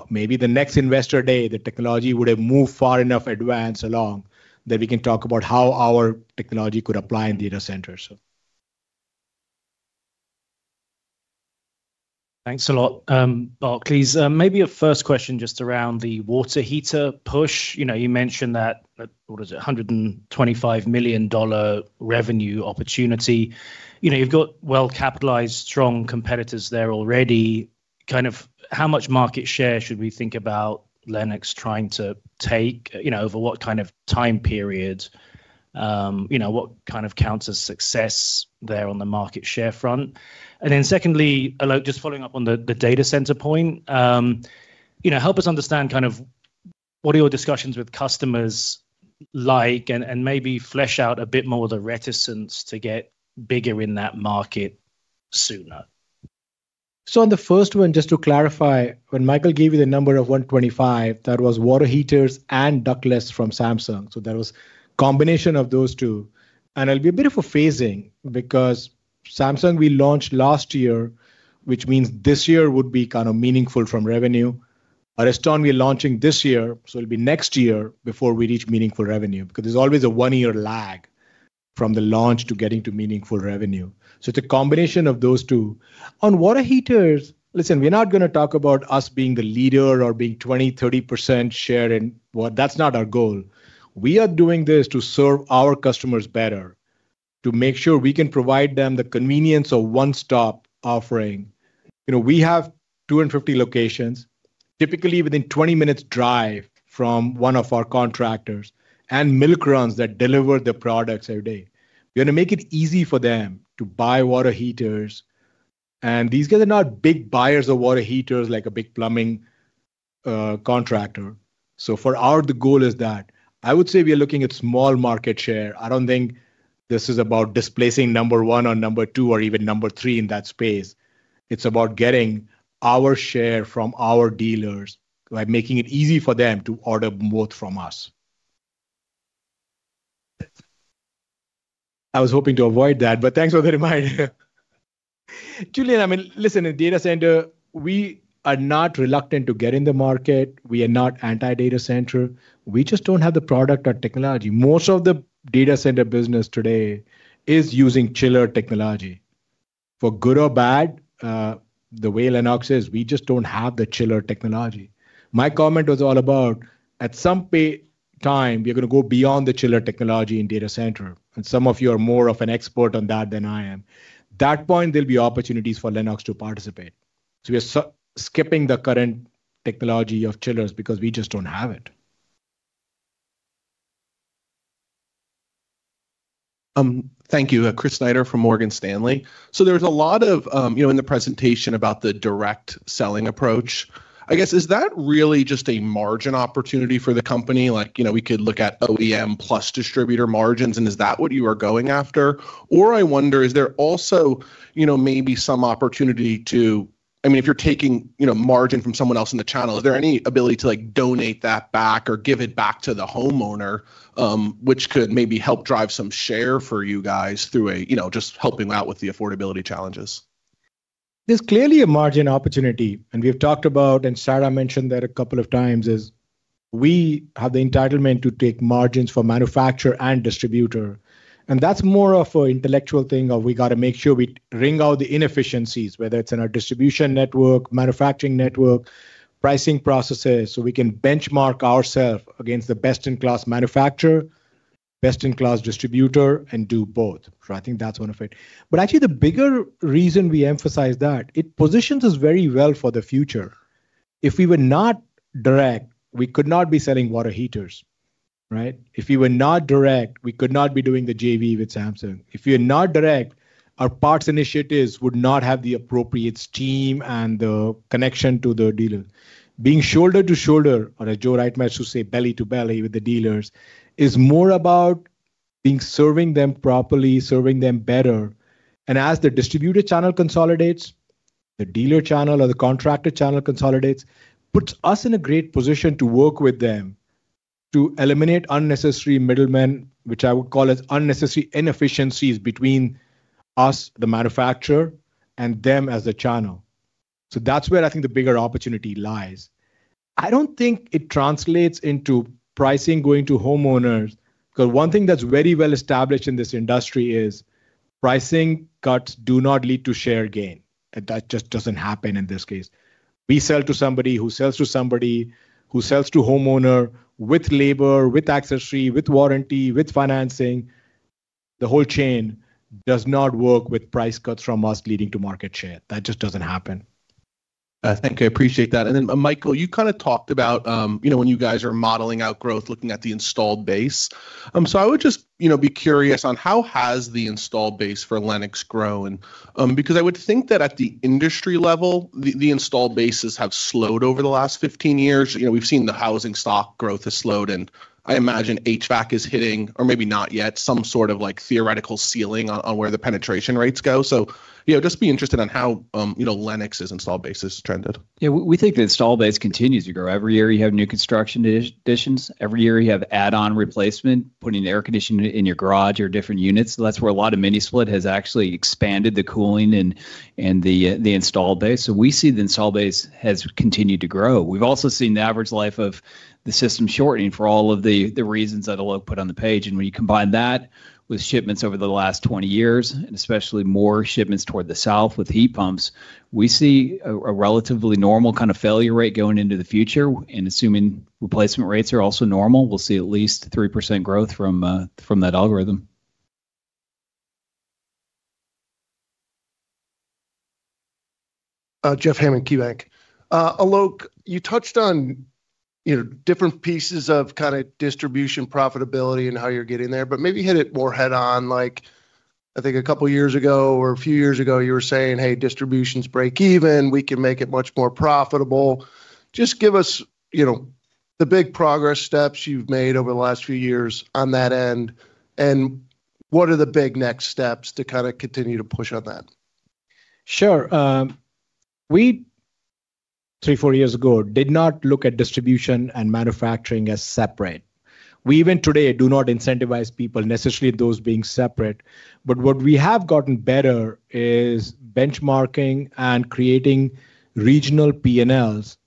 Maybe the next Investor Day, the technology would have moved far enough advanced along that we can talk about how our technology could apply in data centers. Thanks a lot. Barclays, maybe a first question just around the water heater push. You know, you mentioned that, what was it? A $125 million revenue opportunity. You know, you've got well-capitalized strong competitors there already. Kind of how much market share should we think about Lennox trying to take? You know, over what kind of time period? You know, what kind of counts as success there on the market share front? Secondly, Alok, just following up on the data center point, you know, help us understand kind of what are your discussions with customers like and maybe flesh out a bit more the reticence to get bigger in that market sooner. On the first one, just to clarify, when Michael gave you the number of $125, that was water heaters and ductless from Samsung. That was combination of those two. It'll be a bit of a phasing because Samsung we launched last year, which means this year would be kind of meaningful from revenue. Ariston we're launching this year, so it'll be next year before we reach meaningful revenue, because there's always a one-year lag from the launch to getting to meaningful revenue. It's a combination of those two. On water heaters, listen, we're not gonna talk about us being the leader or being 20%, 30% share in. That's not our goal. We are doing this to serve our customers better, to make sure we can provide them the convenience of one-stop offering. You know, we have 250 locations, typically within 20 minutes drive from one of our contractors and milk runs that deliver the products every day. We're gonna make it easy for them to buy water heaters. These guys are not big buyers of water heaters like a big plumbing contractor. The goal is that I would say we are looking at small market share. I don't think this is about displacing number one or number two, or even number three in that space. It's about getting our share from our dealers by making it easy for them to order both from us. I was hoping to avoid that. Thanks for the reminder. Julian, I mean, listen, in data center we are not reluctant to get in the market. We are not anti-data center. We just don't have the product or technology. Most of the data center business today is using chiller technology. For good or bad, the way Lennox is, we just don't have the chiller technology. My comment was all about at some time, we are gonna go beyond the chiller technology in data center, and some of you are more of an expert on that than I am. That point, there'll be opportunities for Lennox to participate. We are skipping the current technology of chillers because we just don't have it. Thank you. Chris Snyder from Morgan Stanley. There's a lot of, you know, in the presentation about the direct selling approach. I guess is that really just a margin opportunity for the company? Like, you know, we could look at OEM plus distributor margins, and is that what you are going after? I wonder is there also, you know, maybe some opportunity to... I mean, if you're taking, you know, margin from someone else in the channel, is there any ability to like donate that back or give it back to the homeowner, which could maybe help drive some share for you guys through a, you know, just helping out with the affordability challenges? There's clearly a margin opportunity, and we've talked about, and Sarah mentioned that a couple of times as we have the entitlement to take margins for manufacturer and distributor, and that's more of a intellectual thing of we gotta make sure we wring out the inefficiencies, whether it's in our distribution network, manufacturing network, pricing processes, so we can benchmark ourself against the best-in-class manufacturer, best-in-class distributor, and do both. I think that's one effect. Actually the bigger reason we emphasize that, it positions us very well for the future. If we were not direct, we could not be selling water heaters, right? If we were not direct, we could not be doing the JV with Samsung. If we are not direct, our parts initiatives would not have the appropriate team and the connection to the dealer. Being shoulder to shoulder or as Joe Wright might should say, belly to belly with the dealers, is more about serving them properly, serving them better. As the distributor channel consolidates, the dealer channel or the contractor channel consolidates, puts us in a great position to work with them to eliminate unnecessary middlemen, which I would call as unnecessary inefficiencies between us, the manufacturer, and them as the channel. That's where I think the bigger opportunity lies. I don't think it translates into pricing going to homeowners, 'cause one thing that's very well established in this industry is pricing cuts do not lead to share gain. That just doesn't happen in this case. We sell to somebody who sells to somebody who sells to homeowner with labor, with accessory, with warranty, with financing. The whole chain does not work with price cuts from us leading to market share. That just doesn't happen. Thank you. I appreciate that. Michael, you kinda talked about, you know, when you guys are modeling out growth, looking at the installed base. I would just, you know, be curious on how has the installed base for Lennox grown. Because I would think that at the industry level, the installed bases have slowed over the last 15 years. You know, we've seen the housing stock growth has slowed, and I imagine HVAC is hitting or maybe not yet, some sort of like theoretical ceiling on where the penetration rates go. You know, just be interested on how, you know, Lennox's installed base has trended. Yeah. We think the install base continues to grow. Every year you have new construction additions. Every year you have add-on replacement, putting air conditioning in your garage or different units. That's where a lot of mini split has actually expanded the cooling and the installed base. We see the install base has continued to grow. We've also seen the average life of the system shortening for all of the reasons that Alok put on the page. When you combine that with shipments over the last 20 years, and especially more shipments toward the south with heat pumps, we see a relatively normal kind of failure rate going into the future and assuming replacement rates are also normal, we'll see at least 3% growth from that algorithm. Jeff Hammond, KeyBanc. Alok, you touched on, you know, different pieces of kinda distribution profitability and how you're getting there, but maybe hit it more head on like I think a couple of years ago or a few years ago you were saying, "Hey, distribution's breakeven. We can make it much more profitable." Just give us, you know, the big progress steps you've made over the last few years on that end, and what are the big next steps to kinda continue to push on that? Sure. We three, four years ago did not look at distribution and manufacturing as separate. We even today do not incentivize people, necessarily those being separate. What we have gotten better is benchmarking and creating regional P&Ls.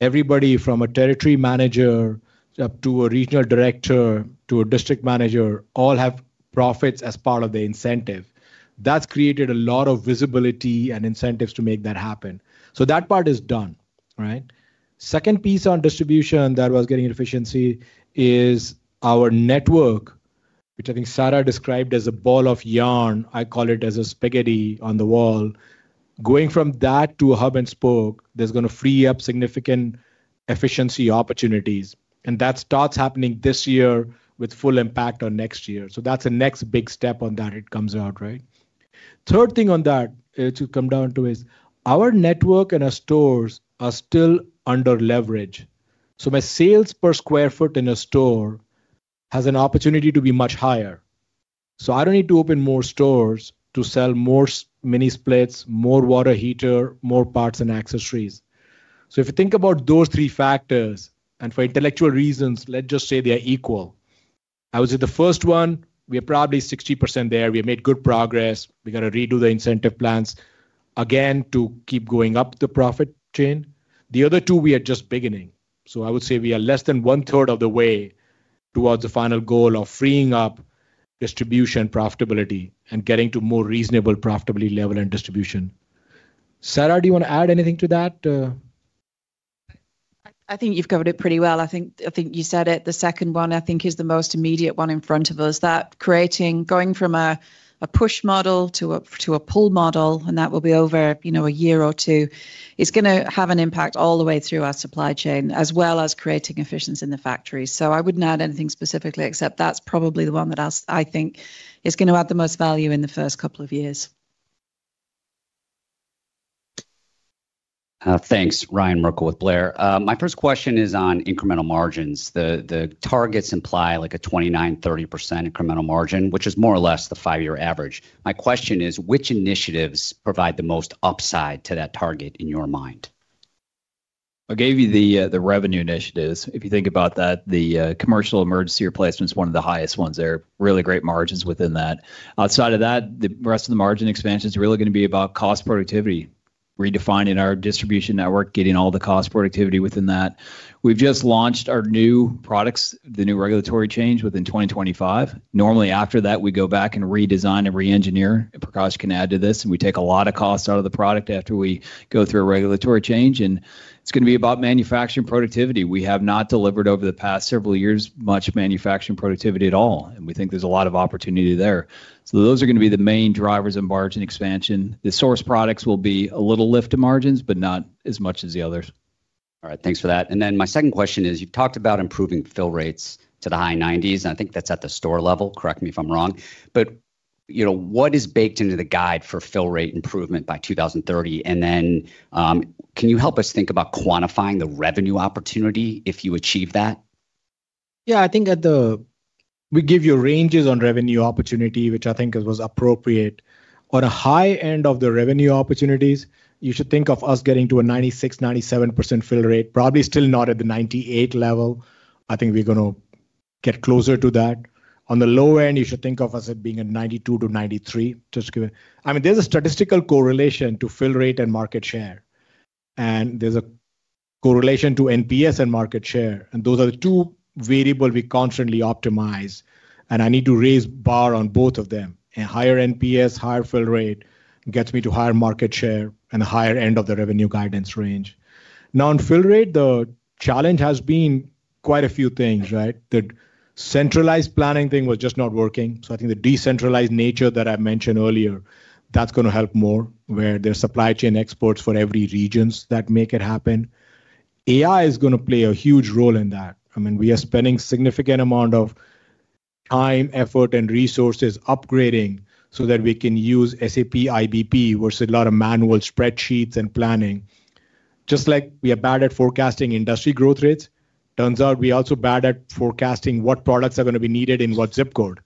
Everybody from a territory manager up to a regional director, to a district manager, all have profits as part of the incentive. That's created a lot of visibility and incentives to make that happen. That part is done, right? Second piece on distribution that was getting efficiency is our network. Which I think Sarah described as a ball of yarn, I call it as a spaghetti on the wall. Going from that to a hub and spoke, there's gonna free up significant efficiency opportunities, and that starts happening this year with full impact on next year. That's the next big step on that it comes out, right? Third thing on that, to come down to is our network and our stores are still under leverage. My sales per square foot in a store has an opportunity to be much higher. I don't need to open more stores to sell more mini splits, more water heater, more parts and accessories. If you think about those three factors, and for intellectual reasons, let's just say they are equal. I would say the first one, we are probably 60% there. We have made good progress. We gotta redo the incentive plans again to keep going up the profit chain. The other two, we are just beginning. I would say we are less than 1/3 of the way towards the final goal of freeing up distribution profitability and getting to more reasonable profitability level and distribution. Sarah, do you wanna add anything to that? I think you've covered it pretty well. I think you said it. The second one, I think is the most immediate one in front of us. Going from a push model to a pull model, and that will be over, you know, a year or two, is gonna have an impact all the way through our supply chain, as well as creating efficiency in the factory. I wouldn't add anything specifically, except that's probably the one that I think is gonna add the most value in the first couple of years. Thanks. Ryan Merkel. My first question is on incremental margins. The targets imply like a 29%-30% incremental margin, which is more or less the five-year average. My question is, which initiatives provide the most upside to that target in your mind? I gave you the revenue initiatives. If you think about that, the commercial emergency replacement's one of the highest ones there. Really great margins within that. Outside of that, the rest of the margin expansion is really gonna be about cost productivity, redefining our distribution network, getting all the cost productivity within that. We've just launched our new products, the new regulatory change within 2025. Normally, after that, we go back and redesign and re-engineer, and Prakash can add to this, and we take a lot of cost out of the product after we go through a regulatory change, and it's gonna be about manufacturing productivity. We have not delivered over the past several years much manufacturing productivity at all, and we think there's a lot of opportunity there. Those are gonna be the main drivers in margin expansion. The source products will be a little lift to margins, but not as much as the others. All right. Thanks for that. My second question is, you've talked about improving fill rates to the high 90s, and I think that's at the store level. Correct me if I'm wrong. You know, what is baked into the guide for fill rate improvement by 2030? Can you help us think about quantifying the revenue opportunity if you achieve that? I think We give you ranges on revenue opportunity, which I think was appropriate. On a high end of the revenue opportunities, you should think of us getting to a 96%-97% fill rate, probably still not at the 98% level. I think we're gonna get closer to that. On the low end, you should think of us as being a 92%-93%, just given. I mean, there's a statistical correlation to fill rate and market share, and there's a correlation to NPS and market share, and those are the two variable we constantly optimize, and I need to raise bar on both of them. A higher NPS, higher fill rate gets me to higher market share and a higher end of the revenue guidance range. On fill rate, the challenge has been quite a few things, right? The centralized planning thing was just not working, so I think the decentralized nature that I mentioned earlier, that's gonna help more where there's supply chain exports for every regions that make it happen. AI is gonna play a huge role in that. I mean, we are spending significant amount of time, effort, and resources upgrading so that we can use SAP IBP versus a lot of manual spreadsheets and planning. Just like we are bad at forecasting industry growth rates, turns out we are also bad at forecasting what products are gonna be needed in what ZIP code.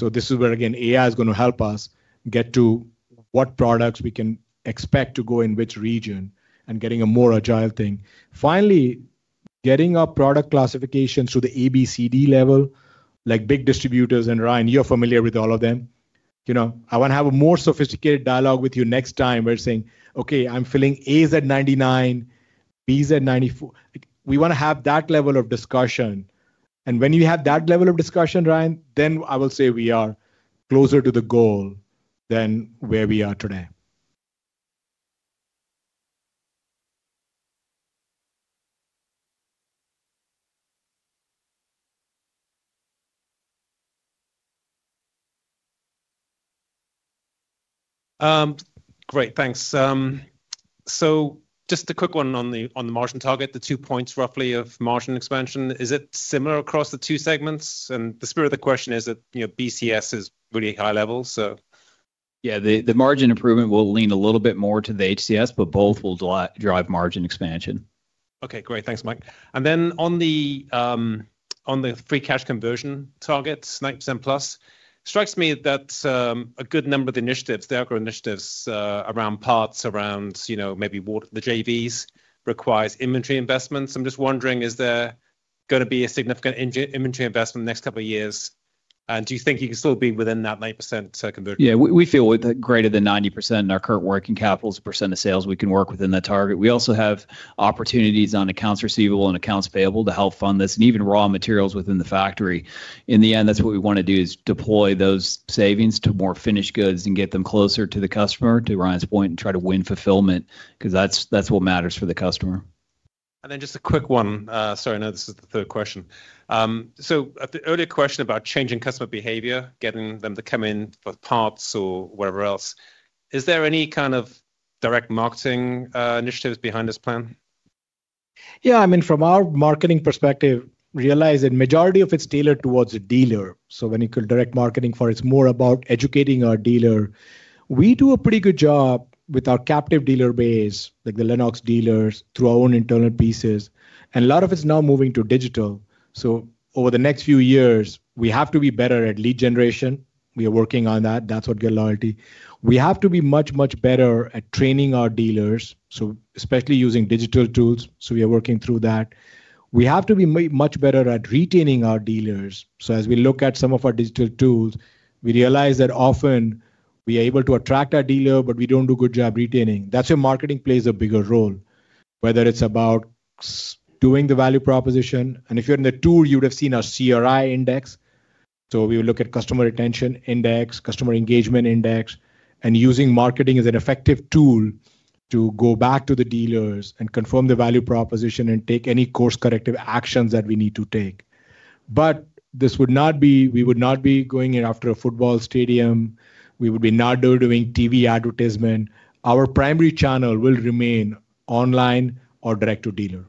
This is where, again, AI is gonna help us get to what products we can expect to go in which region and getting a more agile thing. Finally, getting our product classification to the ABCD level, like big distributors, and Ryan, you're familiar with all of them. You know, I wanna have a more sophisticated dialogue with you next time. We're saying, "Okay, I'm filling As at 99, Bs at 94." We wanna have that level of discussion. When you have that level of discussion, Ryan, then I will say we are closer to the goal than where we are today. Great. Thanks. Just a quick one on the, on the margin target, the 2 points roughly of margin expansion. Is it similar across the two segments? The spirit of the question is that, you know, BCS is really high level, so. Yeah. The margin improvement will lean a little bit more to the HCS, but both will drive margin expansion. Okay. Great. Thanks, Mike. On the free cash conversion target, 9%+, strikes me that a good number of the initiatives, the outcome initiatives, around parts, around, you know, maybe what the JVs requires inventory investments. I'm just wondering, is there gonna be a significant inventory investment the next couple of years? Do you think you can still be within that 9% conversion? Yeah. We feel with greater than 90% in our current working capital as a percent of sales, we can work within that target. We also have opportunities on accounts receivable and accounts payable to help fund this, and even raw materials within the factory. In the end, that's what we wanna do, is deploy those savings to more finished goods and get them closer to the customer, to Ryan's point, and try to win fulfillment, 'cause that's what matters for the customer. Just a quick one. Sorry, I know this is the 3rd question. At the earlier question about changing customer behavior, getting them to come in for parts or whatever else, is there any kind of direct marketing initiatives behind this plan? I mean, from our marketing perspective, realize that majority of it's tailored towards the dealer. When you call direct marketing for, it's more about educating our dealer. We do a pretty good job with our captive dealer base, like the Lennox dealers, through our own internal pieces, and a lot of it's now moving to digital. Over the next few years, we have to be better at lead generation. We are working on that. That's what get loyalty. We have to be much better at training our dealers, so especially using digital tools, so we are working through that. We have to be much better at retaining our dealers. As we look at some of our digital tools, we realize that often we are able to attract our dealer, but we don't do a good job retaining. That's where marketing plays a bigger role, whether it's about doing the value proposition. If you're in the tool, you would have seen our CRI index. We will look at customer retention index, customer engagement index, and using marketing as an effective tool to go back to the dealers and confirm the value proposition and take any course corrective actions that we need to take. This would not be, we would not be going in after a football stadium. We would be not doing TV advertisement. Our primary channel will remain online or direct to dealer.